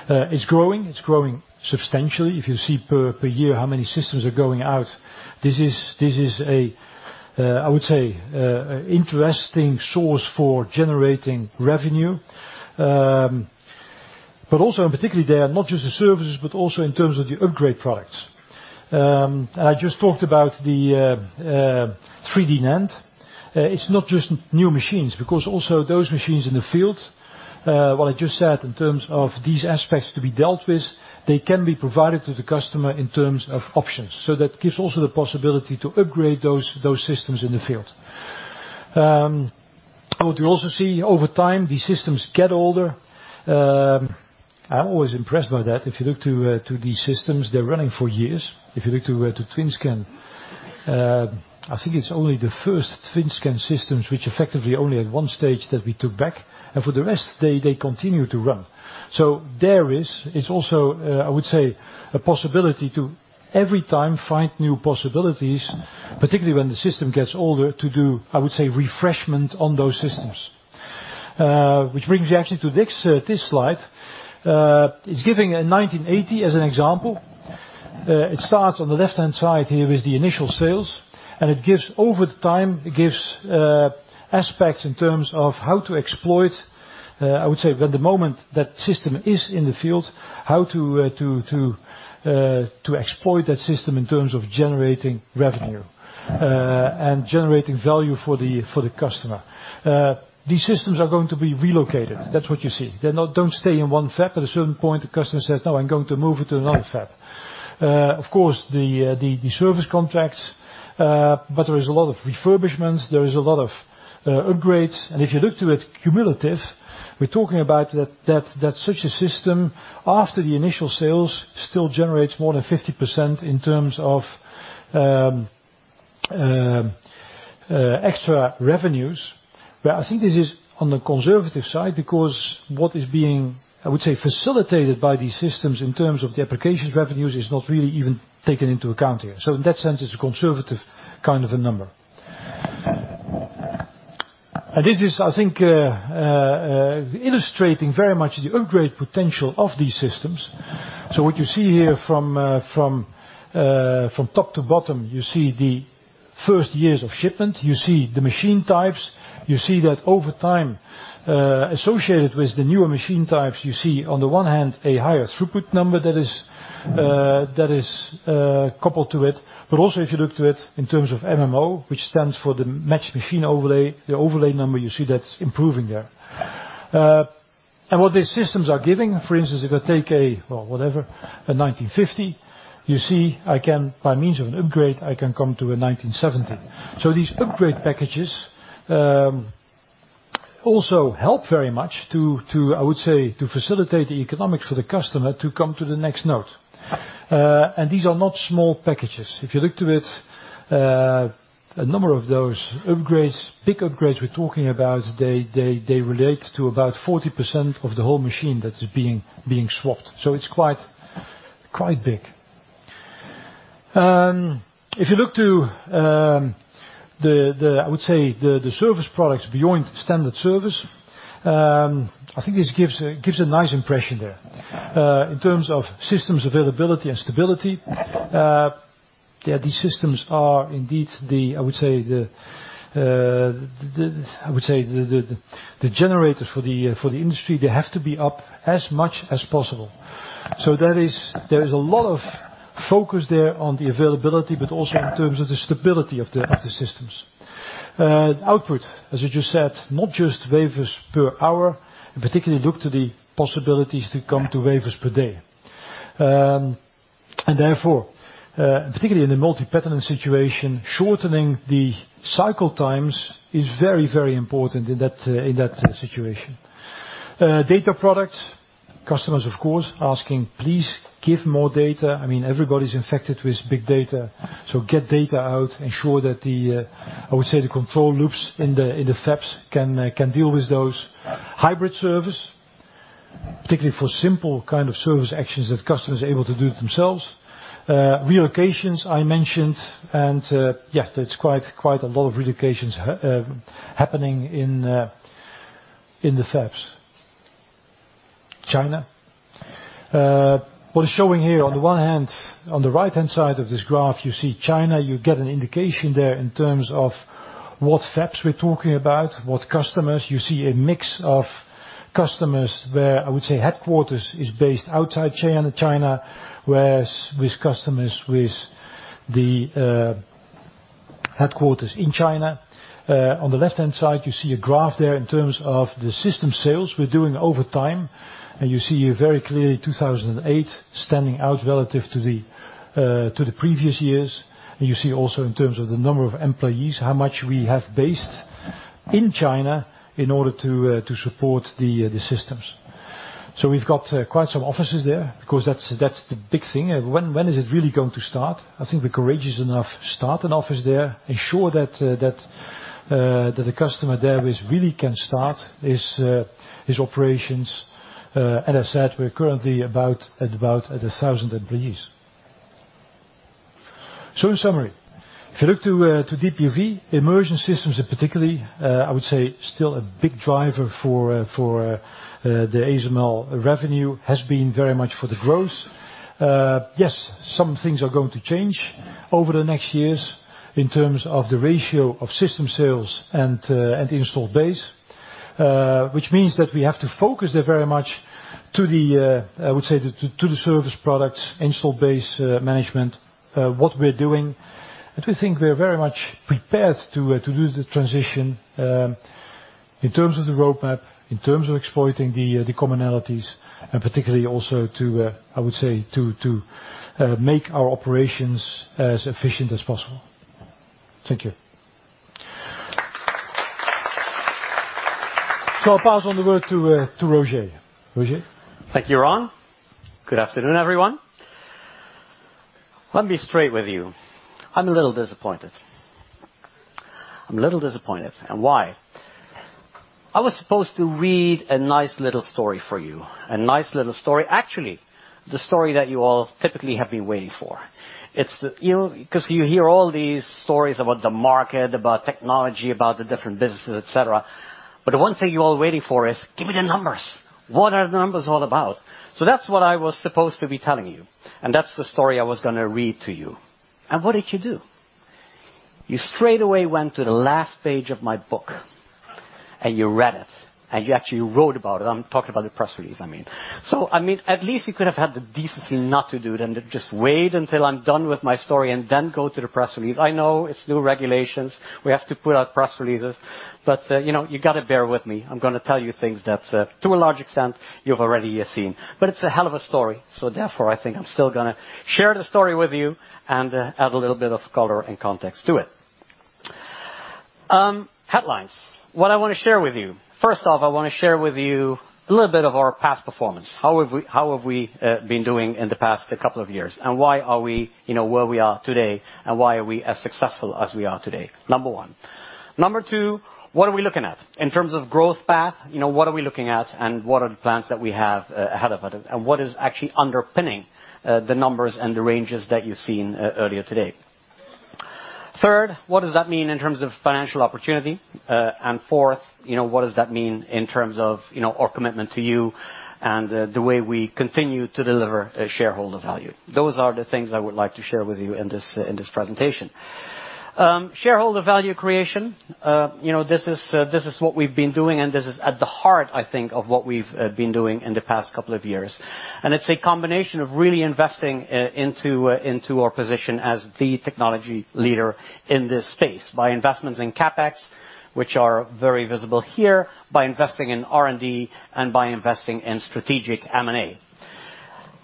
It's growing substantially. If you see per year how many systems are going out, this is, I would say, interesting source for generating revenue. Also in particular there, not just the services, but also in terms of the upgrade products. I just talked about the 3D NAND. It's not just new machines, because also those machines in the field, what I just said in terms of these aspects to be dealt with, they can be provided to the customer in terms of options. That gives also the possibility to upgrade those systems in the field. What you also see over time, these systems get older. I'm always impressed by that. If you look to these systems, they're running for years. If you look to TWINSCAN, I think it's only the first TWINSCAN systems which effectively only had one stage that we took back, and for the rest, they continue to run. There is also, I would say, a possibility to every time find new possibilities, particularly when the system gets older, to do, I would say, refreshment on those systems. Which brings me actually to this slide. It's giving a 1980 as an example. It starts on the left-hand side here with the initial sales, and over the time, it gives aspects in terms of how to exploit, I would say, when the moment that system is in the field, how to exploit that system in terms of generating revenue and generating value for the customer. These systems are going to be relocated. That's what you see. They don't stay in one fab. At a certain point, the customer says, "No, I'm going to move it to another fab." Of course, the service contracts, but there is a lot of refurbishments, there is a lot of upgrades. If you look to it cumulative, we're talking about that such a system, after the initial sales, still generates more than 50% in terms of extra revenues, where I think this is on the conservative side, because what is being, I would say, facilitated by these systems in terms of the applications revenues is not really even taken into account here. In that sense, it's a conservative kind of a number. This is, I think, illustrating very much the upgrade potential of these systems. What you see here from top to bottom, you see the first years of shipment. You see the machine types. You see that over time, associated with the newer machine types, you see on the one hand, a higher throughput number that is coupled to it. Also, if you look to it in terms of MMO, which stands for the matched machine overlay, the overlay number you see that's improving there. What these systems are giving, for instance, if I take a, well, whatever, a 1950, you see I can, by means of an upgrade, I can come to a 1970. These upgrade packages also help very much to, I would say, facilitate the economics for the customer to come to the next node. These are not small packages. If you look to it, a number of those upgrades, big upgrades we're talking about, they relate to about 40% of the whole machine that is being swapped. It's quite big. If you look to the service products beyond standard service, I think this gives a nice impression there. In terms of systems availability and stability, these systems are indeed the generators for the industry. They have to be up as much as possible. There is a lot of focus there on the availability, but also in terms of the stability of the systems. Output, as you just said, not just wafers per hour, in particular, look to the possibilities to come to wafers per day. Therefore, particularly in the multi-pattern situation, shortening the cycle times is very important in that situation. Data products. Customers, of course, asking, "Please give more data." Everybody's infected with big data. Get data out, ensure that the control loops in the fabs can deal with those. Hybrid service, particularly for simple kind of service actions that customers are able to do it themselves. Relocations, I mentioned. Yes, that's quite a lot of relocations happening in the fabs. China. What is showing here, on the one hand, on the right-hand side of this graph, you see China. You get an indication there in terms of what fabs we're talking about, what customers. You see a mix of customers where headquarters is based outside China, whereas with customers with the headquarters in China. On the left-hand side, you see a graph there in terms of the system sales we're doing over time. You see very clearly 2008 standing out relative to the previous years. You see also in terms of the number of employees, how much we have based in China in order to support the systems. We've got quite some offices there, because that's the big thing. When is it really going to start? I think we're courageous enough to start an office there, ensure that the customer there really can start his operations. As I said, we're currently about at 1,000 employees. In summary, if you look to deep UV, immersion systems are particularly, I would say, still a big driver for the ASML revenue, has been very much for the growth. Yes, some things are going to change over the next years in terms of the ratio of system sales and the installed base, which means that we have to focus there very much to the service products, installed base management, what we're doing. We think we are very much prepared to do the transition in terms of the roadmap, in terms of exploiting the commonalities, and particularly also to make our operations as efficient as possible. Thank you. I'll pass on the word to Roger. Roger? Thank you, Ron. Good afternoon, everyone. Let me be straight with you. I'm a little disappointed. I'm a little disappointed, and why? I was supposed to read a nice little story for you. A nice little story. Actually, the story that you all typically have been waiting for. You hear all these stories about the market, about technology, about the different businesses, et cetera. The one thing you're all waiting for is, give me the numbers. What are the numbers all about? That's what I was supposed to be telling you, and that's the story I was going to read to you. What did you do? You straightaway went to the last page of my book and you read it, and you actually wrote about it. I'm talking about the press release, I mean. At least you could have had the decency not to do it and just wait until I'm done with my story and then go to the press release. I know it's new regulations. We have to put out press releases, you got to bear with me. I'm going to tell you things that, to a large extent, you've already seen. It's a hell of a story, therefore, I think I'm still going to share the story with you and add a little bit of color and context to it. Headlines. What I want to share with you. First off, I want to share with you a little bit of our past performance. How have we been doing in the past couple of years, and why are we where we are today, and why are we as successful as we are today? Number one. Number two, what are we looking at? In terms of growth path, what are we looking at and what are the plans that we have ahead of it, and what is actually underpinning the numbers and the ranges that you've seen earlier today? Third, what does that mean in terms of financial opportunity? Fourth, what does that mean in terms of our commitment to you and the way we continue to deliver shareholder value? Those are the things I would like to share with you in this presentation. Shareholder value creation. This is what we've been doing, and this is at the heart, I think, of what we've been doing in the past couple of years. It's a combination of really investing into our position as the technology leader in this space. By investments in CapEx, which are very visible here, by investing in R&D, and by investing in strategic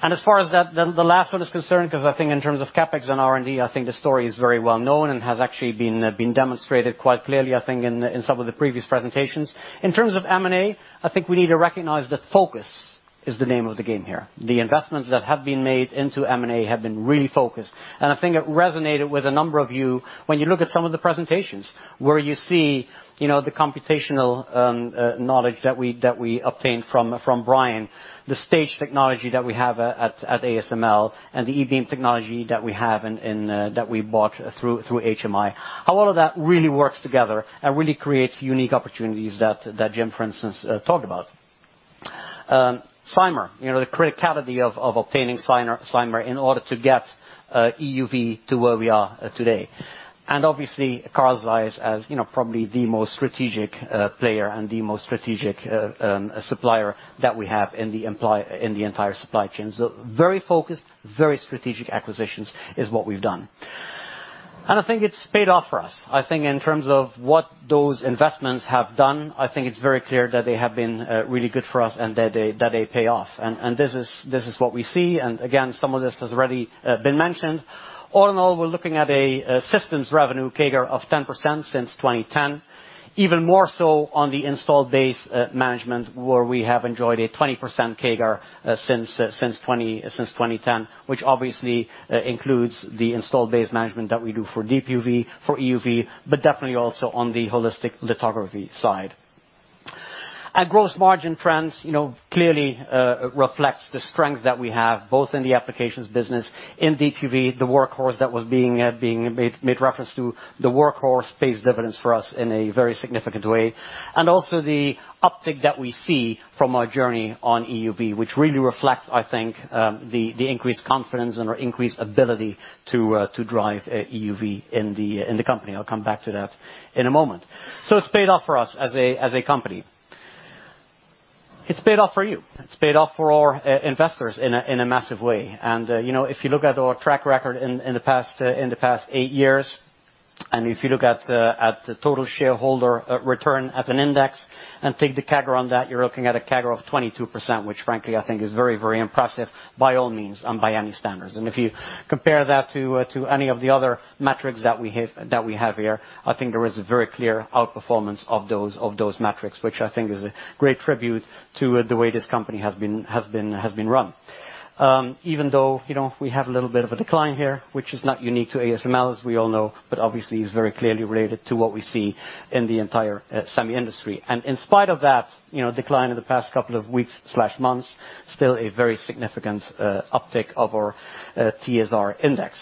M&A. As far as the last one is concerned, because I think in terms of CapEx and R&D, I think the story is very well known and has actually been demonstrated quite clearly, I think, in some of the previous presentations. In terms of M&A, I think we need to recognize that focus is the name of the game here. The investments that have been made into M&A have been really focused. I think it resonated with a number of you when you look at some of the presentations, where you see the computational knowledge that we obtained from Brion, the stage technology that we have at ASML, and the E-beam technology that we bought through HMI. How all of that really works together and really creates unique opportunities that Jim, for instance, talked about. Cymer, the criticality of obtaining Cymer in order to get EUV to where we are today. Obviously, ZEISS as probably the most strategic player and the most strategic supplier that we have in the entire supply chain. Very focused, very strategic acquisitions is what we've done. I think it's paid off for us. I think in terms of what those investments have done, I think it's very clear that they have been really good for us and that they pay off. This is what we see, and again, some of this has already been mentioned. All in all, we're looking at a systems revenue CAGR of 10% since 2010. Even more so on the installed base management, where we have enjoyed a 20% CAGR since 2010, which obviously includes the installed base management that we do for deep UV, for EUV, but definitely also on the holistic lithography side. Our gross margin trends clearly reflects the strength that we have, both in the applications business, in deep UV, the workhorse that was being made reference to. The workhorse pays dividends for us in a very significant way. Also the uptick that we see from our journey on EUV, which really reflects, I think, the increased confidence and our increased ability to drive EUV in the company. I'll come back to that in a moment. It's paid off for us as a company. It's paid off for you. It's paid off for our investors in a massive way. If you look at our track record in the past eight years, if you look at the total shareholder return as an index, take the CAGR on that, you're looking at a CAGR of 22%, which frankly I think is very, very impressive by all means and by any standards. If you compare that to any of the other metrics that we have here, I think there is a very clear outperformance of those metrics, which I think is a great tribute to the way this company has been run. Even though we have a little bit of a decline here, which is not unique to ASML, as we all know, but obviously is very clearly related to what we see in the entire semi industry. In spite of that decline in the past couple of weeks/months, still a very significant uptick of our TSR index.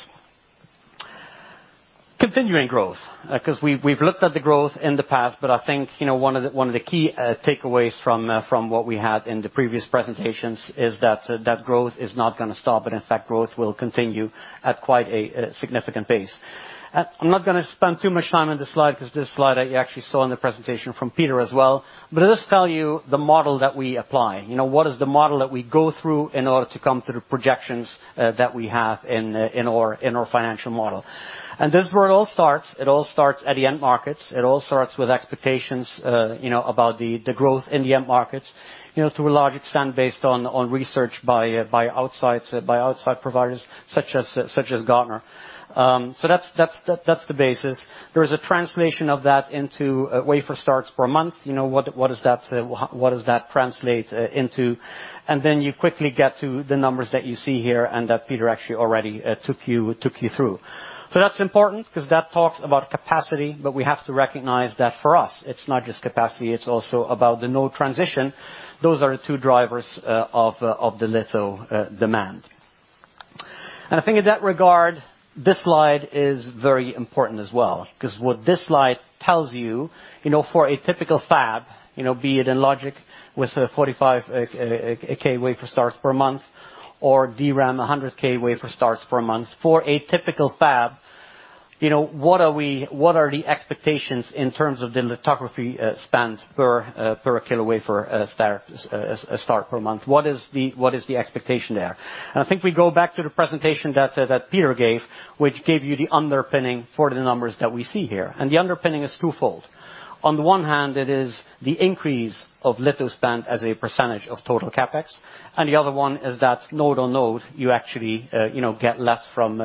Continuing growth, because we've looked at the growth in the past, but I think one of the key takeaways from what we had in the previous presentations is that growth is not going to stop, but in fact, growth will continue at quite a significant pace. I'm not going to spend too much time on this slide because this slide you actually saw in the presentation from Peter as well. It does tell you the model that we apply, what is the model that we go through in order to come to the projections that we have in our financial model. This is where it all starts. It all starts at the end markets. It all starts with expectations about the growth in the end markets, to a large extent based on research by outside providers such as Gartner. That's the basis. There is a translation of that into wafer starts per month, what does that translate into? Then you quickly get to the numbers that you see here and that Peter actually already took you through. That's important because that talks about capacity, but we have to recognize that for us, it's not just capacity, it's also about the node transition. Those are the two drivers of the litho demand. I think in that regard, this slide is very important as well, because what this slide tells you, for a typical fab, be it in logic with 45K wafer starts per month or DRAM 100K wafer starts per month. For a typical fab, what are the expectations in terms of the lithography spans per kilo wafer start per month? What is the expectation there? I think we go back to the presentation that Peter gave, which gave you the underpinning for the numbers that we see here. The underpinning is twofold. On the one hand, it is the increase of litho spend as a percentage of total CapEx, and the other one is that node on node, you actually get less from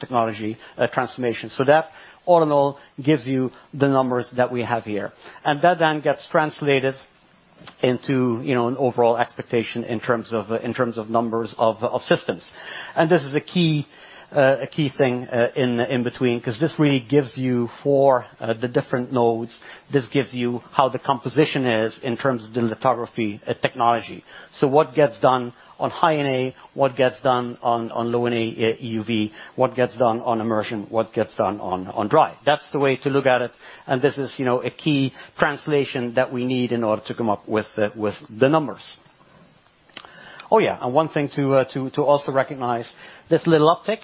technology transformation. That all in all gives you the numbers that we have here. That then gets translated into an overall expectation in terms of numbers of systems. This is a key thing in between, because this really gives you four the different nodes. This gives you how the composition is in terms of the lithography technology. What gets done on High-NA, what gets done on Low-NA EUV, what gets done on immersion, what gets done on dry. That's the way to look at it, and this is a key translation that we need in order to come up with the numbers. One thing to also recognize, this little uptick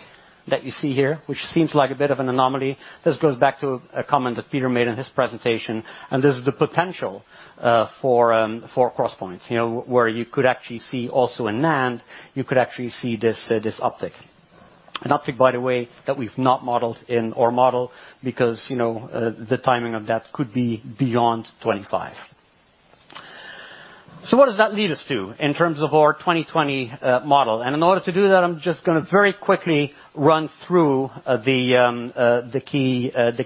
that you see here, which seems like a bit of an anomaly. This goes back to a comment that Peter made in his presentation, and this is the potential for cross points, where you could actually see also in NAND, you could actually see this uptick. An uptick, by the way, that we've not modeled in our model because the timing of that could be beyond 2025. What does that lead us to in terms of our 2020 model? In order to do that, I'm just going to very quickly run through the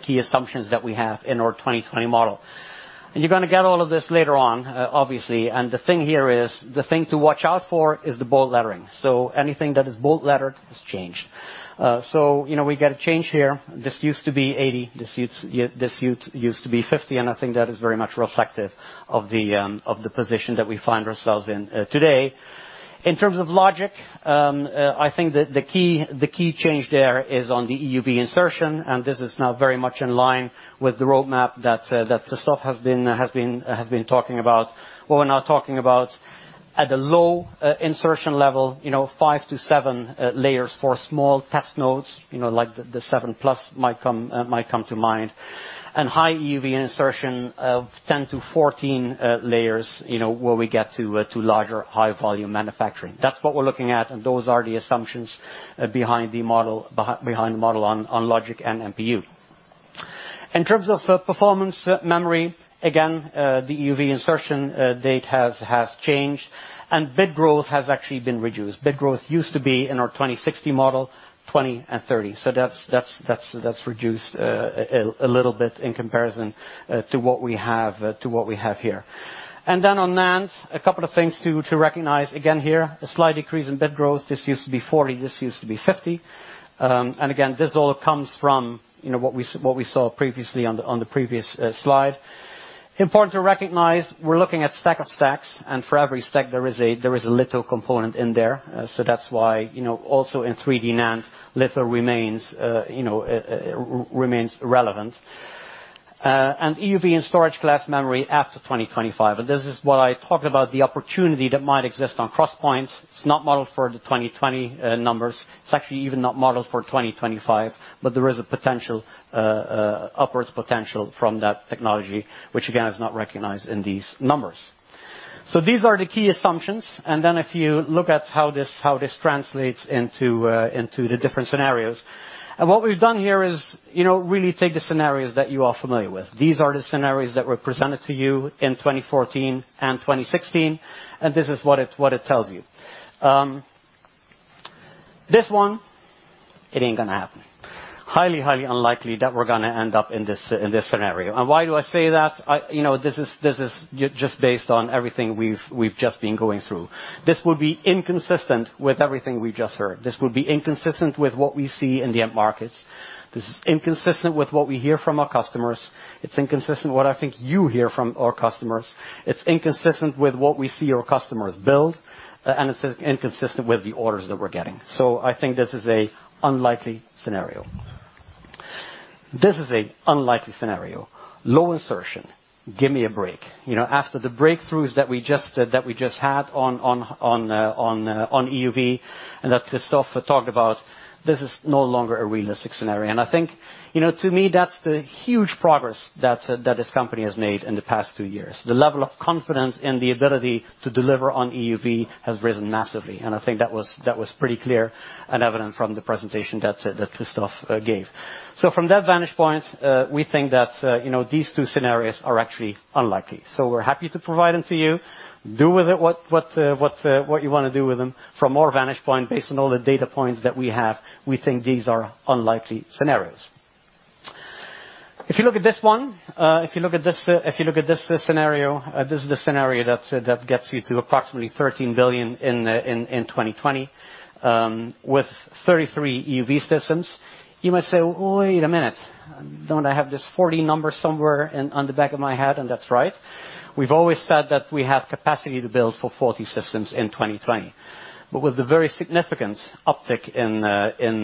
key assumptions that we have in our 2020 model. You're going to get all of this later on, obviously, and the thing to watch out for is the bold lettering. Anything that is bold lettered has changed. We get a change here. This used to be 80. This used to be 50, and I think that is very much reflective of the position that we find ourselves in today. In terms of logic, I think that the key change there is on the EUV insertion, and this is now very much in line with the roadmap that the staff has been talking about. What we're now talking about at the low insertion level, five to seven layers for small test nodes, like the 7+ might come to mind, and high EUV insertion of 10 to 14 layers where we get to larger, high volume manufacturing. That's what we're looking at, and those are the assumptions behind the model on logic and NPU. In terms of performance memory, again, the EUV insertion date has changed, and bit growth has actually been reduced. Bit growth used to be in our 2016 model, 20 and 30. That's reduced a little bit in comparison to what we have here. Then on NAND, a couple of things to recognize. Again here, a slight decrease in bit growth. This used to be 40, this used to be 50. Again, this all comes from what we saw previously on the previous slide. Important to recognize, we're looking at stack of stacks, and for every stack there is a little component in there. That's why, also in 3D NAND, litho remains relevant. EUV and storage class memory after 2025, and this is what I talked about, the opportunity that might exist on cross points. It's not modeled for the 2020 numbers. It's actually even not modeled for 2025, but there is upwards potential from that technology, which again, is not recognized in these numbers. These are the key assumptions, then if you look at how this translates into the different scenarios. What we've done here is really take the scenarios that you are familiar with. These are the scenarios that were presented to you in 2014 and 2016, and this is what it tells you. This one, it ain't gonna happen. Highly unlikely that we're gonna end up in this scenario. Why do I say that? This is just based on everything we've just been going through. This would be inconsistent with everything we've just heard. This would be inconsistent with what we see in the end markets. This is inconsistent with what we hear from our customers. It's inconsistent what I think you hear from our customers. It's inconsistent with what we see our customers build, and it's inconsistent with the orders that we're getting. I think this is a unlikely scenario. This is a unlikely scenario. Low insertion. Give me a break. After the breakthroughs that we just had on EUV and that Christophe talked about, this is no longer a realistic scenario. I think, to me, that's the huge progress that this company has made in the past two years. The level of confidence and the ability to deliver on EUV has risen massively, and I think that was pretty clear and evident from the presentation that Christophe gave. From that vantage point, we think that these two scenarios are actually unlikely. We're happy to provide them to you. Do with it what you want to do with them. From our vantage point, based on all the data points that we have, we think these are unlikely scenarios. If you look at this one, if you look at this scenario, this is the scenario that gets you to approximately 13 billion in 2020 with 33 EUV systems. You might say, "Wait a minute. Don't I have this 40 number somewhere on the back of my head?" That's right. We've always said that we have capacity to build for 40 systems in 2020. With the very significant uptick in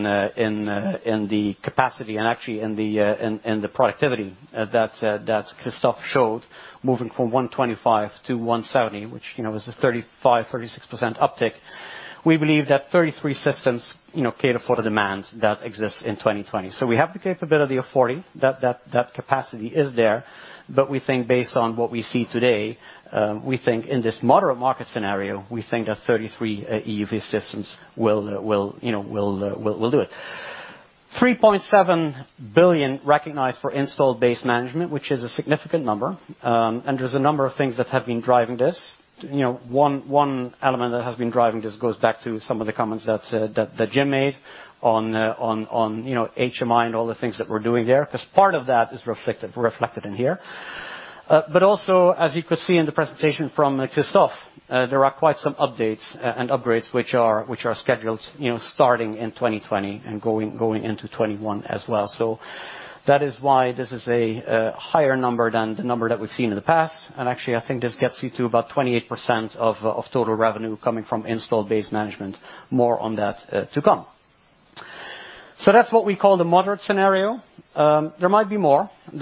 the capacity and actually in the productivity that Christophe showed, moving from 125 to 170, which is a 35%-36% uptick, we believe that 33 systems cater for the demand that exists in 2020. We have the capability of 40. That capacity is there. We think based on what we see today, we think in this moderate market scenario, we think that 33 EUV systems will do it. 3.7 billion recognized for installed base management, which is a significant number, and there's a number of things that have been driving this. One element that has been driving this goes back to some of the comments that Jim made on HMI and all the things that we're doing there, because part of that is reflected in here. Also, as you could see in the presentation from Christophe, there are quite some updates and upgrades which are scheduled starting in 2020 and going into 2021 as well. That is why this is a higher number than the number that we've seen in the past. Actually, I think this gets you to about 28% of total revenue coming from installed base management. More on that to come. That's what we call the moderate scenario. There might be more in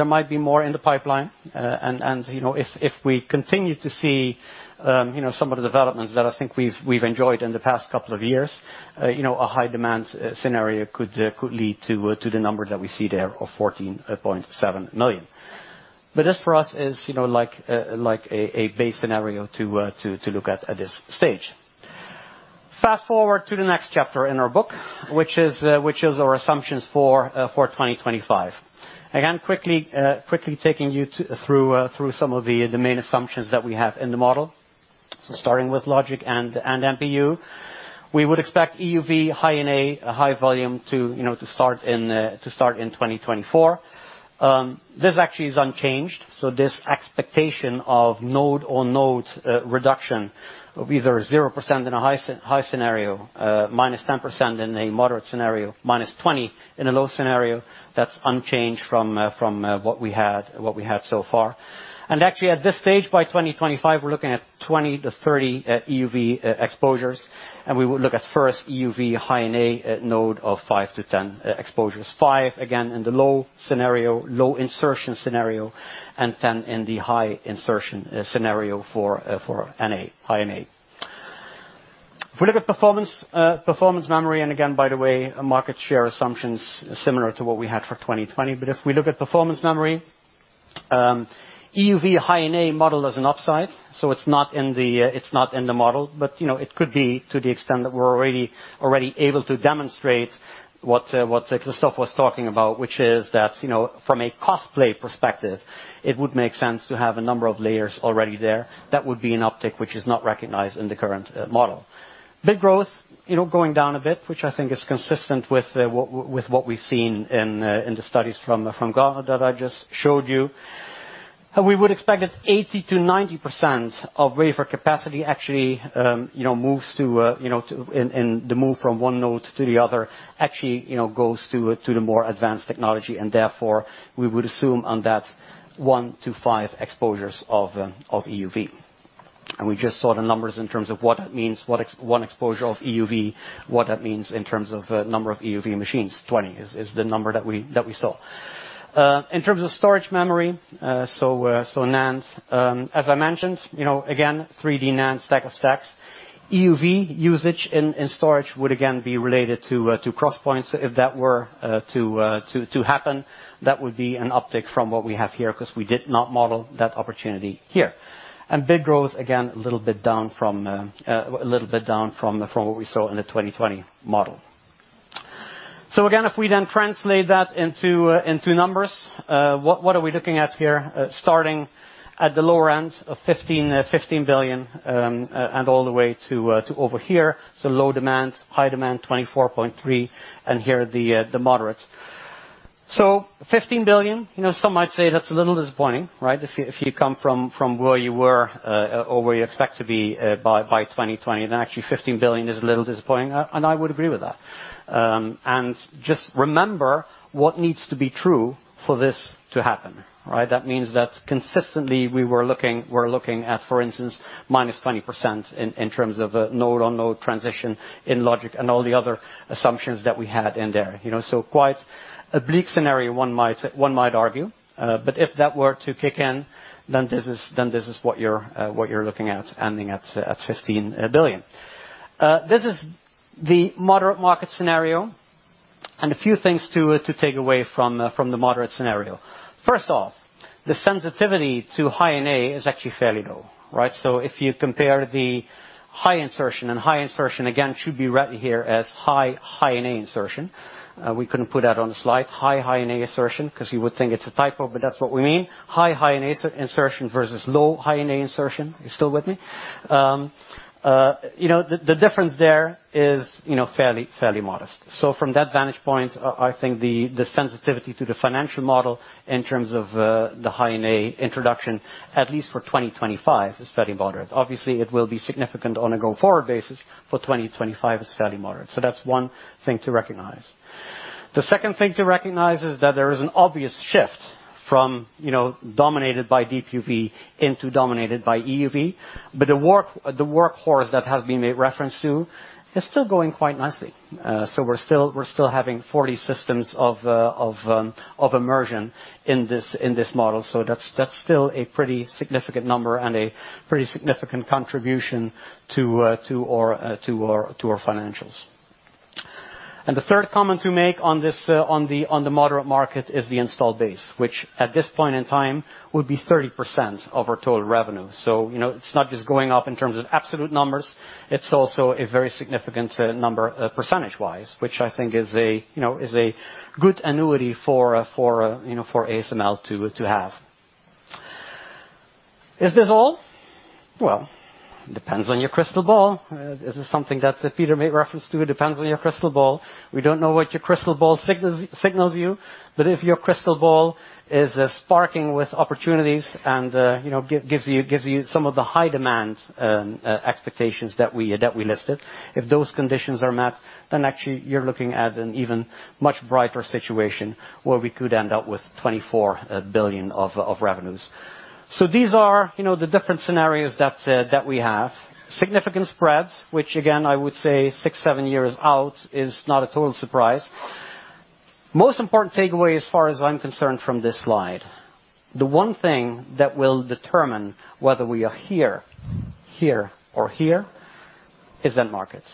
the pipeline, and if we continue to see some of the developments that I think we've enjoyed in the past couple of years, a high-demand scenario could lead to the number that we see there of 14.7 million. This for us is like a base scenario to look at this stage. Fast-forward to the next chapter in our book, which is our assumptions for 2025. Again, quickly taking you through some of the main assumptions that we have in the model. Starting with logic and NPU. We would expect EUV High-NA, high volume to start in 2024. This actually is unchanged, so this expectation of node-on-node reduction of either 0% in a high scenario, -10% in a moderate scenario, -20% in a low scenario, that's unchanged from what we had so far. Actually, at this stage, by 2025, we're looking at 20-30 EUV exposures, and we would look at first EUV High-NA node of five-10 exposures. Five, again, in the low scenario, low insertion scenario, and 10 in the high insertion scenario for High-NA. If we look at performance memory, and again, by the way, market share assumption's similar to what we had for 2020. If we look at performance memory, EUV High-NA model is an upside. It's not in the model, but it could be to the extent that we're already able to demonstrate what Christophe was talking about, which is that from a cost play perspective, it would make sense to have a number of layers already there. That would be an uptick which is not recognized in the current model. Big growth, going down a bit, which I think is consistent with what we've seen in the studies from Gartner that I just showed you. We would expect that 80%-90% of wafer capacity actually in the move from one node to the other actually goes to the more advanced technology, and therefore, we would assume on that one to five exposures of EUV. We just saw the numbers in terms of what that means, what one exposure of EUV, what that means in terms of number of EUV machines. 20 is the number that we saw. In terms of storage memory, so NAND, as I mentioned, again, 3D NAND stack of stacks. EUV usage in storage would again be related to crosspoints if that were to happen. That would be an uptick from what we have here because we did not model that opportunity here. Big growth, again, a little bit down from what we saw in the 2020 model. Again, if we then translate that into numbers, what are we looking at here? Starting at the lower end of 15 billion, and all the way to over here, so low demand, high demand 24.3 billion, and here the moderate. 15 billion, some might say that's a little disappointing, right? If you come from where you were, or where you expect to be, by 2020, then actually 15 billion is a little disappointing, I would agree with that. Just remember what needs to be true for this to happen, right? That means that consistently we're looking at, for instance, -20% in terms of a node-on-node transition in logic and all the other assumptions that we had in there. Quite a bleak scenario one might argue. If that were to kick in, then this is what you're looking at, ending at 15 billion. This is the moderate market scenario, and a few things to take away from the moderate scenario. First off, the sensitivity to High-NA is actually fairly low, right? If you compare the high insertion, and high insertion again should be read here as high High-NA insertion. We couldn't put that on a slide, high High-NA insertion, because you would think it's a typo, but that's what we mean. High High-NA insertion versus low High-NA insertion. You still with me? The difference there is fairly modest. From that vantage point, I think the sensitivity to the financial model in terms of the High-NA introduction, at least for 2025, is fairly moderate. It will be significant on a go-forward basis. For 2025, it's fairly moderate. That's one thing to recognize. The second thing to recognize is that there is an obvious shift from dominated by deep UV into dominated by EUV. The workhorse that has been made reference to is still going quite nicely. We're still having 40 systems of immersion in this model, that's still a pretty significant number and a pretty significant contribution to our financials. The third comment to make on the moderate market is the installed base, which at this point in time would be 30% of our total revenue. It's not just going up in terms of absolute numbers, it's also a very significant number percentage-wise, which I think is a good annuity for ASML to have. Is this all? Depends on your crystal ball. This is something that Peter made reference to, it depends on your crystal ball. We don't know what your crystal ball signals you. If your crystal ball is sparking with opportunities and gives you some of the high demand expectations that we listed, if those conditions are met, then actually you're looking at an even much brighter situation where we could end up with 24 billion of revenues. These are the different scenarios that we have. Significant spreads, which again, I would say six, seven years out is not a total surprise. Most important takeaway as far as I'm concerned from this slide, the one thing that will determine whether we are here or here is end markets.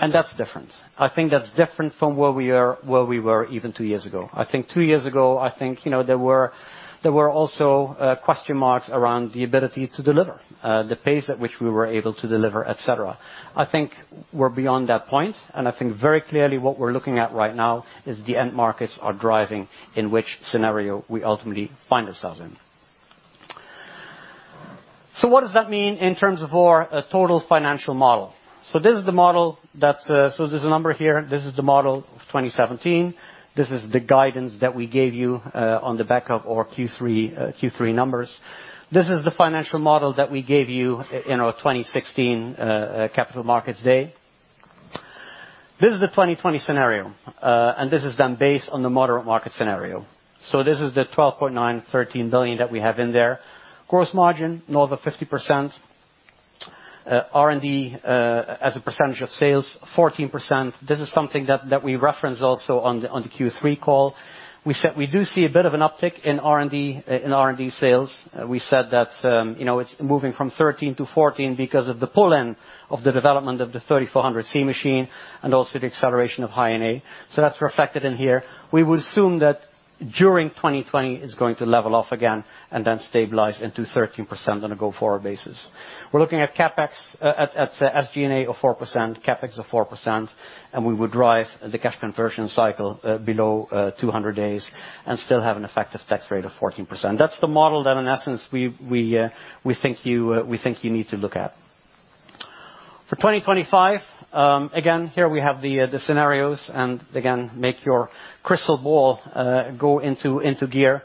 That's different. I think that's different from where we were even two years ago. I think two years ago, there were also question marks around the ability to deliver, the pace at which we were able to deliver, et cetera. I think we're beyond that point, and I think very clearly what we're looking at right now is the end markets are driving, in which scenario we ultimately find ourselves in. What does that mean in terms of our total financial model? There's a number here. This is the model of 2017. This is the guidance that we gave you on the back of our Q3 numbers. This is the financial model that we gave you in our 2016 Capital Markets Day. This is the 2020 scenario, and this is done based on the moderate market scenario. This is the 12.913 billion that we have in there. Gross margin, north of 50%. R&D as a percentage of sales, 14%. This is something that we referenced also on the Q3 call. We do see a bit of an uptick in R&D sales. We said that it's moving from 13% to 14% because of the pull-in of the development of the 3400C machine and also the acceleration of High-NA. That's reflected in here. We would assume that during 2020 is going to level off again and then stabilize into 13% on a go-forward basis. We're looking at SG&A of 4%, CapEx of 4%. We would drive the cash conversion cycle below 200 days and still have an effective tax rate of 14%. That's the model that in essence we think you need to look at. For 2025, again, here we have the scenarios. Again, make your crystal ball go into gear.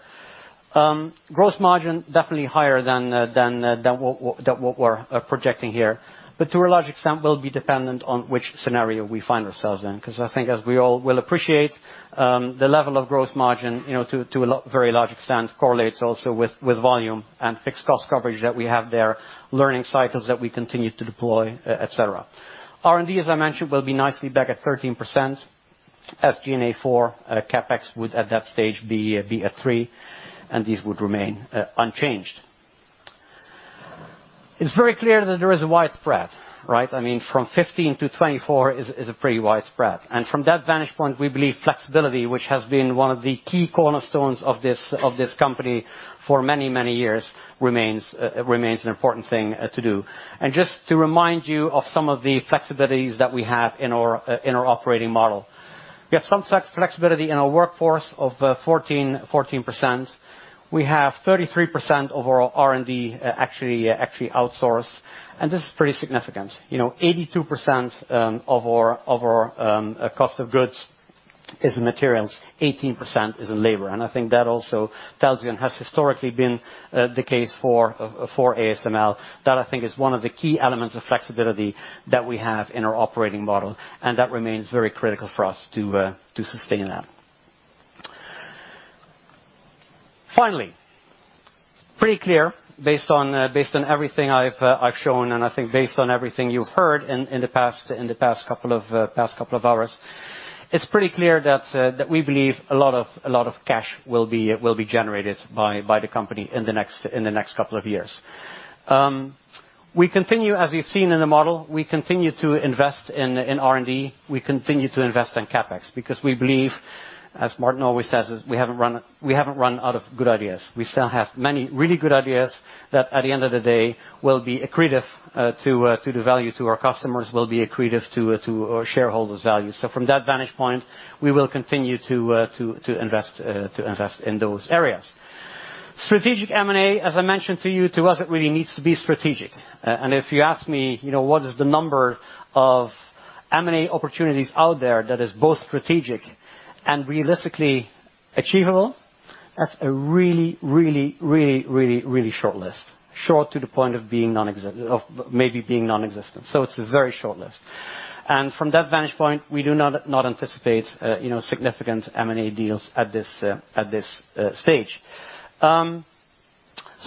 Gross margin, definitely higher than what we're projecting here, but to a large extent will be dependent on which scenario we find ourselves in. I think as we all will appreciate, the level of growth margin to a very large extent correlates also with volume and fixed cost coverage that we have there, learning cycles that we continue to deploy, et cetera. R&D, as I mentioned, will be nicely back at 13%. SG&A 4%, CapEx would at that stage be 3%, and these would remain unchanged. It's very clear that there is a wide spread, right? From 15% to 24% is a pretty wide spread. From that vantage point, we believe flexibility, which has been one of the key cornerstones of this company for many, many years, remains an important thing to do. Just to remind you of some of the flexibilities that we have in our operating model. We have some flexibility in our workforce of 14%. We have 33% of our R&D actually outsourced. This is pretty significant. 82% of our cost of goods is in materials, 18% is in labor. I think that also tells you. Has historically been the case for ASML. That, I think, is one of the key elements of flexibility that we have in our operating model, and that remains very critical for us to sustain that. Finally, pretty clear based on everything I've shown. I think based on everything you've heard in the past couple of hours. It's pretty clear that we believe a lot of cash will be generated by the company in the next couple of years. As you've seen in the model, we continue to invest in R&D, we continue to invest in CapEx because we believe, as Martin always says, we haven't run out of good ideas. We still have many really good ideas that at the end of the day will be accretive to the value to our customers, will be accretive to our shareholders' value. From that vantage point, we will continue to invest in those areas. Strategic M&A, as I mentioned to you, to us, it really needs to be strategic. If you ask me what is the number of M&A opportunities out there that is both strategic and realistically achievable, that's a really, really, really, really, really short list. Short to the point of maybe being nonexistent. It's a very short list. From that vantage point, we do not anticipate significant M&A deals at this stage.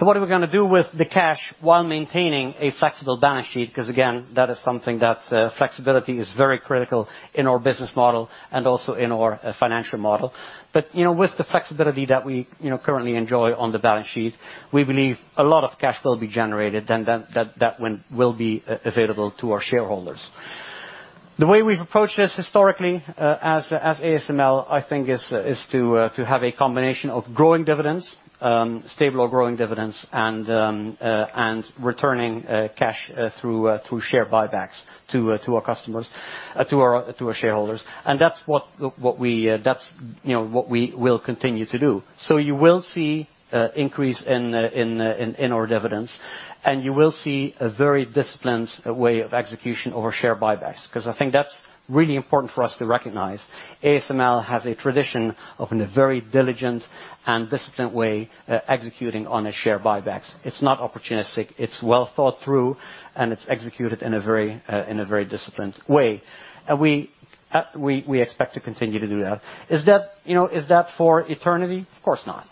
What are we going to do with the cash while maintaining a flexible balance sheet? Because again, that is something that flexibility is very critical in our business model and also in our financial model. With the flexibility that we currently enjoy on the balance sheet, we believe a lot of cash will be generated, and that will be available to our shareholders. The way we've approached this historically, as ASML, I think, is to have a combination of growing dividends, stable or growing dividends, and returning cash through share buybacks to our shareholders. That's what we will continue to do. You will see increase in our dividends, and you will see a very disciplined way of execution over share buybacks, because I think that's really important for us to recognize. ASML has a tradition of, in a very diligent and disciplined way, executing on a share buybacks. It's not opportunistic. It's well thought through, and it's executed in a very disciplined way. We expect to continue to do that. Is that for eternity? Of course not.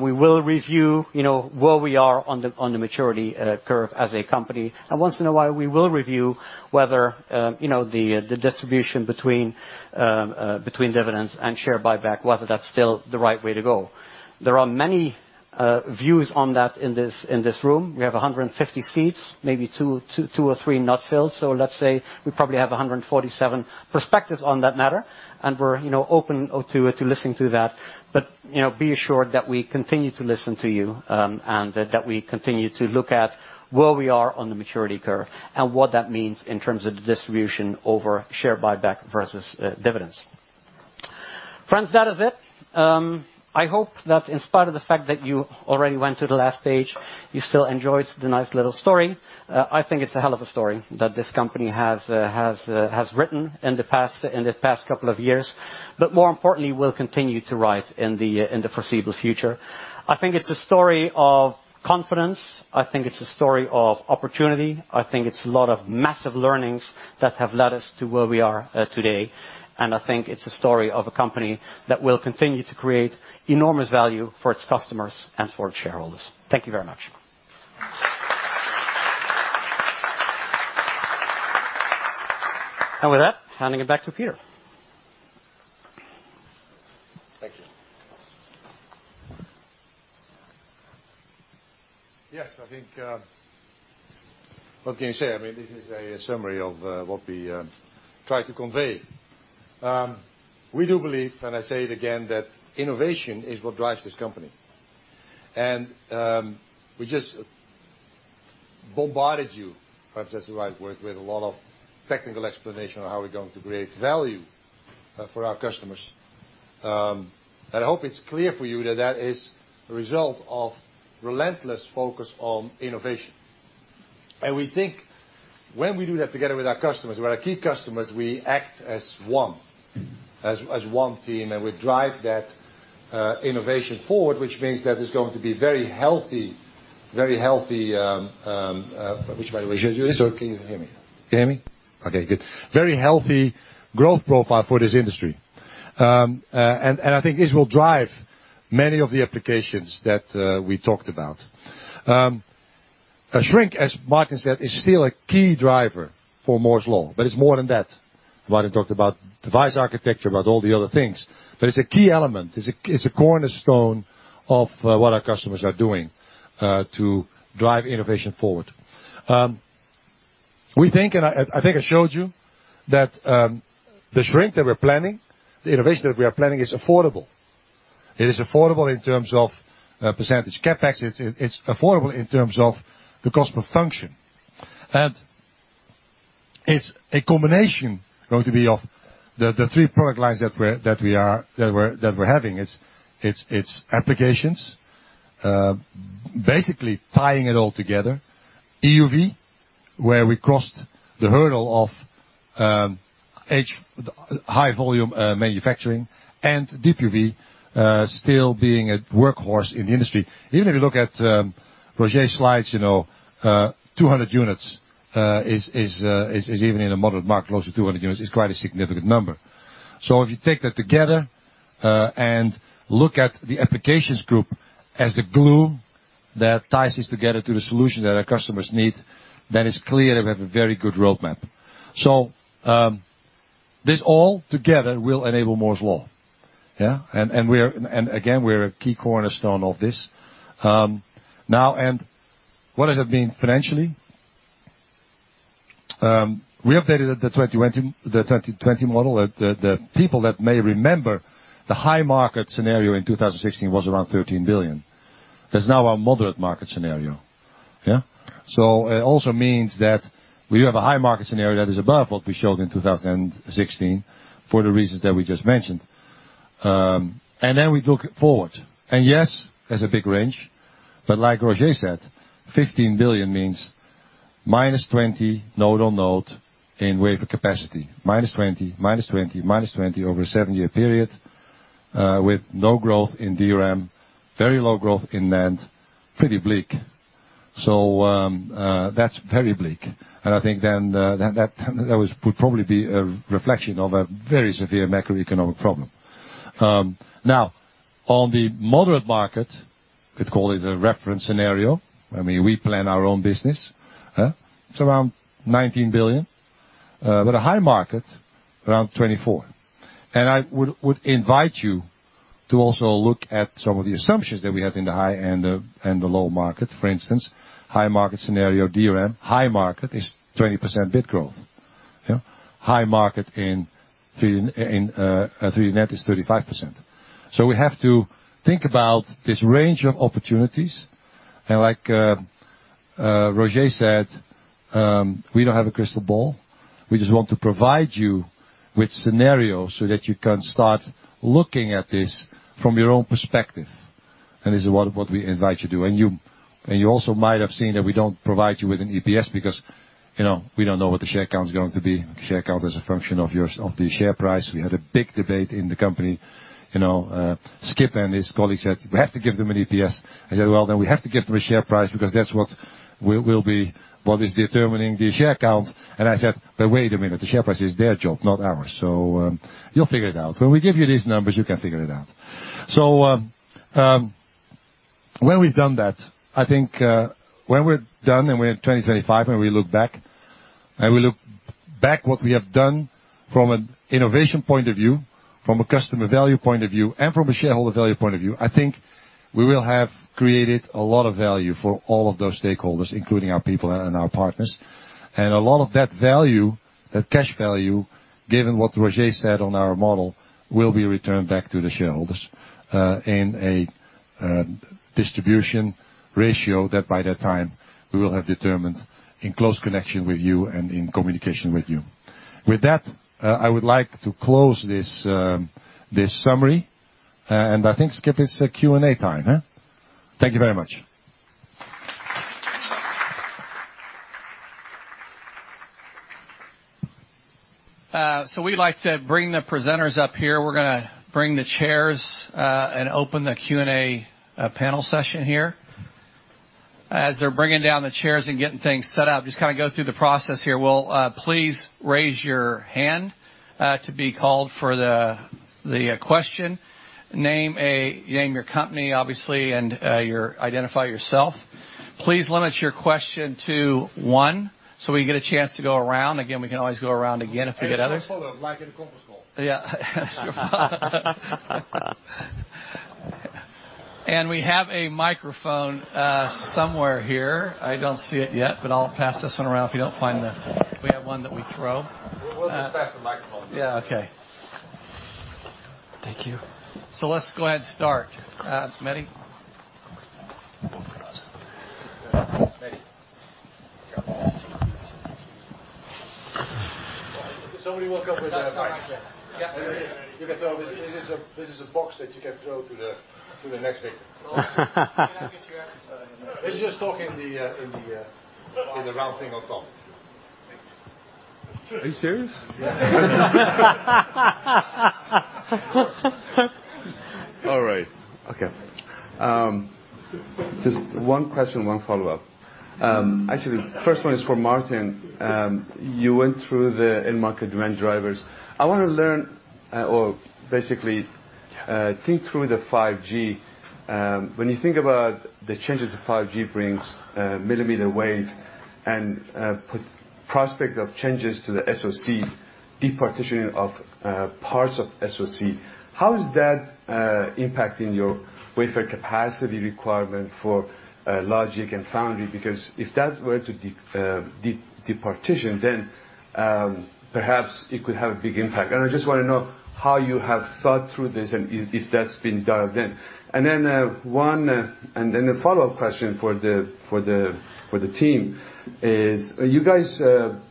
We will review where we are on the maturity curve as a company. Once in a while, we will review whether the distribution between dividends and share buyback, whether that's still the right way to go. There are many views on that in this room. We have 150 seats, maybe two or three not filled. Let's say we probably have 147 perspectives on that matter, and we're open to listening to that. Be assured that we continue to listen to you, and that we continue to look at where we are on the maturity curve and what that means in terms of the distribution over share buyback versus dividends. Friends, that is it. I hope that in spite of the fact that you already went to the last page, you still enjoyed the nice little story. I think it's a hell of a story that this company has written in the past couple of years. More importantly, will continue to write in the foreseeable future. I think it's a story of confidence. I think it's a story of opportunity. I think it's a lot of massive learnings that have led us to where we are today, and I think it's a story of a company that will continue to create enormous value for its customers and for its shareholders. Thank you very much. With that, handing it back to Peter. Thank you. Yes, what can you say? This is a summary of what we tried to convey. We do believe, and I say it again, that innovation is what drives this company. We just bombarded you, perhaps that's the right word, with a lot of technical explanation on how we're going to create value for our customers. I hope it's clear for you that that is a result of relentless focus on innovation. We think when we do that together with our customers, with our key customers, we act as one team, we drive that innovation forward, which means that it's going to be very healthy growth profile for this industry. I think this will drive many of the applications that we talked about. A shrink, as Martin said, is still a key driver for Moore's Law, but it's more than that. Martin talked about device architecture, about all the other things. It's a key element. It's a cornerstone of what our customers are doing to drive innovation forward. I think I showed you that the shrink that we're planning, the innovation that we are planning is affordable. It is affordable in terms of percentage CapEx. It's affordable in terms of the cost per function. It's a combination going to be of the three product lines that we're having. It's applications, basically tying it all together. EUV, where we crossed the hurdle of high-volume manufacturing and deep UV still being a workhorse in the industry. Even if you look at Roger's slides, 200 units, even in a moderate market, close to 200 units is quite a significant number. If you take that together, look at the applications group as the glue that ties this together to the solution that our customers need, it's clear that we have a very good roadmap. This all together will enable Moore's Law. Again, we're a key cornerstone of this. Now, what does that mean financially? We updated the 2020 model. The people that may remember the high-market scenario in 2016 was around 13 billion. That's now our moderate market scenario. It also means that we have a high-market scenario that is above what we showed in 2016 for the reasons that we just mentioned. We look forward. Yes, there's a big range, like Roger said, 15 billion means -20 node on node in wafer capacity, -20, -20, -20 over a seven-year period, with no growth in DRAM, very low growth in NAND, pretty bleak. That's very bleak. I think that would probably be a reflection of a very severe macroeconomic problem. Now, on the moderate market, could call this a reference scenario. We plan our own business. It's around 19 billion. A high market, around 24 billion. I would invite you to also look at some of the assumptions that we have in the high and the low market. For instance, high-market scenario, DRAM, high market is 20% bit growth. High market in 3D NAND is 35%. We have to think about this range of opportunities. Like Roger said, we don't have a crystal ball. We just want to provide you with scenarios so that you can start looking at this from your own perspective, this is what we invite you to do. You also might have seen that we don't provide you with an EPS because we don't know what the share count is going to be. Share count is a function of the share price. We had a big debate in the company. Skip and his colleagues said, "We have to give them an EPS." I said, "Well, we have to give them a share price because that's what is determining the share count." I said, "Wait a minute, the share price is their job, not ours." You'll figure it out. When we give you these numbers, you can figure it out. When we've done that, I think when we're done and we're in 2025, when we look back I will look back what we have done from an innovation point of view, from a customer value point of view, and from a shareholder value point of view. I think we will have created a lot of value for all of those stakeholders, including our people and our partners. A lot of that value, that cash value, given what Roger said on our model, will be returned back to the shareholders, in a distribution ratio that by that time we will have determined in close connection with you and in communication with you. With that, I would like to close this summary, and I think, Skip, it's Q&A time. Thank you very much. We'd like to bring the presenters up here. We're going to bring the chairs and open the Q&A panel session here. As they're bringing down the chairs and getting things set up, just go through the process here. Please raise your hand to be called for the question. Name your company, obviously, and identify yourself. Please limit your question to one, so we get a chance to go around. Again, we can always go around again if we get others. A short follow-up, like in a conference call. Yeah. We have a microphone somewhere here. I don't see it yet, but I'll pass this one around if you don't find. Do we have one that we throw? We'll just pass the microphone. Yeah, okay. Thank you. Let's go ahead and start. Mehdi? Somebody woke up with a mic there. Yes. You can throw. This is a box that you can throw to the next victim. It's just talk in the round thing on top. Are you serious? All right. Okay. Just one question, one follow-up. Actually, first one is for Martin. You went through the end market demand drivers. I want to learn or basically think through the 5G. When you think about the changes that 5G brings, millimeter wave, and put prospect of changes to the SoC, de-partitioning of parts of SoC, how is that impacting your wafer capacity requirement for logic and foundry? If that were to de-partition, then perhaps it could have a big impact. I just want to know how you have thought through this and if that's been dialed in. A follow-up question for the team is, you guys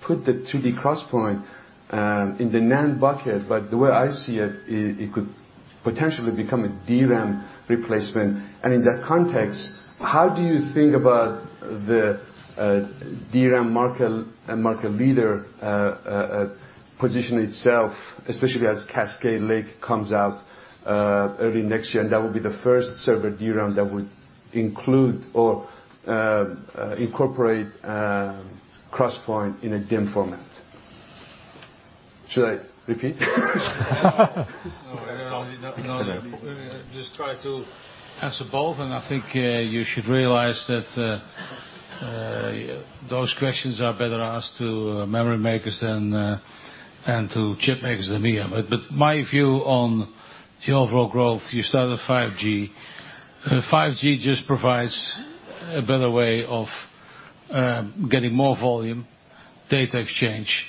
put the 2D Crosspoint in the NAND bucket, but the way I see it could potentially become a DRAM replacement. In that context, how do you think about the DRAM market and market leader positioning itself, especially as Cascade Lake comes out early next year, and that will be the first server DRAM that would include or incorporate Crosspoint in a DIMM format? Should I repeat? No, just try to answer both. I think you should realize that those questions are better asked to memory makers and to chip makers than me. My view on the overall growth, you start with 5G. 5G just provides a better way of getting more volume, data exchange,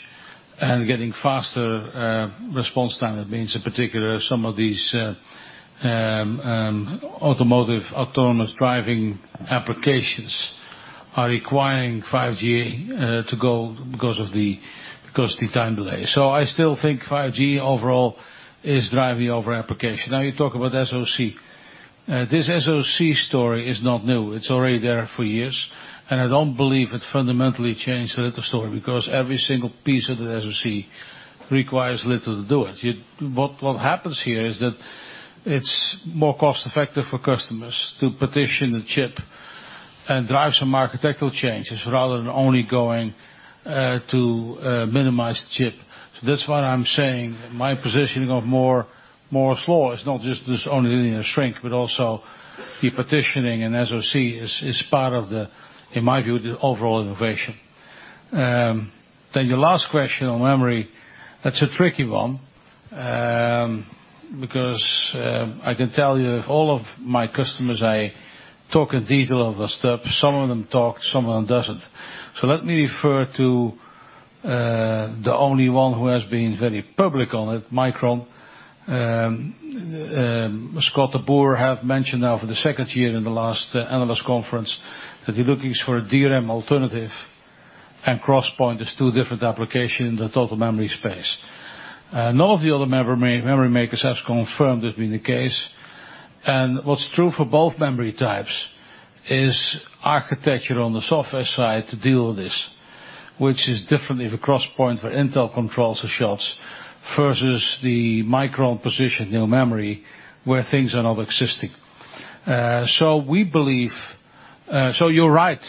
and getting faster response time. That means, in particular, some of these automotive autonomous driving applications are requiring 5G to go because of the time delay. I still think 5G overall is driving over application. You talk about SoC. This SoC story is not new. It's already there for years, and I don't believe it fundamentally changed the little story because every single piece of the SoC requires little to do it. What happens here is that it's more cost effective for customers to partition the chip and drive some architectural changes rather than only going to minimize the chip. That's why I'm saying my positioning of Moore's Law is not just this only linear shrink, but also the partitioning and SoC is part of the, in my view, the overall innovation. Your last question on memory, that's a tricky one, because I can tell you if all of my customers, I talk in detail of the stuff. Some of them talk, some of them doesn't. Let me refer to the only one who has been very public on it, Micron. Scott DeBoer have mentioned now for the second year in the last analyst conference that he look is for a DRAM alternative, and Crosspoint is two different application in the total memory space. None of the other memory makers has confirmed that being the case. What's true for both memory types is architecture on the software side to deal with this, which is different if a Crosspoint for Intel controls the shelves versus the Micron position, new memory, where things are now existing. You're right,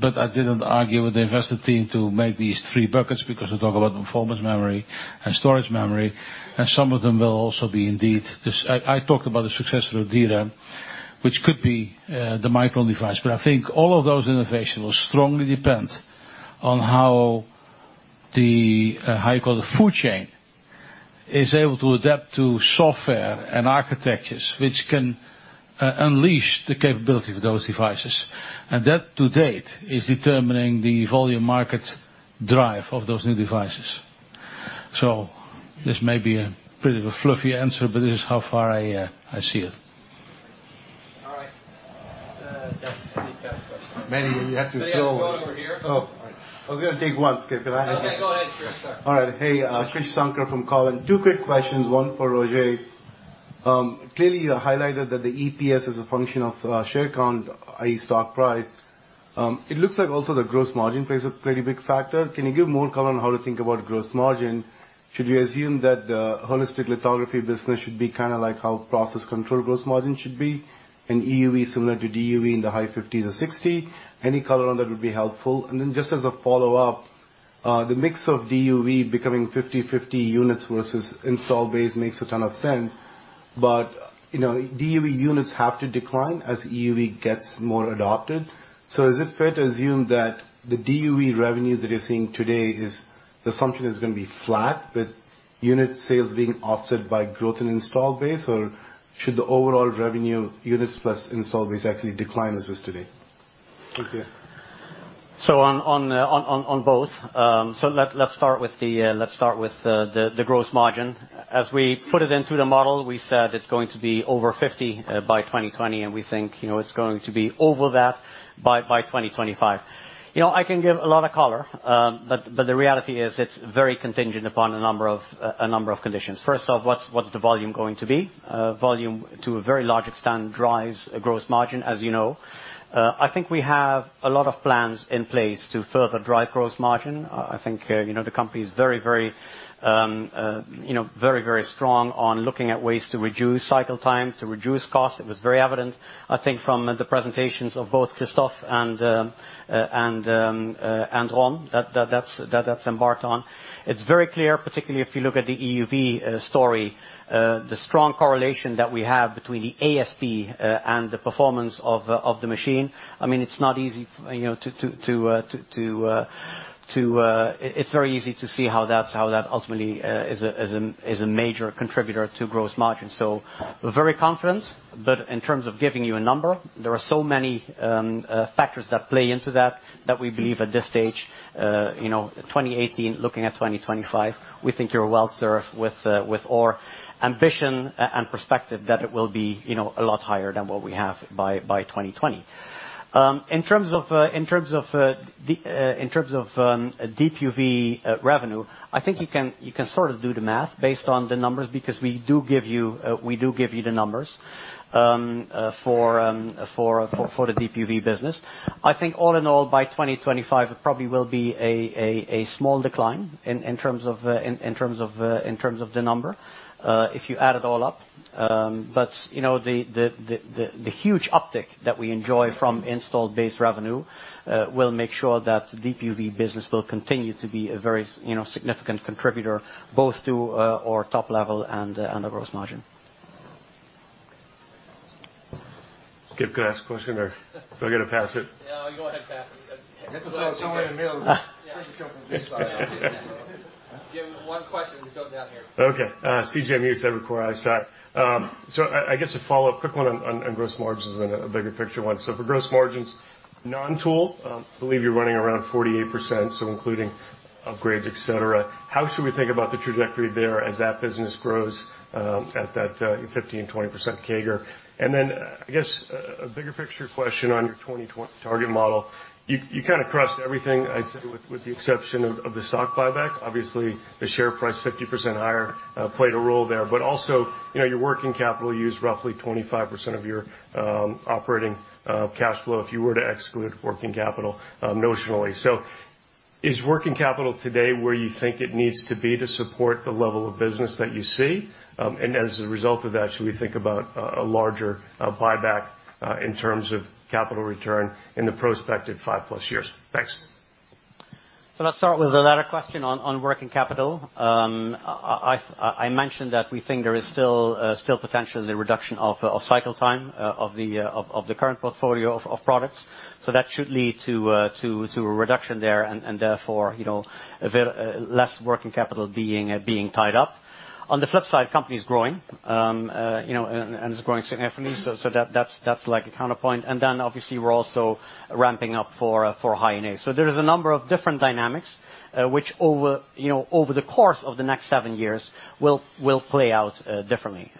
but I didn't argue with the investor team to make these three buckets because we talk about performance memory and storage memory, and some of them will also be indeed this I talked about the success of DRAM. Which could be the Micron device. I think all of those innovations will strongly depend on how the food chain is able to adapt to software and architectures, which can unleash the capability of those devices. That, to date, is determining the volume market drive of those new devices. This may be a pretty fluffy answer, but this is how far I see it. All right. That's it. Mehdi, have to. Any other ones over here? Oh, all right. I was going to take one, Skip. Can I have it? Okay, go ahead, Krish. Sorry. All right. Hey, Krish Sankar from Cowen. Two quick questions, one for Roger. Clearly, you highlighted that the EPS is a function of share count, i.e., stock price. It looks like also the gross margin plays a pretty big factor. Can you give more color on how to think about gross margin? Should we assume that the holistic lithography business should be kind of like how process control gross margin should be? EUV similar to DUV in the high 50%-60%? Any color on that would be helpful. Just as a follow-up, the mix of DUV becoming 50/50 units versus install base makes a ton of sense. DUV units have to decline as EUV gets more adopted. Is it fair to assume that the DUV revenues that you're seeing today, the assumption is going to be flat with unit sales being offset by growth in install base? Should the overall revenue units plus install base actually decline as is today? Thank you. On both. Let's start with the gross margin. As we put it into the model, we said it's going to be over 50% by 2020, and we think it's going to be over that by 2025. I can give a lot of color, but the reality is it's very contingent upon a number of conditions. First off, what's the volume going to be? Volume, to a very large extent, drives gross margin, as you know. I think we have a lot of plans in place to further drive gross margin. I think the company is very strong on looking at ways to reduce cycle time, to reduce cost. It was very evident, I think from the presentations of both Christophe and Ron, that that's embarked on. It's very clear, particularly if you look at the EUV story, the strong correlation that we have between the ASP and the performance of the machine. It's ver easy to see how that ultimately is a major contributor to gross margin. We're very confident, but in terms of giving you a number, there are so many factors that play into that we believe at this stage, 2018 looking at 2025, we think you're well-served with our ambition and perspective that it will be a lot higher than what we have by 2020. In terms of deep UV revenue, I think you can sort of do the math based on the numbers, because we do give you the numbers for the deep UV business. I think all in all, by 2025, it probably will be a small decline in terms of the number, if you add it all up. The huge uptick that we enjoy from installed base revenue will make sure that deep UV business will continue to be a very significant contributor both to our top level and the gross margin. Skip, can I ask a question or do I get to pass it? Yeah, go ahead pass it then. Get this out to somebody in the middle. Krish, you come from this side. We have one question, we come down here. Okay. C.J. Muse, Evercore ISI. I guess a follow-up quick one on gross margins and then a bigger picture one. For gross margins, non-tool, I believe you're running around 48%, including upgrades, et cetera. How should we think about the trajectory there as that business grows at that 15%-20% CAGR? Then, I guess a bigger picture question on your 2020 target model. You kind of crushed everything, I'd say, with the exception of the stock buyback. Obviously, the share price 50% higher played a role there. Also, your working capital used roughly 25% of your operating cash flow if you were to exclude working capital notionally. Is working capital today where you think it needs to be to support the level of business that you see? As a result of that, should we think about a larger buyback in terms of capital return in the prospected 5+ years? Thanks. Let's start with the latter question on working capital. I mentioned that we think there is still potential in the reduction of cycle time of the current portfolio of products. That should lead to a reduction there, and therefore, less working capital being tied up. On the flip side, company is growing, and it's growing significantly. That's like a counterpoint. Then obviously, we're also ramping up for High-NA. There is a number of different dynamics, which over the course of the next seven years will play out differently.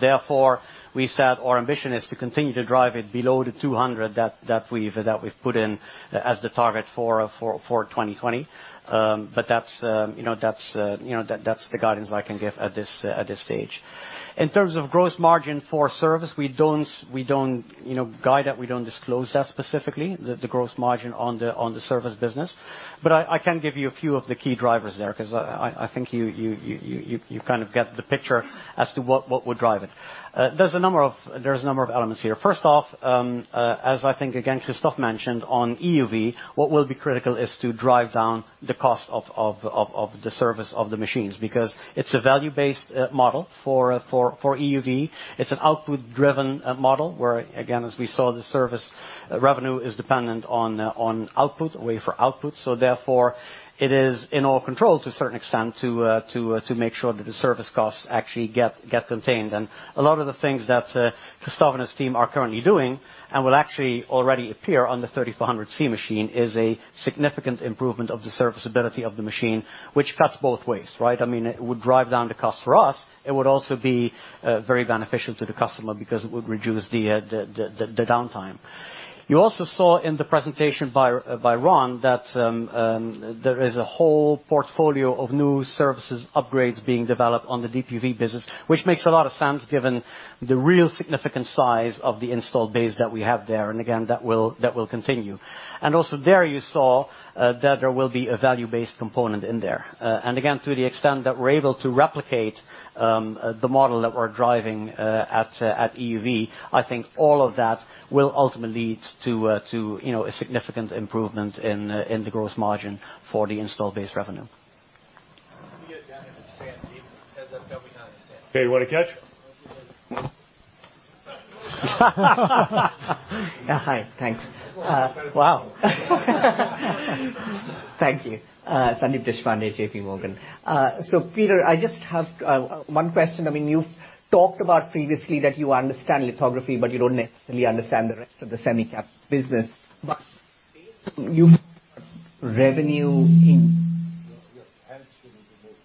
Therefore, we said our ambition is to continue to drive it below the 200 that we've put in as the target for 2020. That's the guidance I can give at this stage. In terms of gross margin for service, we don't guide that, we don't disclose that specifically, the gross margin on the service business. I can give you a few of the key drivers there, because I think you kind of get the picture as to what would drive it. There's a number of elements here. First off, as I think, again, Christophe mentioned on EUV, what will be critical is to drive down the cost of the service of the machines, because it's a value-based model for EUV. It's an output-driven model where, again, as we saw, the service revenue is dependent on output, away for output. Therefore, it is in our control to a certain extent to make sure that the service costs actually get contained. A lot of the things that Christophe and his team are currently doing, and will actually already appear on the 3400C machine, is a significant improvement of the serviceability of the machine, which cuts both ways. It would drive down the cost for us. It would also be very beneficial to the customer because it would reduce the downtime. You also saw in the presentation by Ron that there is a whole portfolio of new services upgrades being developed on the deep UV business, which makes a lot of sense given the real significant size of the installed base that we have there, and again, that will continue. Also there you saw that there will be a value-based component in there. Again, to the extent that we're able to replicate the model that we're driving at EUV, I think all of that will ultimately lead to a significant improvement in the gross margin for the installed base revenue. Can you get that to Sandeep? Hey, you want a catch? Hi. Thanks. Wow. Thank you. Sandeep Deshpande, JPMorgan. Peter, I just have one question. You've talked about previously that you understand lithography, but you don't necessarily understand the rest of the semi cap business. Based on you- Hands free would be good.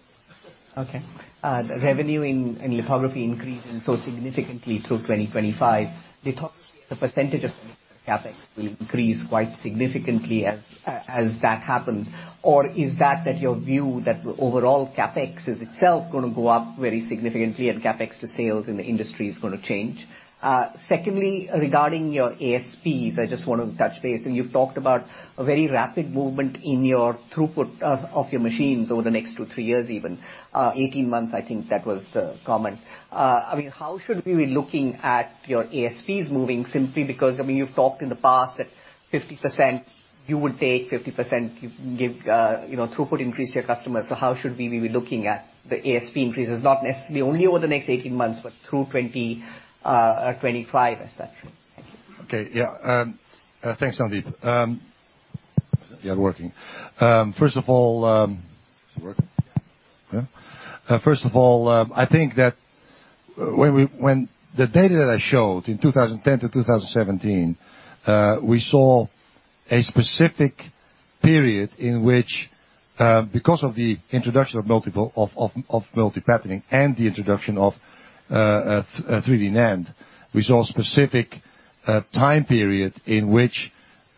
Okay. Revenue in lithography increasing so significantly through 2025, lithography as a percentage of semi cap ex will increase quite significantly as that happens. Is that your view that the overall CapEx is itself going to go up very significantly and CapEx to sales in the industry is going to change? Secondly, regarding your ASPs, I just want to touch base, and you've talked about a very rapid movement in your throughput of your machines over the next two, three years even. 18 months, I think that was the comment. How should we be looking at your ASPs moving? Simply because, you've talked in the past that 50%, you can give throughput increase to your customers. How should we be looking at the ASP increases? Not necessarily only over the next 18 months, but through 2025, et cetera. Thank you. Okay. Yeah. Thanks, Sandeep. Is it working? First of all- Is it working? Yeah. First of all, I think that when the data that I showed in 2010 to 2017, we saw a specific period in which, because of the introduction of multiple patterning and the introduction of 3D NAND, we saw a specific time period in which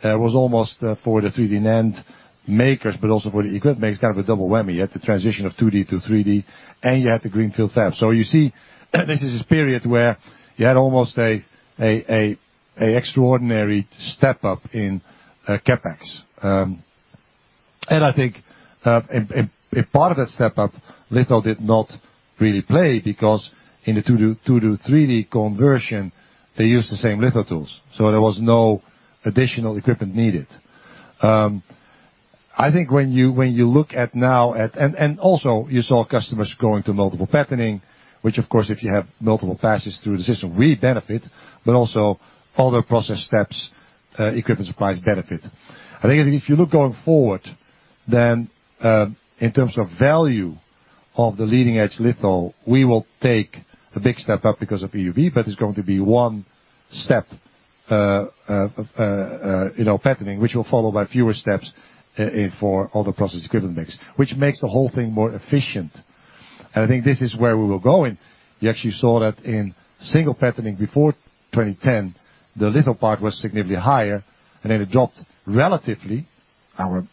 there was almost for the 3D NAND makers, but also for the equipment makers, kind of a double whammy. You had the transition of 2D to 3D, and you had the greenfield fab. You see this is a period where you had almost an extraordinary step up in CapEx. I think, a part of that step up, litho did not really play because in the 2D to 3D conversion, they used the same litho tools, so there was no additional equipment needed. I think when you look at now, also you saw customers going to multiple patterning, which of course, if you have multiple passes through the system, we benefit, but also other process steps, equipment suppliers benefit. I think if you look going forward, then in terms of value of the leading-edge litho, we will take a big step up because of EUV, but it's going to be one step patterning, which will follow by fewer steps for other process equipment mix, which makes the whole thing more efficient. I think this is where we were going. You actually saw that in single patterning before 2010, the litho part was significantly higher, and then it dropped relatively. Our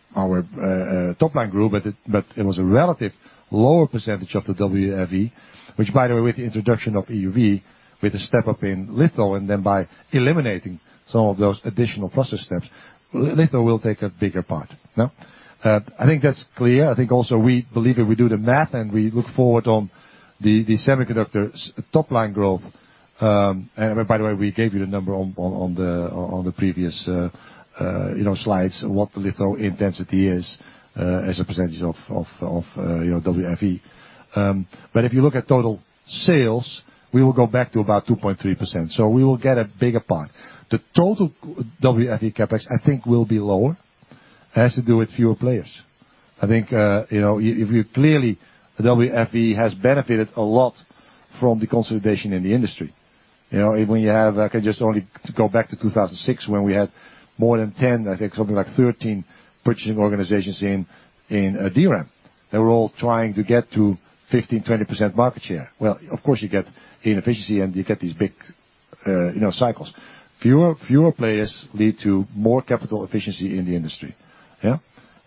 top-line grew, it was a relative lower percentage of the WFE, which, by the way, with the introduction of EUV, with the step up in litho, and then by eliminating some of those additional process steps, litho will take a bigger part. I think that's clear. I think also we believe if we do the math and we look forward on the semiconductor's top-line growth. By the way, we gave you the number on the previous slides, what the litho intensity is, as a percentage of WFE. If you look at total sales, we will go back to about 2.3%, so we will get a bigger part. The total WFE CapEx, I think will be lower. It has to do with fewer players. I think, clearly, WFE has benefited a lot from the consolidation in the industry. I can just only go back to 2006, when we had more than 10, I think something like 13 purchasing organizations in DRAM. They were all trying to get to 15%-20% market share. Of course, you get inefficiency, and you get these big cycles. Fewer players lead to more capital efficiency in the industry. Yeah?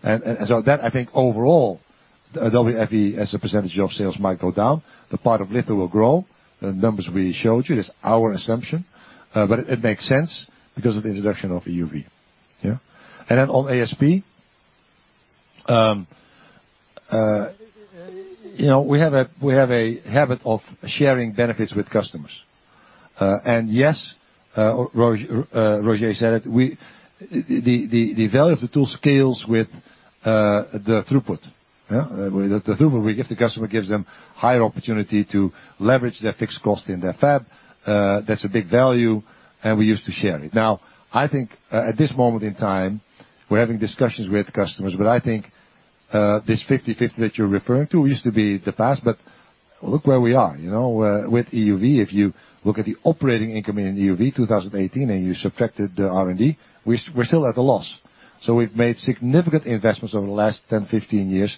That, I think overall, the WFE as a percentage of sales might go down. The part of litho will grow. The numbers we showed you, that's our assumption, but it makes sense because of the introduction of EUV. On ASP, we have a habit of sharing benefits with customers. And yes, Roger said it, the value of the tool scales with the throughput. Yeah? The throughput, if the customer gives them higher opportunity to leverage their fixed cost in their fab, that's a big value, and we used to share it. I think at this moment in time, we're having discussions with customers, but I think this 50/50 that you're referring to used to be the past, but look where we are. With EUV, if you look at the operating income in EUV 2018, and you subtracted the R&D, we're still at a loss. We've made significant investments over the last 10, 15 years.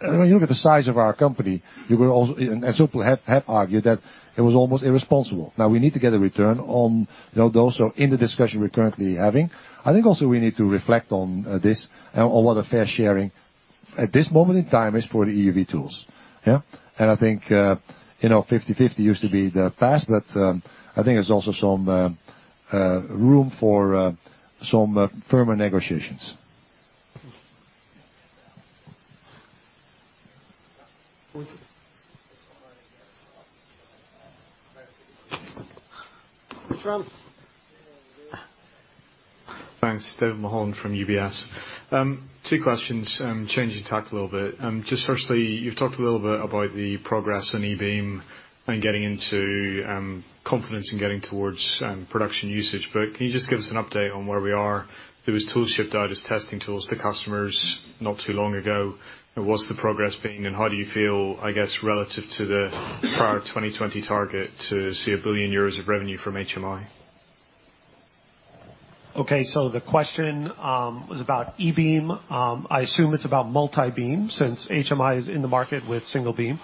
When you look at the size of our company, some have argued that it was almost irresponsible. We need to get a return on those. In the discussion we're currently having, I think also we need to reflect on this, on what a fair sharing at this moment in time is for the EUV tools. Yeah? I think 50/50 used to be the past, I think there's also some room for some firmer negotiations. Who is it? Thanks. Steven Mahone from UBS. Two questions, changing tack a little bit. Firstly, you've talked a little bit about the progress on E-beam and getting into confidence in getting towards production usage. Can you just give us an update on where we are? There was tools shipped out as testing tools to customers not too long ago. What's the progress been, and how do you feel, I guess, relative to the prior 2020 target to see 1 billion euros of revenue from HMI? The question was about E-beam. I assume it's about multi-beam since HMI is in the market with single beam.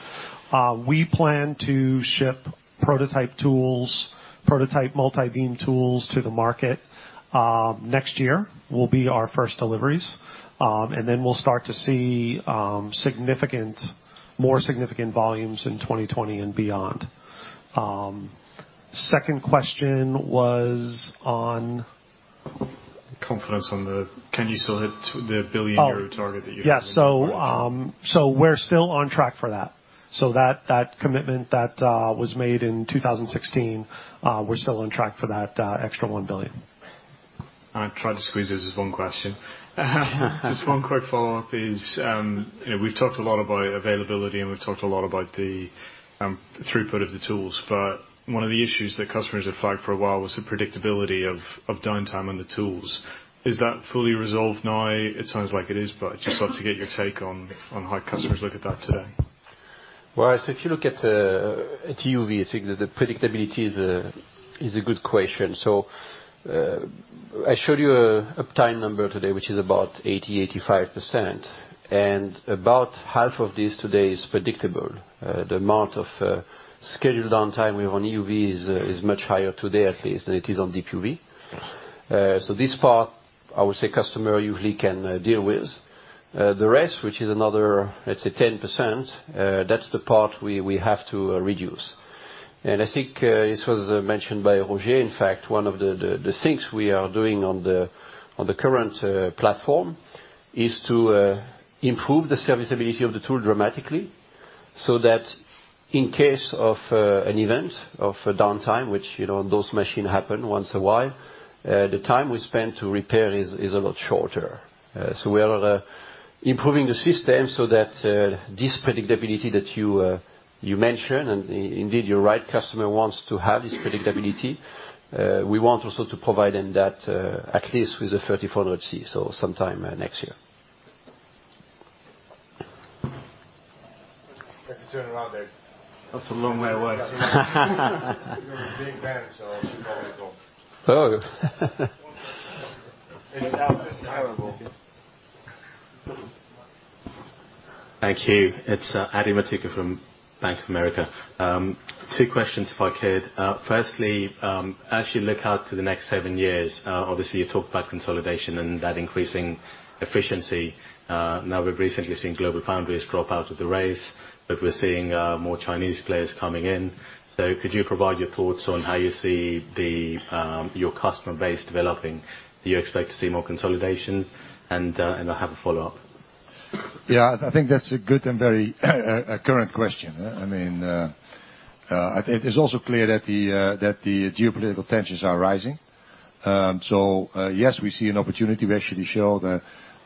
We plan to ship prototype multi-beam tools to the market. Next year will be our first deliveries, and then we'll start to see more significant volumes in 2020 and beyond. Second question was on- Can you still hit the 1 billion euro target that you had in mind? Yes. We're still on track for that. That commitment that was made in 2016, we're still on track for that extra 1 billion. I tried to squeeze this as one question. Just one quick follow-up is, we've talked a lot about availability, and we've talked a lot about the throughput of the tools, but one of the issues that customers have flagged for a while was the predictability of downtime on the tools. Is that fully resolved now? It sounds like it is, but I'd just like to get your take on how customers look at that today. Well, if you look at EUV, I think that the predictability is a good question. I showed you an uptime number today, which is about 80%-85%, and about half of this today is predictable. The amount of scheduled downtime we have on EUV is much higher today, at least, than it is on deep UV. this part, I would say customer usually can deal with. The rest, which is another, let's say 10%, that's the part we have to reduce. I think this was mentioned by Roger, in fact, one of the things we are doing on the current platform is to improve the serviceability of the tool dramatically, so that in case of an event, of a downtime, which those machine happen once a while, the time we spend to repair is a lot shorter. We are improving the system so that this predictability that you mentioned, and indeed you're right, customer wants to have this predictability. We want also to provide them that at least with the 3400C, so sometime next year. You have to turn around, Dave. That's a long way away. You've got a big hand, so I'm sure you'll have it all. It's tolerable. Thank you. It's Adi Metuku from Bank of America. Two questions, if I could. Firstly, as you look out to the next seven years, obviously you talked about consolidation and that increasing efficiency. We've recently seen GlobalFoundries drop out of the race, but we're seeing more Chinese players coming in. Could you provide your thoughts on how you see your customer base developing? Do you expect to see more consolidation? I have a follow-up. I think that's a good and very current question. It is also clear that the geopolitical tensions are rising. Yes, we see an opportunity. We actually showed,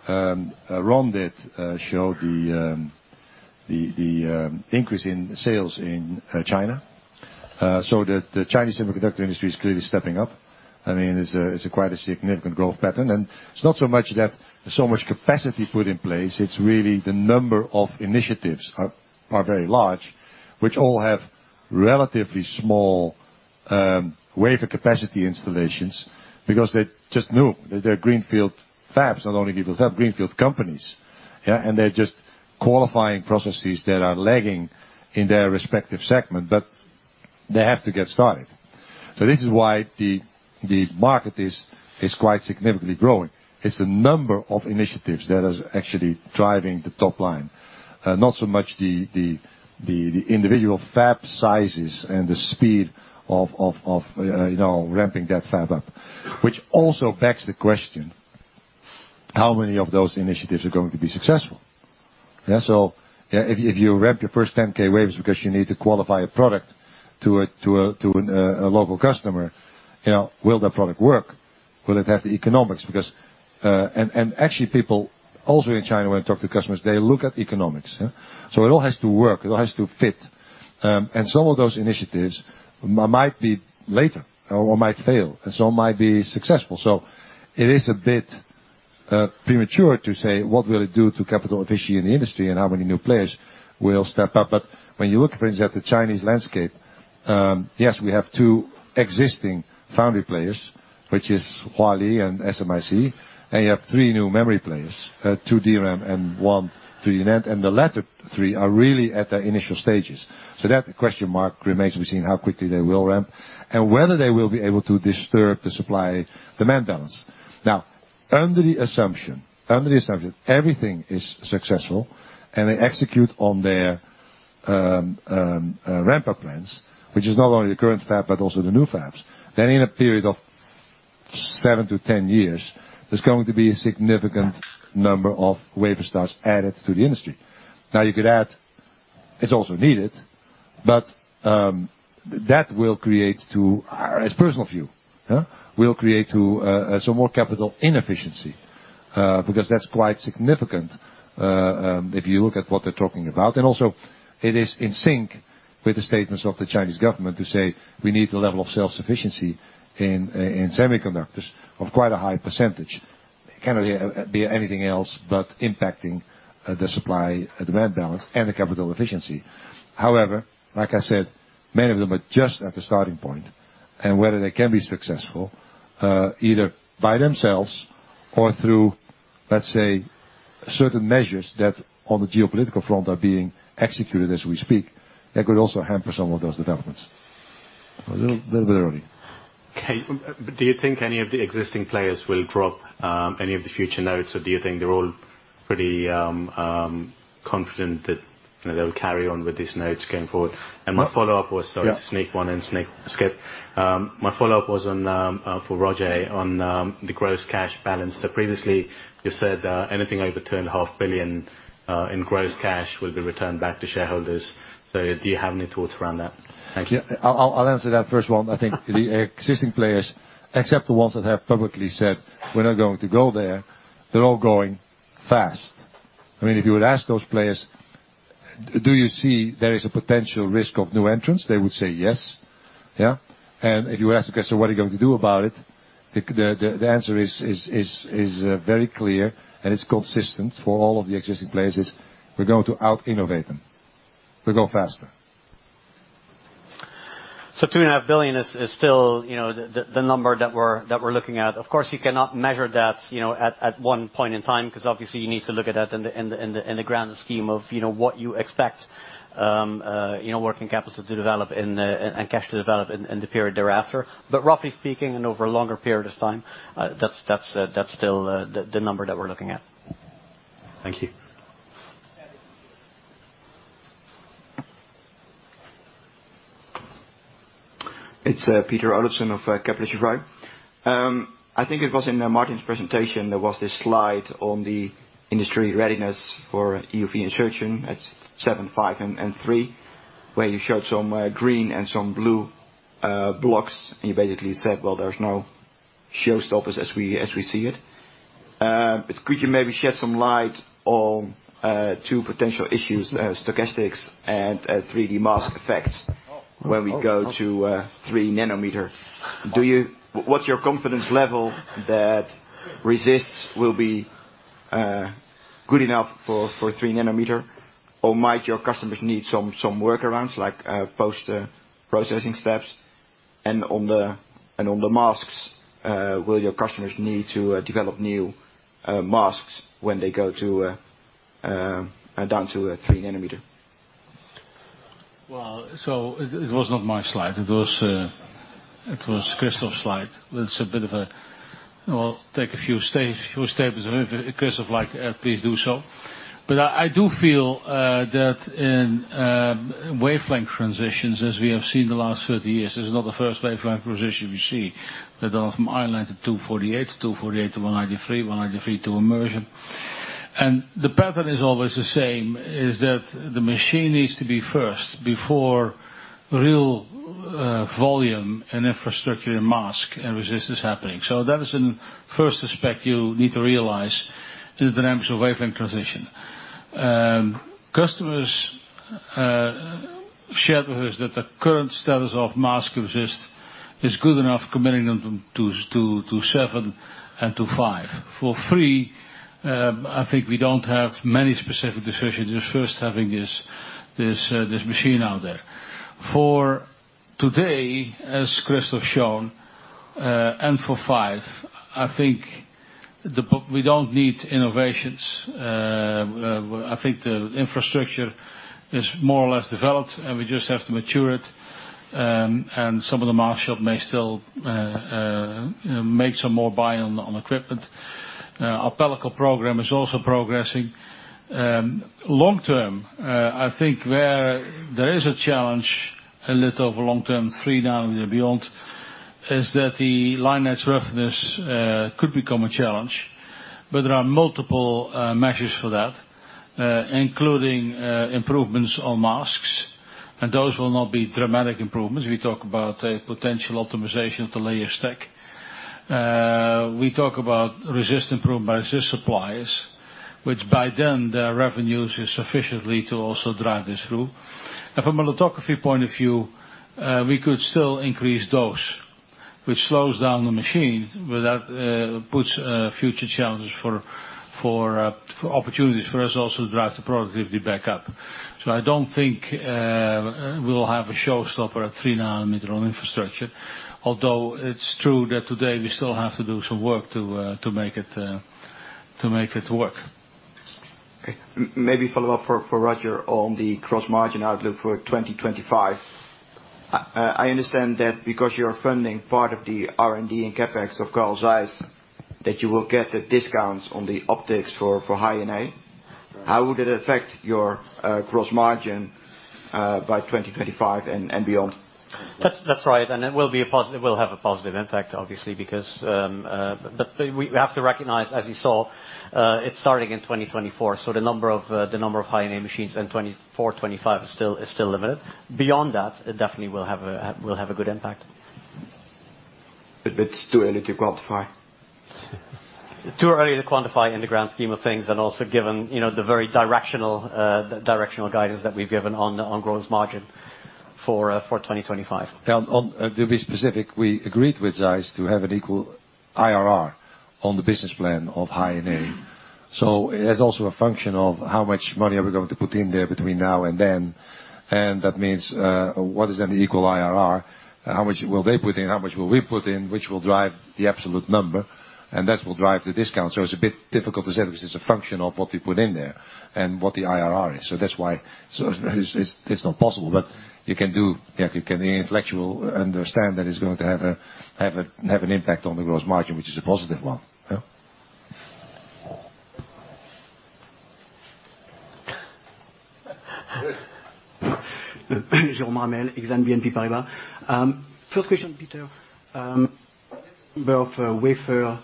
Ron did show the increase in sales in China. The Chinese semiconductor industry is clearly stepping up. It's quite a significant growth pattern. It's not so much that there's so much capacity put in place. It's really the number of initiatives are very large, which all have relatively small wafer capacity installations because they're just new. They're greenfield fabs, not only greenfield fab, greenfield companies. Yeah? They're just qualifying processes that are lagging in their respective segment. They have to get started. This is why the market is quite significantly growing. It's the number of initiatives that is actually driving the top line. Not so much the individual fab sizes and the speed of ramping that fab up. Which also begs the question, how many of those initiatives are going to be successful? If you ramp your first 10K waves because you need to qualify a product to a local customer, will that product work? Will it have the economics? Actually, people also in China, when I talk to customers, they look at the economics. It all has to work. It all has to fit. Some of those initiatives might be later or might fail, and some might be successful. It is a bit premature to say what will it do to capital efficiency in the industry and how many new players will step up. When you look, for instance, at the Chinese landscape, yes, we have two existing foundry players, which is Huali and SMIC, and you have three new memory players, two DRAM and one 3D NAND. The latter three are really at their initial stages. That question mark remains to be seen how quickly they will ramp, and whether they will be able to disturb the supply-demand balance. Under the assumption everything is successful and they execute on their ramp-up plans, which is not only the current fab, but also the new fabs, then in a period of seven to 10 years, there's going to be a significant number of wafer starts added to the industry. You could add it's also needed, that will create to, as personal view, will create to some more capital inefficiency, because that's quite significant, if you look at what they're talking about. Also it is in sync with the statements of the Chinese government to say we need the level of self-sufficiency in semiconductors of quite a high percentage. It cannot be anything else but impacting the supply and demand balance and the capital efficiency. Like I said, many of them are just at the starting point, whether they can be successful, either by themselves or through, let's say, certain measures that on the geopolitical front are being executed as we speak, that could also hamper some of those developments. A little bit early. Okay. Do you think any of the existing players will drop any of the future nodes, or do you think they're all pretty confident that they'll carry on with these nodes going forward? My follow-up was- Yeah Sorry to sneak one in, Skip. My follow-up was for Roger, on the gross cash balance. Previously you said anything over 2.5 billion in gross cash will be returned back to shareholders. Do you have any thoughts around that? Thank you. I'll answer that first one. I think the existing players, except the ones that have publicly said they're not going to go there, they're all going fast. If you would ask those players, do you see there is a potential risk of new entrants? They would say yes. Yeah? If you ask the customer what are you going to do about it? The answer is very clear, and it's consistent for all of the existing players, is we're going to out-innovate them. We'll go faster. 2.5 billion is still the number that we're looking at. Of course, you cannot measure that at one point in time, because obviously you need to look at that in the grand scheme of what you expect working capital to develop and cash to develop in the period thereafter. Roughly speaking and over a longer period of time, that's still the number that we're looking at. Thank you. It's Peter Olofsen of Kepler Cheuvreux. I think it was in Martin's presentation, there was this slide on the industry readiness for EUV insertion at 7 nm, 5 nm, and 3 nm, where you showed some green and some blue blocks. You basically said, well, there's no showstoppers as we see it. Could you maybe shed some light on two potential issues, stochastics and 3D mask effects when we go to 3 nm? What's your confidence level that resists will be good enough for 3 nm? Or might your customers need some workarounds, like post-processing steps? On the masks, will your customers need to develop new masks when they go down to 3 nm? Well, it was not my slide. It was Christophe's slide. It's a bit of a. I'll take a few steps. If Christophe like, please do so. I do feel that in wavelength transitions, as we have seen the last 30 years, this is not the first wavelength transition we see. They go from i-line to 248, 248 to 193, 193 to immersion. The pattern is always the same, is that the machine needs to be first before real volume and infrastructure and mask and resist is happening. That is in first aspect you need to realize the dynamics of wavelength transition. Customers shared with us that the current status of mask resist is good enough committing them to 7 nm and to 5 nm. For 3 nm, I think we don't have many specific decisions. It's first having this machine out there. For today, as Christophe shown, N for 5 nm, we don't need innovations. I think the infrastructure is more or less developed, and we just have to mature it. Some of the mask shop may still make some more buy on equipment. Our pellicle program is also progressing. Long term, I think where there is a challenge, a little over long term, 3 nm and beyond, is that the line edge roughness could become a challenge. There are multiple measures for that, including improvements on masks. Those will not be dramatic improvements. We talk about a potential optimization of the layer stack. We talk about resist improvement by resist suppliers, which by then, their revenues is sufficiently to also drive this through. From a lithography point of view, we could still increase dose, which slows down the machine. That puts future challenges for opportunities for us also to drive the productivity back up. I don't think we will have a showstopper at 3 nm on infrastructure, although it's true that today we still have to do some work to make it work. Okay. Maybe follow up for Roger on the gross margin outlook for 2025. I understand that because you're funding part of the R&D and CapEx of Carl Zeiss, that you will get the discounts on the optics for High-NA. How would it affect your gross margin by 2025 and beyond? That's right. It will have a positive impact, obviously. We have to recognize, as you saw, it's starting in 2024. The number of High-NA machines in 2024, 2025 is still limited. Beyond that, it definitely will have a good impact. It's too early to quantify? Too early to quantify in the grand scheme of things. Also given the very directional guidance that we've given on gross margin for 2025. To be specific, we agreed with ZEISS to have an equal IRR on the business plan of High-NA. It has also a function of how much money are we going to put in there between now and then. That means, what is an equal IRR? How much will they put in? How much will we put in? Which will drive the absolute number, and that will drive the discount. It's a bit difficult to say, because it's a function of what we put in there and what the IRR is. That's why it's not possible. You can intellectually understand that it's going to have an impact on the gross margin, which is a positive one. Yeah. Jérôme Ramel, Exane BNP Paribas. First question, Peter. Both wafer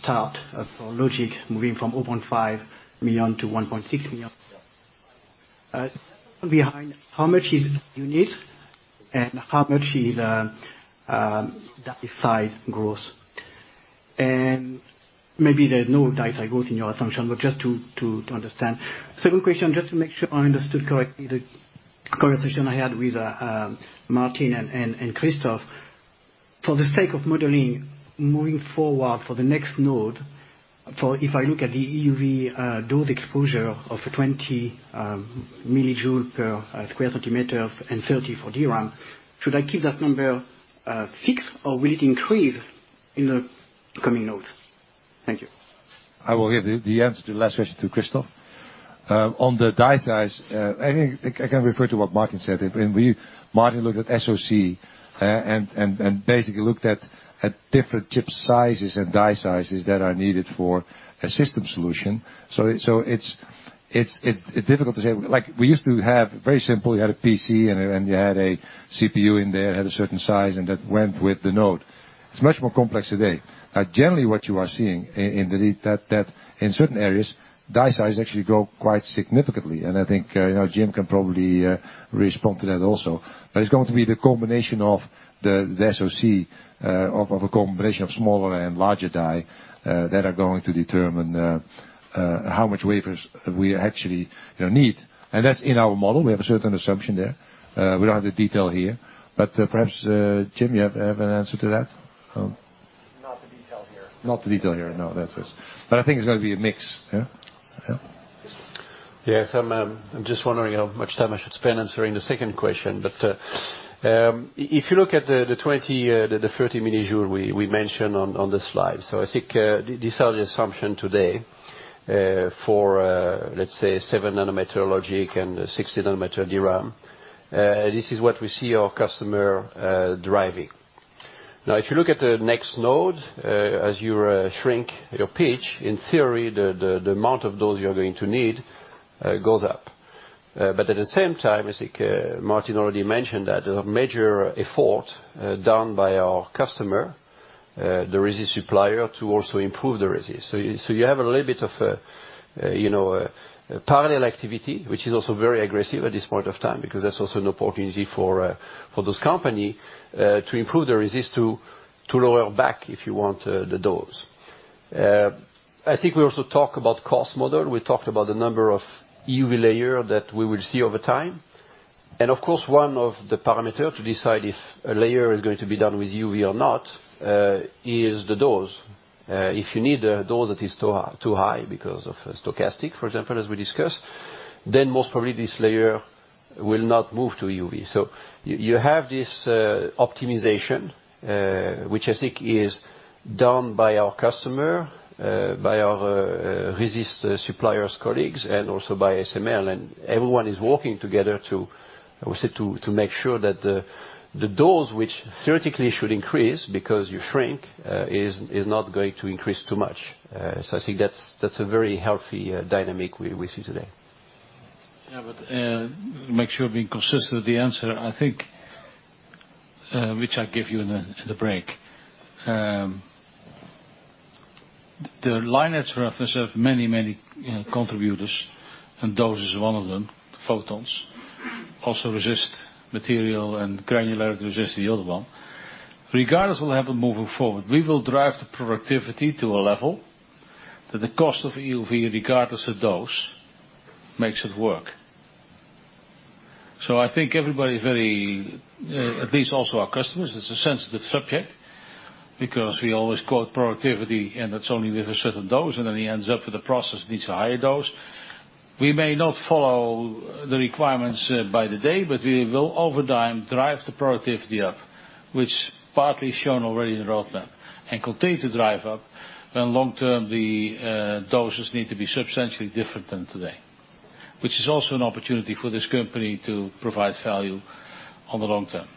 start for logic, moving from 0.5 million to 1.6 million. Behind how much is unit and how much is die size growth? Maybe there's no die size growth in your assumption, but just to understand. Second question, just to make sure I understood correctly the conversation I had with Martin and Christophe. For the sake of modeling, moving forward for the next node, if I look at the EUV dose exposure of 20 millijoule per square centimeter and 30 for DRAM, should I keep that number fixed or will it increase in the coming nodes? Thank you. I will give the answer to the last question to Christophe. On the die size, I think I can refer to what Martin said. Martin looked at SoC and basically looked at different chip sizes and die sizes that are needed for a system solution. It's difficult to say. We used to have very simple, you had a PC, and you had a CPU in there, had a certain size, and that went with the node. It's much more complex today. Generally, what you are seeing in the lead, that in certain areas, die size actually grow quite significantly. I think Jim can probably respond to that also. It's going to be the combination of the SoC of a combination of smaller and larger die that are going to determine how much wafers we actually need. That's in our model. We have a certain assumption there. We don't have the detail here, perhaps, Jim, you have an answer to that? Not the detail here. Not the detail here, no. I think it's going to be a mix, yeah? Yes. I'm just wondering how much time I should spend answering the second question. If you look at the 30 millijoule we mentioned on the slide. I think these are the assumption today for, let's say, 7 nm logic and 60 nm DRAM. This is what we see our customer driving. Now, if you look at the next node, as you shrink your pitch, in theory, the amount of dose you're going to need goes up. At the same time, I think Martin already mentioned that a major effort done by our customer, the resist supplier, to also improve the resist. You have a little bit of a parallel activity, which is also very aggressive at this point of time, because that's also an opportunity for this company to improve the resist to lower back, if you want, the dose. I think we also talk about cost model. We talked about the number of EUV layer that we will see over time. Of course, one of the parameter to decide if a layer is going to be done with EUV or not is the dose. If you need a dose that is too high because of stochastics, for example, as we discussed, then most probably this layer will not move to EUV. You have this optimization, which I think is done by our customer, by our resist suppliers, colleagues, and also by ASML. Everyone is working together to, I would say, to make sure that the dose, which theoretically should increase because you shrink, is not going to increase too much. I think that's a very healthy dynamic we see today. To make sure we're being consistent with the answer, I think, which I gave you in the break. The line edge roughness has many contributors, and dose is one of them, the photons. Also resist material and granularity resist is the other one. Regardless, we'll have it moving forward. We will drive the productivity to a level that the cost of EUV, regardless of dose, makes it work. At least also our customers, it's a sensitive subject because we always quote productivity, and that's only with a certain dose, and then it ends up with a process that needs a higher dose. We may not follow the requirements by the day, but we will over time drive the productivity up, which partly is shown already in the roadmap, and continue to drive up. Long term, the doses need to be substantially different than today, which is also an opportunity for this company to provide value on the long term.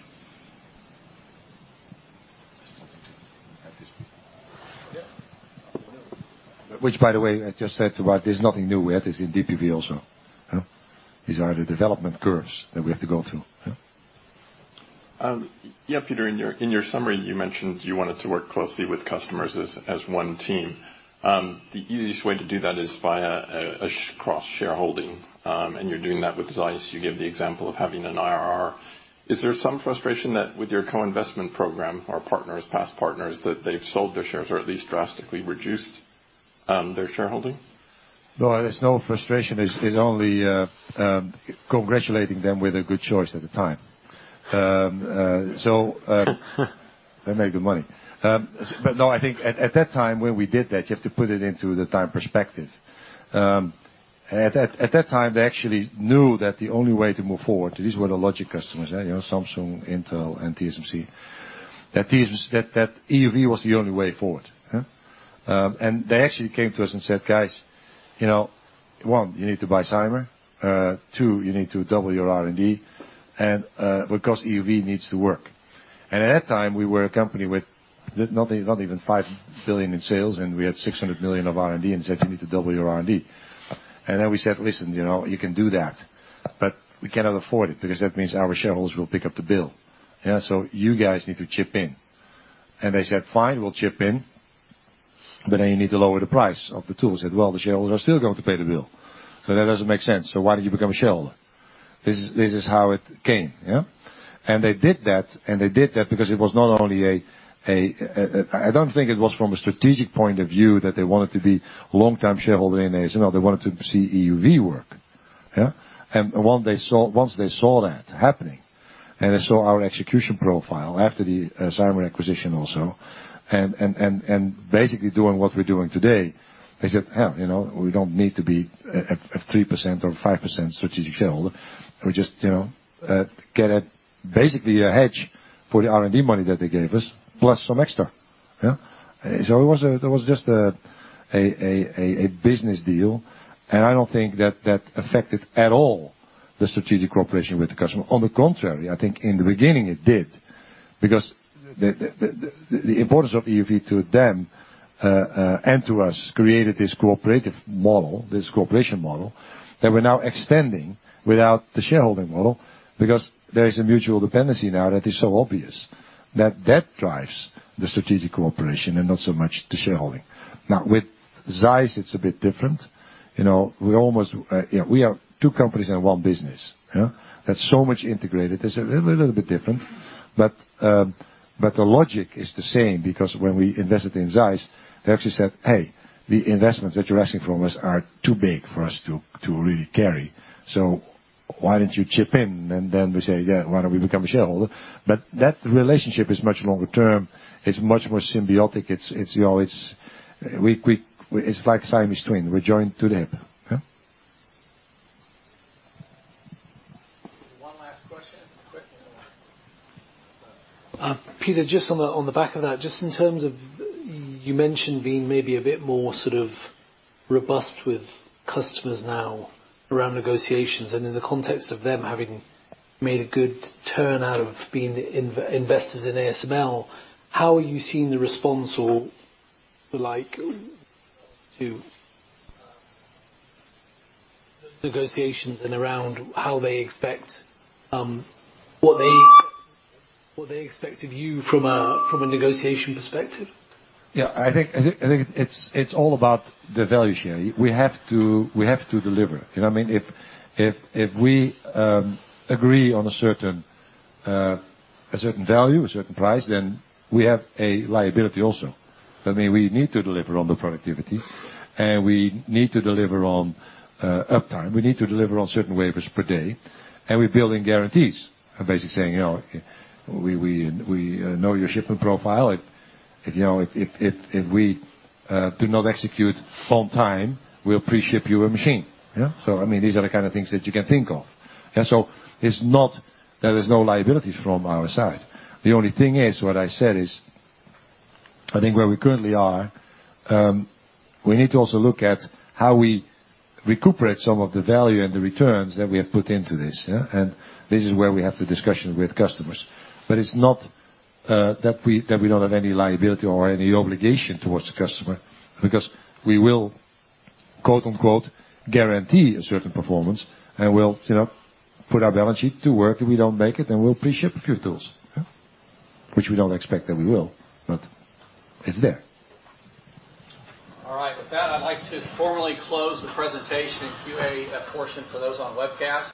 Which, by the way, I just said to you, there's nothing new. We had this in DUV also. These are the development curves that we have to go through. Yeah, Peter, in your summary, you mentioned you wanted to work closely with customers as one team. The easiest way to do that is via a cross shareholding, and you're doing that with ZEISS. You give the example of having an IRR. Is there some frustration that with your co-investment program or partners, past partners, that they've sold their shares or at least drastically reduced their shareholding? There's no frustration. It's only congratulating them with a good choice at the time. They made good money. No, I think at that time when we did that, you have to put it into the time perspective. At that time, they actually knew that the only way to move forward, these were the logic customers, Samsung, Intel, and TSMC. EUV was the only way forward. They actually came to us and said, "Guys, one, you need to buy Cymer. Two, you need to double your R&D." Because EUV needs to work. At that time, we were a company with not even 5 billion in sales, and we had 600 million of R&D and said, "You need to double your R&D." Then we said, "Listen, you can do that, but we cannot afford it because that means our shareholders will pick up the bill. You guys need to chip in." They said, "Fine, we'll chip in. Now you need to lower the price of the tool." I said, "Well, the shareholders are still going to pay the bill, that doesn't make sense. Why don't you become a shareholder?" This is how it came. They did that, and they did that because it was not only a I don't think it was from a strategic point of view that they wanted to be a long-term shareholder in ASML. They wanted to see EUV work. Once they saw that happening and they saw our execution profile after the Cymer acquisition also, basically doing what we're doing today, they said, "We don't need to be a 3% or 5% strategic shareholder." We just get basically a hedge for the R&D money that they gave us, plus some extra. That was just a business deal, I don't think that affected at all the strategic cooperation with the customer. On the contrary, I think in the beginning it did, because the importance of EUV to them, and to us, created this cooperative model, this cooperation model, that we're now extending without the shareholding model because there is a mutual dependency now that is so obvious. That drives the strategic cooperation and not so much the shareholding. With ZEISS, it's a bit different. We are two companies in one business. That's so much integrated. It's a little bit different. The logic is the same because when we invested in ZEISS, they actually said, "Hey, the investments that you're asking from us are too big for us to really carry. Why don't you chip in?" Then we say, "Yeah, why don't we become a shareholder?" That relationship is much longer term. It's much more symbiotic. It's like Siamese twin. We're joined to the hip. One last question. Quick and then we'll wrap. Peter, just on the back of that, just in terms of you mentioned being maybe a bit more sort of robust with customers now around negotiations and in the context of them having made a good turnout of being investors in ASML, how are you seeing the response or the like to those negotiations and around how they expect what they expected you from a negotiation perspective? I think it's all about the value share. We have to deliver. If we agree on a certain value, a certain price, then we have a liability also. We need to deliver on the productivity, and we need to deliver on uptime. We need to deliver on certain wafers per day, and we build in guarantees. I'm basically saying, we know your shipping profile. If we do not execute on time, we'll pre-ship you a machine. These are the kind of things that you can think of. There is no liability from our side. The only thing is what I said is, I think where we currently are, we need to also look at how we recuperate some of the value and the returns that we have put into this. This is where we have the discussion with customers. It's not that we don't have any liability or any obligation towards the customer because we will "guarantee" a certain performance, and we'll put our balance sheet to work, if we don't make it, then we'll pre-ship a few tools. Which we don't expect that we will, but it's there. All right. With that, I'd like to formally close the presentation and QA portion for those on webcast